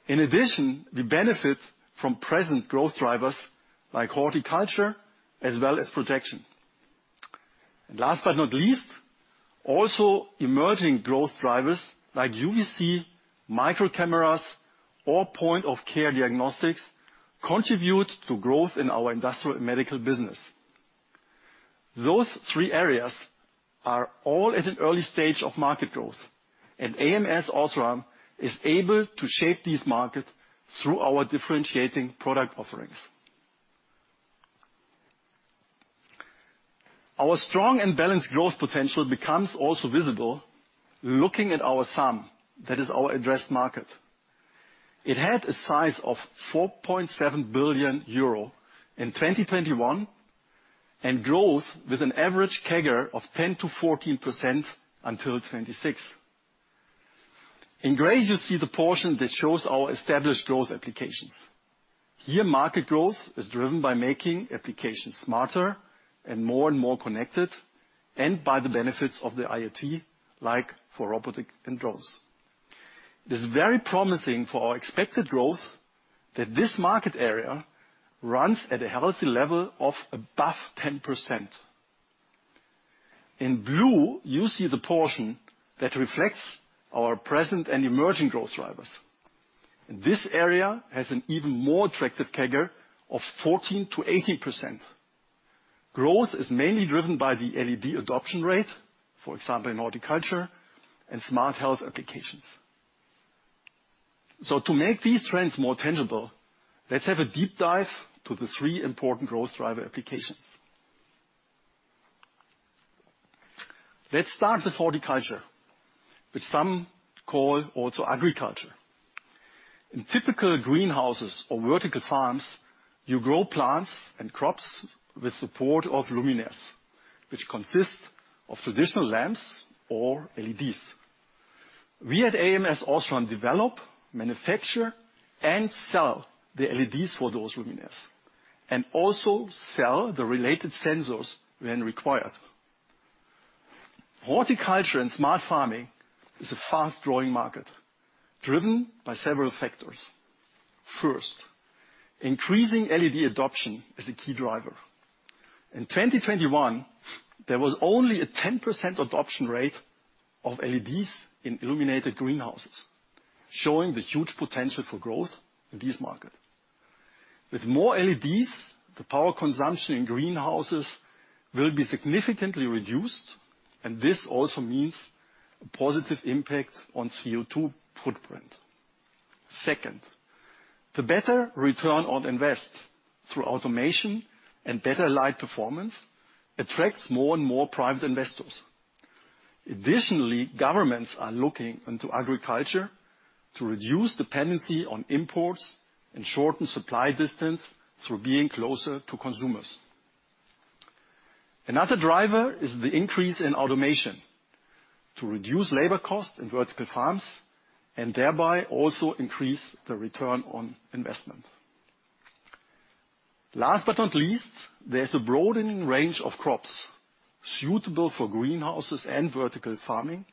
In addition, we benefit from present growth drivers like horticulture as well as projection. Last but not least, also emerging growth drivers like UVC, micro cameras, or point-of-care diagnostics contribute to growth in our industrial and medical business. Those three areas are all at an early stage of market growth, and ams OSRAM is able to shape this market through our differentiating product offerings. Our strong and balanced growth potential becomes also visible looking at our SAM. That is our addressed market. It had a size of 4.7 billion euro in 2021 and grows with an average CAGR of 10%-14% until 2026. In gray, you see the portion that shows our established growth applications. Here, market growth is driven by making applications smarter and more and more connected, and by the benefits of the IoT, like for robotics and drones. This is very promising for our expected growth that this market area runs at a healthy level of above 10%. In blue, you see the portion that reflects our present and emerging growth drivers. This area has an even more attractive CAGR of 14%-18%. Growth is mainly driven by the LED adoption rate, for example in horticulture and smart health applications. To make these trends more tangible, let's have a deep dive to the three important growth driver applications. Let's start with horticulture, which some call also agriculture. In typical greenhouses or vertical farms, you grow plants and crops with support of luminaires, which consist of traditional lamps or LEDs. We at ams OSRAM develop, manufacture, and sell the LEDs for those luminaires, and also sell the related sensors when required. Horticulture and smart farming is a fast-growing market driven by several factors. First, increasing LED adoption is a key driver. In 2021, there was only a 10% adoption rate of LEDs in illuminated greenhouses, showing the huge potential for growth in this market. With more LEDs, the power consumption in greenhouses will be significantly reduced, and this also means a positive impact on CO₂ footprint. Second, the better return on investment through automation and better light performance attracts more and more private investors. Additionally, governments are looking into agriculture to reduce dependency on imports and shorten supply distance through being closer to consumers. Another driver is the increase in automation to reduce labor costs in vertical farms and thereby also increase the return on investment. Last but not least, there's a broadening range of crops suitable for greenhouses and vertical farming,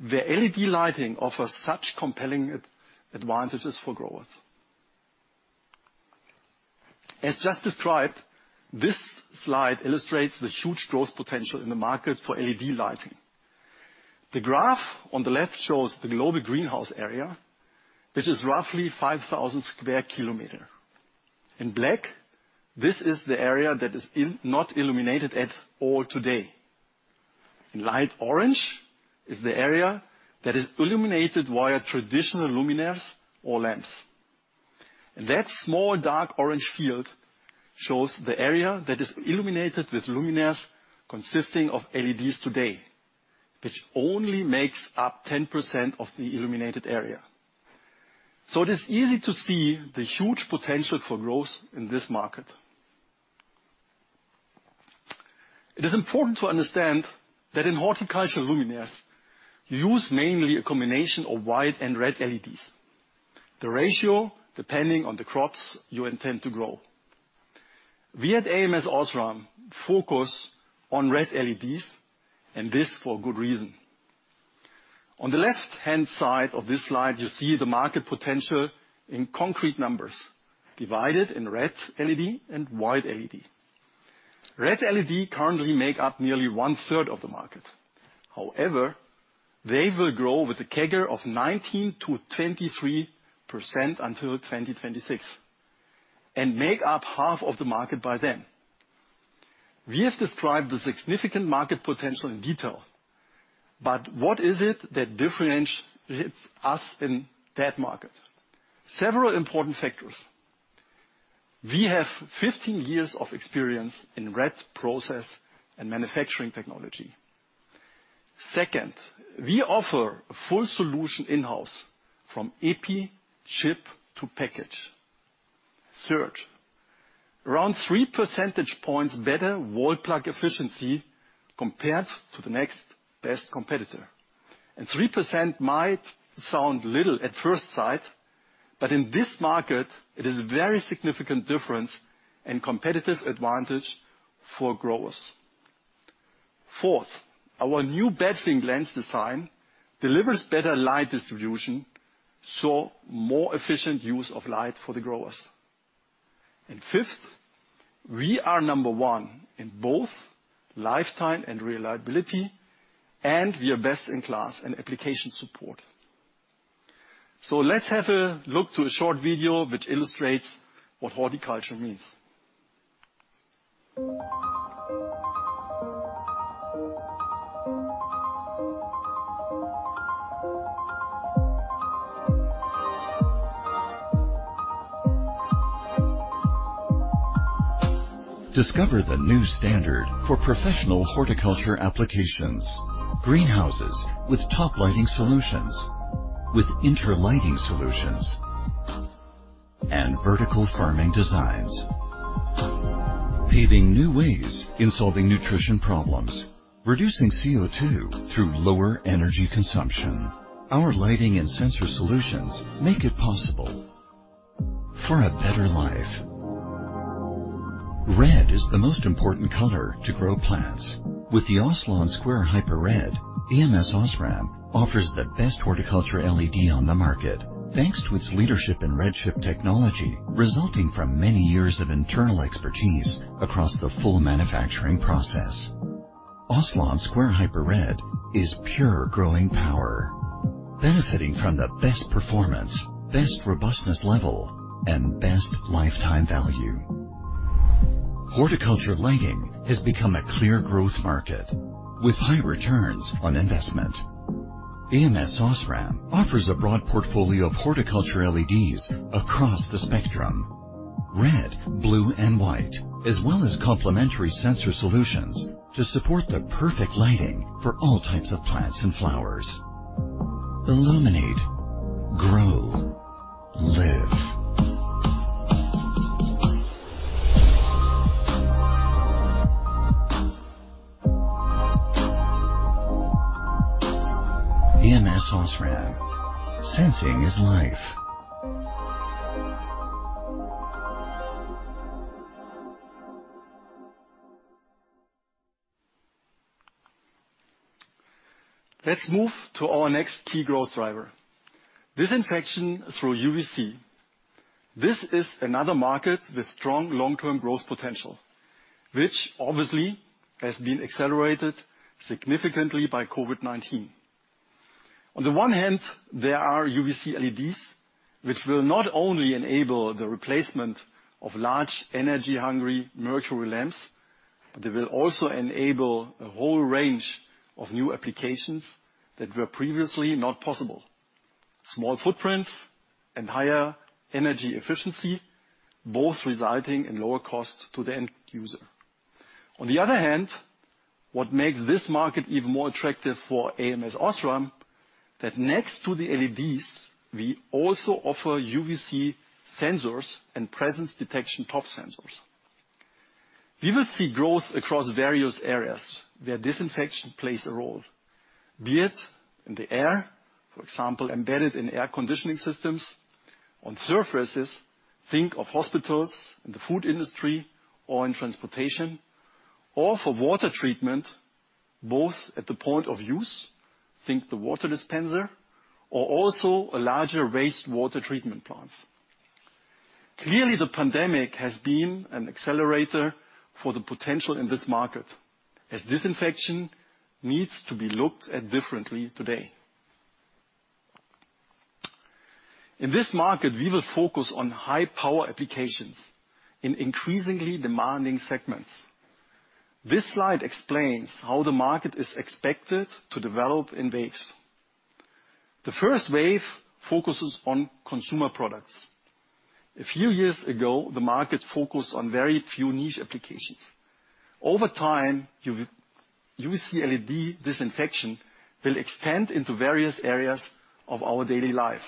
where LED lighting offers such compelling advantages for growers. As just described, this slide illustrates the huge growth potential in the market for LED lighting. The graph on the left shows the global greenhouse area, which is roughly 5,000 square kilometers. In black, this is the area that is not illuminated at all today. In light orange is the area that is illuminated via traditional luminaires or lamps. That small dark orange field shows the area that is illuminated with luminaires consisting of LEDs today, which only makes up 10% of the illuminated area. It is easy to see the huge potential for growth in this market. It is important to understand that in horticulture luminaires, you use mainly a combination of white and red LEDs. The ratio, depending on the crops you intend to grow. We at ams OSRAM focus on red LEDs, and this for a good reason. On the left-hand side of this slide, you see the market potential in concrete numbers, divided in red LED and white LED. Red LED currently make up nearly 1/3 of the market. However, they will grow with a CAGR of 19%-23% until 2026 and make up half of the market by then. We have described the significant market potential in detail, but what is it that differentiates us in that market? Several important factors. We have 15 years of experience in red process and manufacturing technology. Second, we offer a full solution in-house from epi, chip to package. Third, around 3 percentage points better wall-plug efficiency compared to the next best competitor. 3% might sound little at first sight, but in this market, it is a very significant difference and competitive advantage for growers. Fourth, our new batwing lens design delivers better light distribution, so more efficient use of light for the growers. Fifth, we are number one in both lifetime and reliability, and we are best in class in application support. Let's have a look to a short video which illustrates what horticulture means. Discover the new standard for professional horticulture applications. Greenhouses with top lighting solutions, with interlighting solutions, and vertical farming designs. Paving new ways in solving nutrition problems, reducing CO₂ through lower energy consumption. Our lighting and sensor solutions make it possible for a better life. Red is the most important color to grow plants. With the OSLON Square Hyper Red, ams OSRAM offers the best horticulture LED on the market, thanks to its leadership in red chip technology, resulting from many years of internal expertise across the full manufacturing process. OSLON Square Hyper Red is pure growing power, benefiting from the best performance, best robustness level, and best lifetime value. Horticulture lighting has become a clear growth market with high returns on investment. ams OSRAM offers a broad portfolio of horticulture LEDs across the spectrum. Red, blue, and white, as well as complementary sensor solutions to support the perfect lighting for all types of plants and flowers. Illuminate. Grow. Live. ams OSRAM. Sensing is life. Let's move to our next key growth driver, disinfection through UVC. This is another market with strong long-term growth potential, which obviously has been accelerated significantly by COVID-19. On the one hand, there are UVC LEDs, which will not only enable the replacement of large energy-hungry mercury lamps, but they will also enable a whole range of new applications that were previously not possible. Small footprints and higher energy efficiency, both resulting in lower cost to the end user. On the other hand, what makes this market even more attractive for ams OSRAM is that next to the LEDs, we also offer UVC sensors and presence detection TOF sensors. We will see growth across various areas where disinfection plays a role, be it in the air, for example, embedded in air conditioning systems, on surfaces, think of hospitals and the food industry or in transportation, or for water treatment, both at the point of use, think of the water dispenser, or also at larger wastewater treatment plants. Clearly, the pandemic has been an accelerator for the potential in this market, as disinfection needs to be looked at differently today. In this market, we will focus on high-power applications in increasingly demanding segments. This slide explains how the market is expected to develop in waves. The first wave focuses on consumer products. A few years ago, the market focused on very few niche applications. Over time, UV-UVC LED disinfection will extend into various areas of our daily life,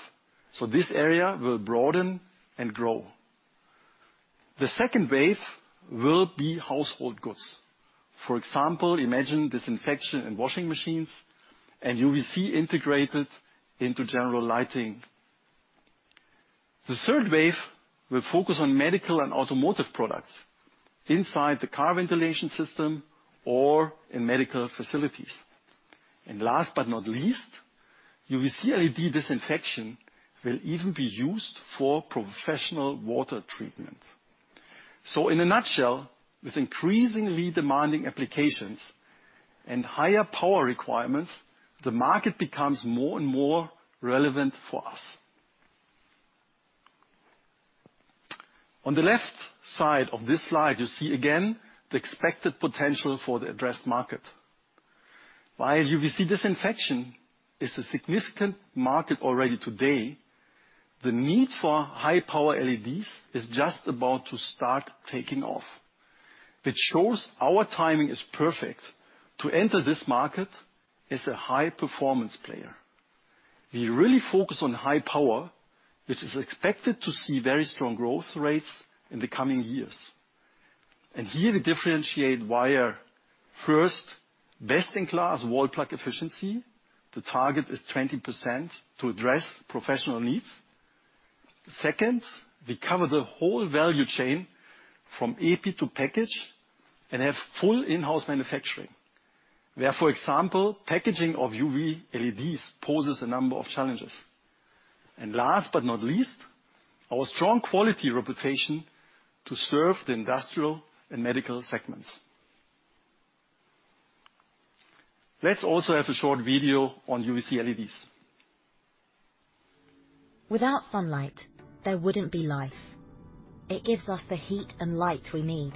so this area will broaden and grow. The second wave will be household goods. For example, imagine disinfection in washing machines and UVC integrated into general lighting. The third wave will focus on medical and automotive products inside the car ventilation system or in medical facilities. Last but not least, UVC LED disinfection will even be used for professional water treatment. In a nutshell, with increasingly demanding applications and higher power requirements, the market becomes more and more relevant for us. On the left side of this slide, you see again the expected potential for the addressed market. While UVC disinfection is a significant market already today, the need for high-power LEDs is just about to start taking off, which shows our timing is perfect to enter this market as a high-performance player. We really focus on high power, which is expected to see very strong growth rates in the coming years. Here we differentiate via, first, best-in-class wall-plug efficiency. The target is 20% to address professional needs. Second, we cover the whole value chain from EP to package and have full in-house manufacturing, where, for example, packaging of UV LEDs poses a number of challenges. Last but not least, our strong quality reputation to serve the industrial and medical segments. Let's also have a short video on UVC LEDs. Without sunlight, there wouldn't be life. It gives us the heat and light we need,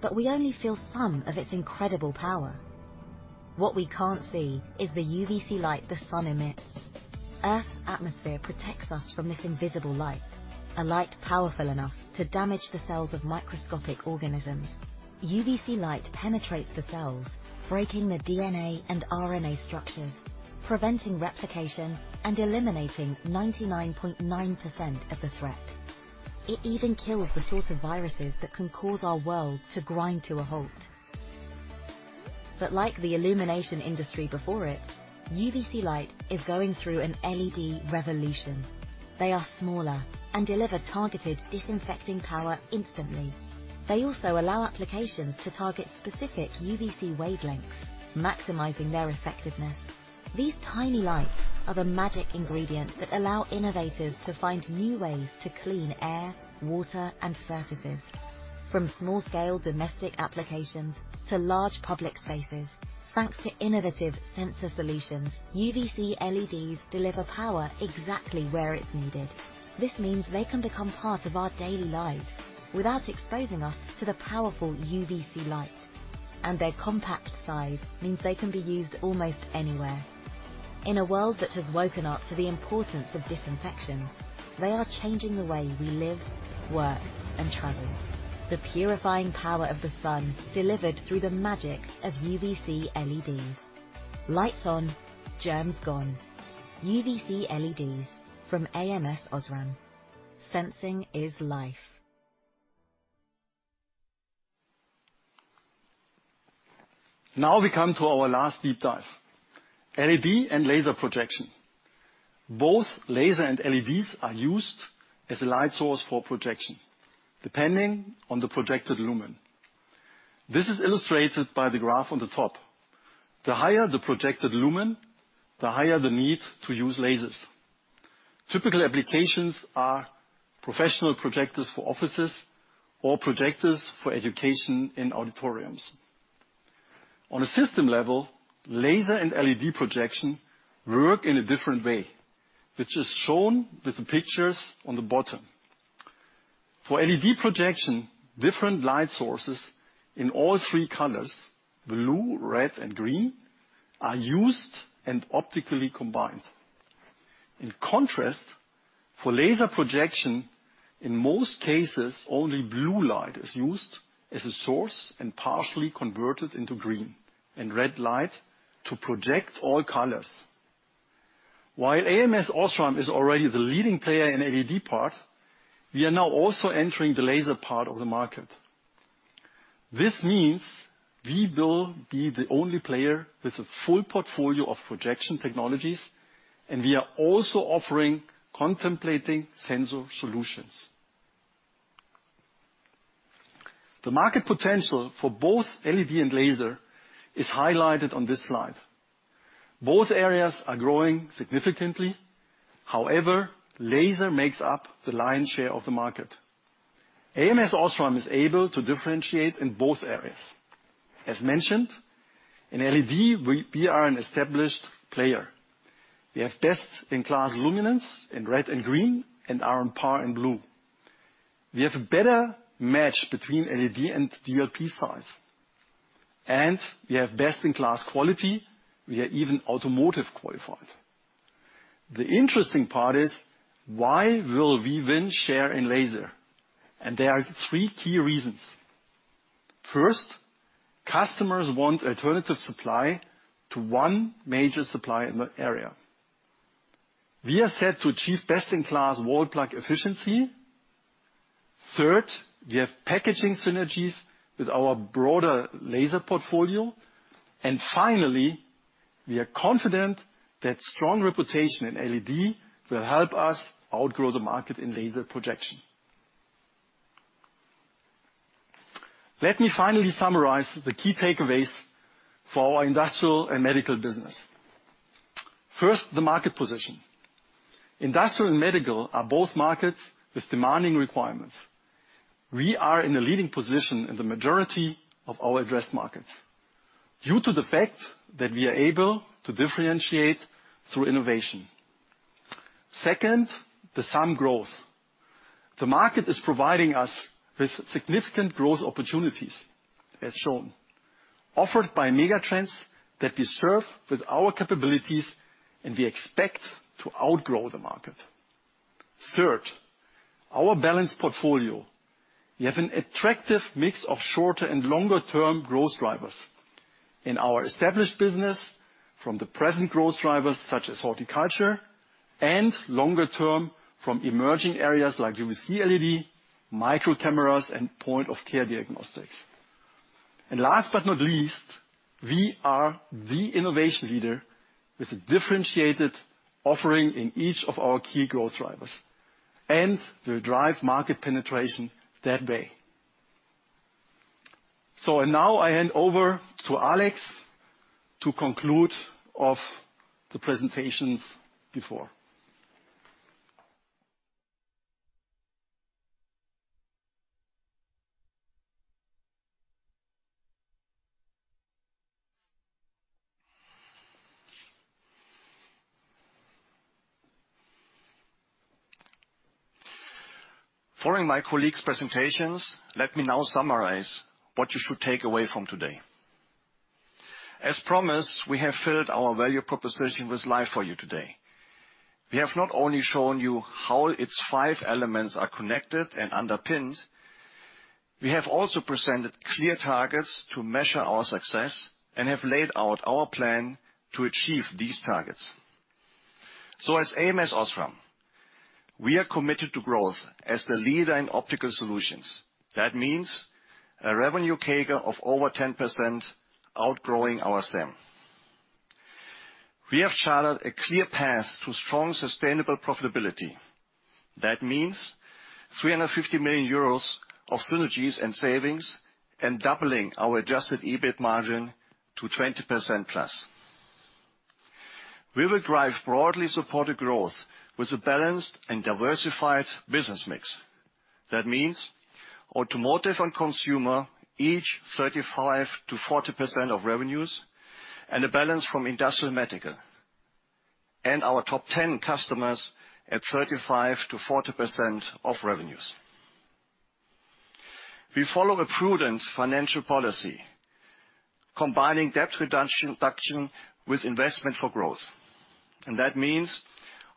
but we only feel some of its incredible power. What we can't see is the UVC light the sun emits. Earth's atmosphere protects us from this invisible light, a light powerful enough to damage the cells of microscopic organisms. UVC light penetrates the cells, breaking the DNA and RNA structures, preventing replication and eliminating 99.9% of the threat. It even kills the sorts of viruses that can cause our world to grind to a halt. ike the illumination industry before it, UVC light is going through an LED revolution. They are smaller and deliver targeted disinfecting power instantly. They also allow applications to target specific UVC wavelengths, maximizing their effectiveness. These tiny lights are the magic ingredient that allow innovators to find new ways to clean air, water, and surfaces, from small-scale domestic applications to large public spaces. Thanks to innovative sensor solutions, UVC LEDs deliver power exactly where it's needed. This means they can become part of our daily lives without exposing us to the powerful UVC light. Their compact size means they can be used almost anywhere. In a world that has woken up to the importance of disinfection, they are changing the way we live, work, and travel. The purifying power of the sun delivered through the magic of UVC LEDs. Lights on, germs gone. UVC LEDs from ams OSRAM. Sensing is life. Now we come to our last deep dive, LED and laser projection. Both laser and LEDs are used as a light source for projection, depending on the projected lumen. This is illustrated by the graph on the top. The higher the projected lumen, the higher the need to use lasers. Typical applications are professional projectors for offices or projectors for education in auditoriums. On a system level, laser and LED projection work in a different way, which is shown with the pictures on the bottom. For LED projection, different light sources in all three colors, blue, red, and green, are used and optically combined. In contrast, for laser projection, in most cases, only blue light is used as a source and partially converted into green and red light to project all colors. While ams OSRAM is already the leading player in LED part, we are now also entering the laser part of the market. This means we will be the only player with a full portfolio of projection technologies, and we are also offering complementary sensor solutions. The market potential for both LED and laser is highlighted on this slide. Both areas are growing significantly. However, laser makes up the lion's share of the market. ams OSRAM is able to differentiate in both areas. As mentioned, in LED, we are an established player. We have best-in-class luminance in red and green and are on par in blue. We have a better match between LED and DLP size. We have best-in-class quality. We are even automotive qualified. The interesting part is why will we win share in laser. There are three key reasons. First, customers want alternative supply to one major supplier in the area. We are set to achieve best-in-class wall-plug efficiency. Third, we have packaging synergies with our broader laser portfolio. Finally, we are confident that strong reputation in LED will help us outgrow the market in laser projection. Let me finally summarize the key takeaways for our industrial and medical business. First, the market position. Industrial and medical are both markets with demanding requirements. We are in a leading position in the majority of our addressed markets due to the fact that we are able to differentiate through innovation. Second, some growth. The market is providing us with significant growth opportunities, as shown, offered by mega trends that we serve with our capabilities, and we expect to outgrow the market. Third, our balanced portfolio. We have an attractive mix of shorter and longer term growth drivers. In our established business, from the present growth drivers such as horticulture and longer term from emerging areas like UVC LED, micro cameras, and point-of-care diagnostics. Last but not least, we are the innovation leader with a differentiated offering in each of our key growth drivers and will drive market penetration that way. Now I hand over to Alex to conclude the presentations before. Following my colleagues' presentations, let me now summarize what you should take away from today. As promised, we have filled our value proposition with life for you today. We have not only shown you how its five elements are connected and underpinned, we have also presented clear targets to measure our success and have laid out our plan to achieve these targets. As ams OSRAM, we are committed to growth as the leader in optical solutions. That means a revenue CAGR of over 10% outgrowing our SAM. We have charted a clear path to strong, sustainable profitability. That means 350 million euros of synergies and savings and doubling our adjusted EBIT margin to 20%+. We will drive broadly supported growth with a balanced and diversified business mix. That means automotive and consumer, each 35%-40% of revenues and a balance from industrial and medical. Our top 10 customers at 35%-40% of revenues. We follow a prudent financial policy, combining debt reduction with investment for growth. That means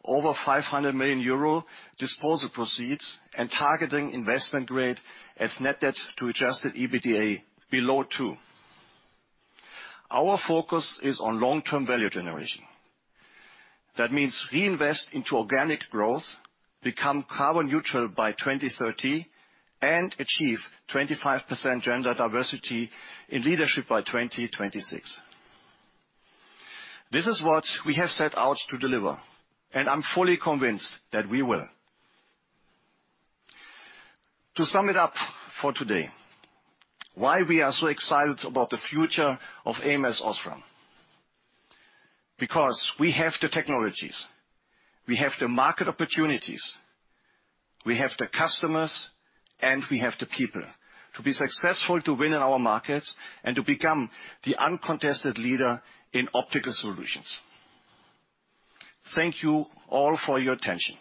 over 500 million euro disposal proceeds and targeting investment grade as net debt to adjusted EBITDA below 2. Our focus is on long-term value generation. That means reinvest into organic growth, become carbon neutral by 2030, and achieve 25% gender diversity in leadership by 2026. This is what we have set out to deliver, and I'm fully convinced that we will. To sum it up for today, why we are so excited about the future of ams OSRAM? Because we have the technologies, we have the market opportunities, we have the customers, and we have the people to be successful to win in our markets and to become the uncontested leader in optical solutions. Thank you all for your attention.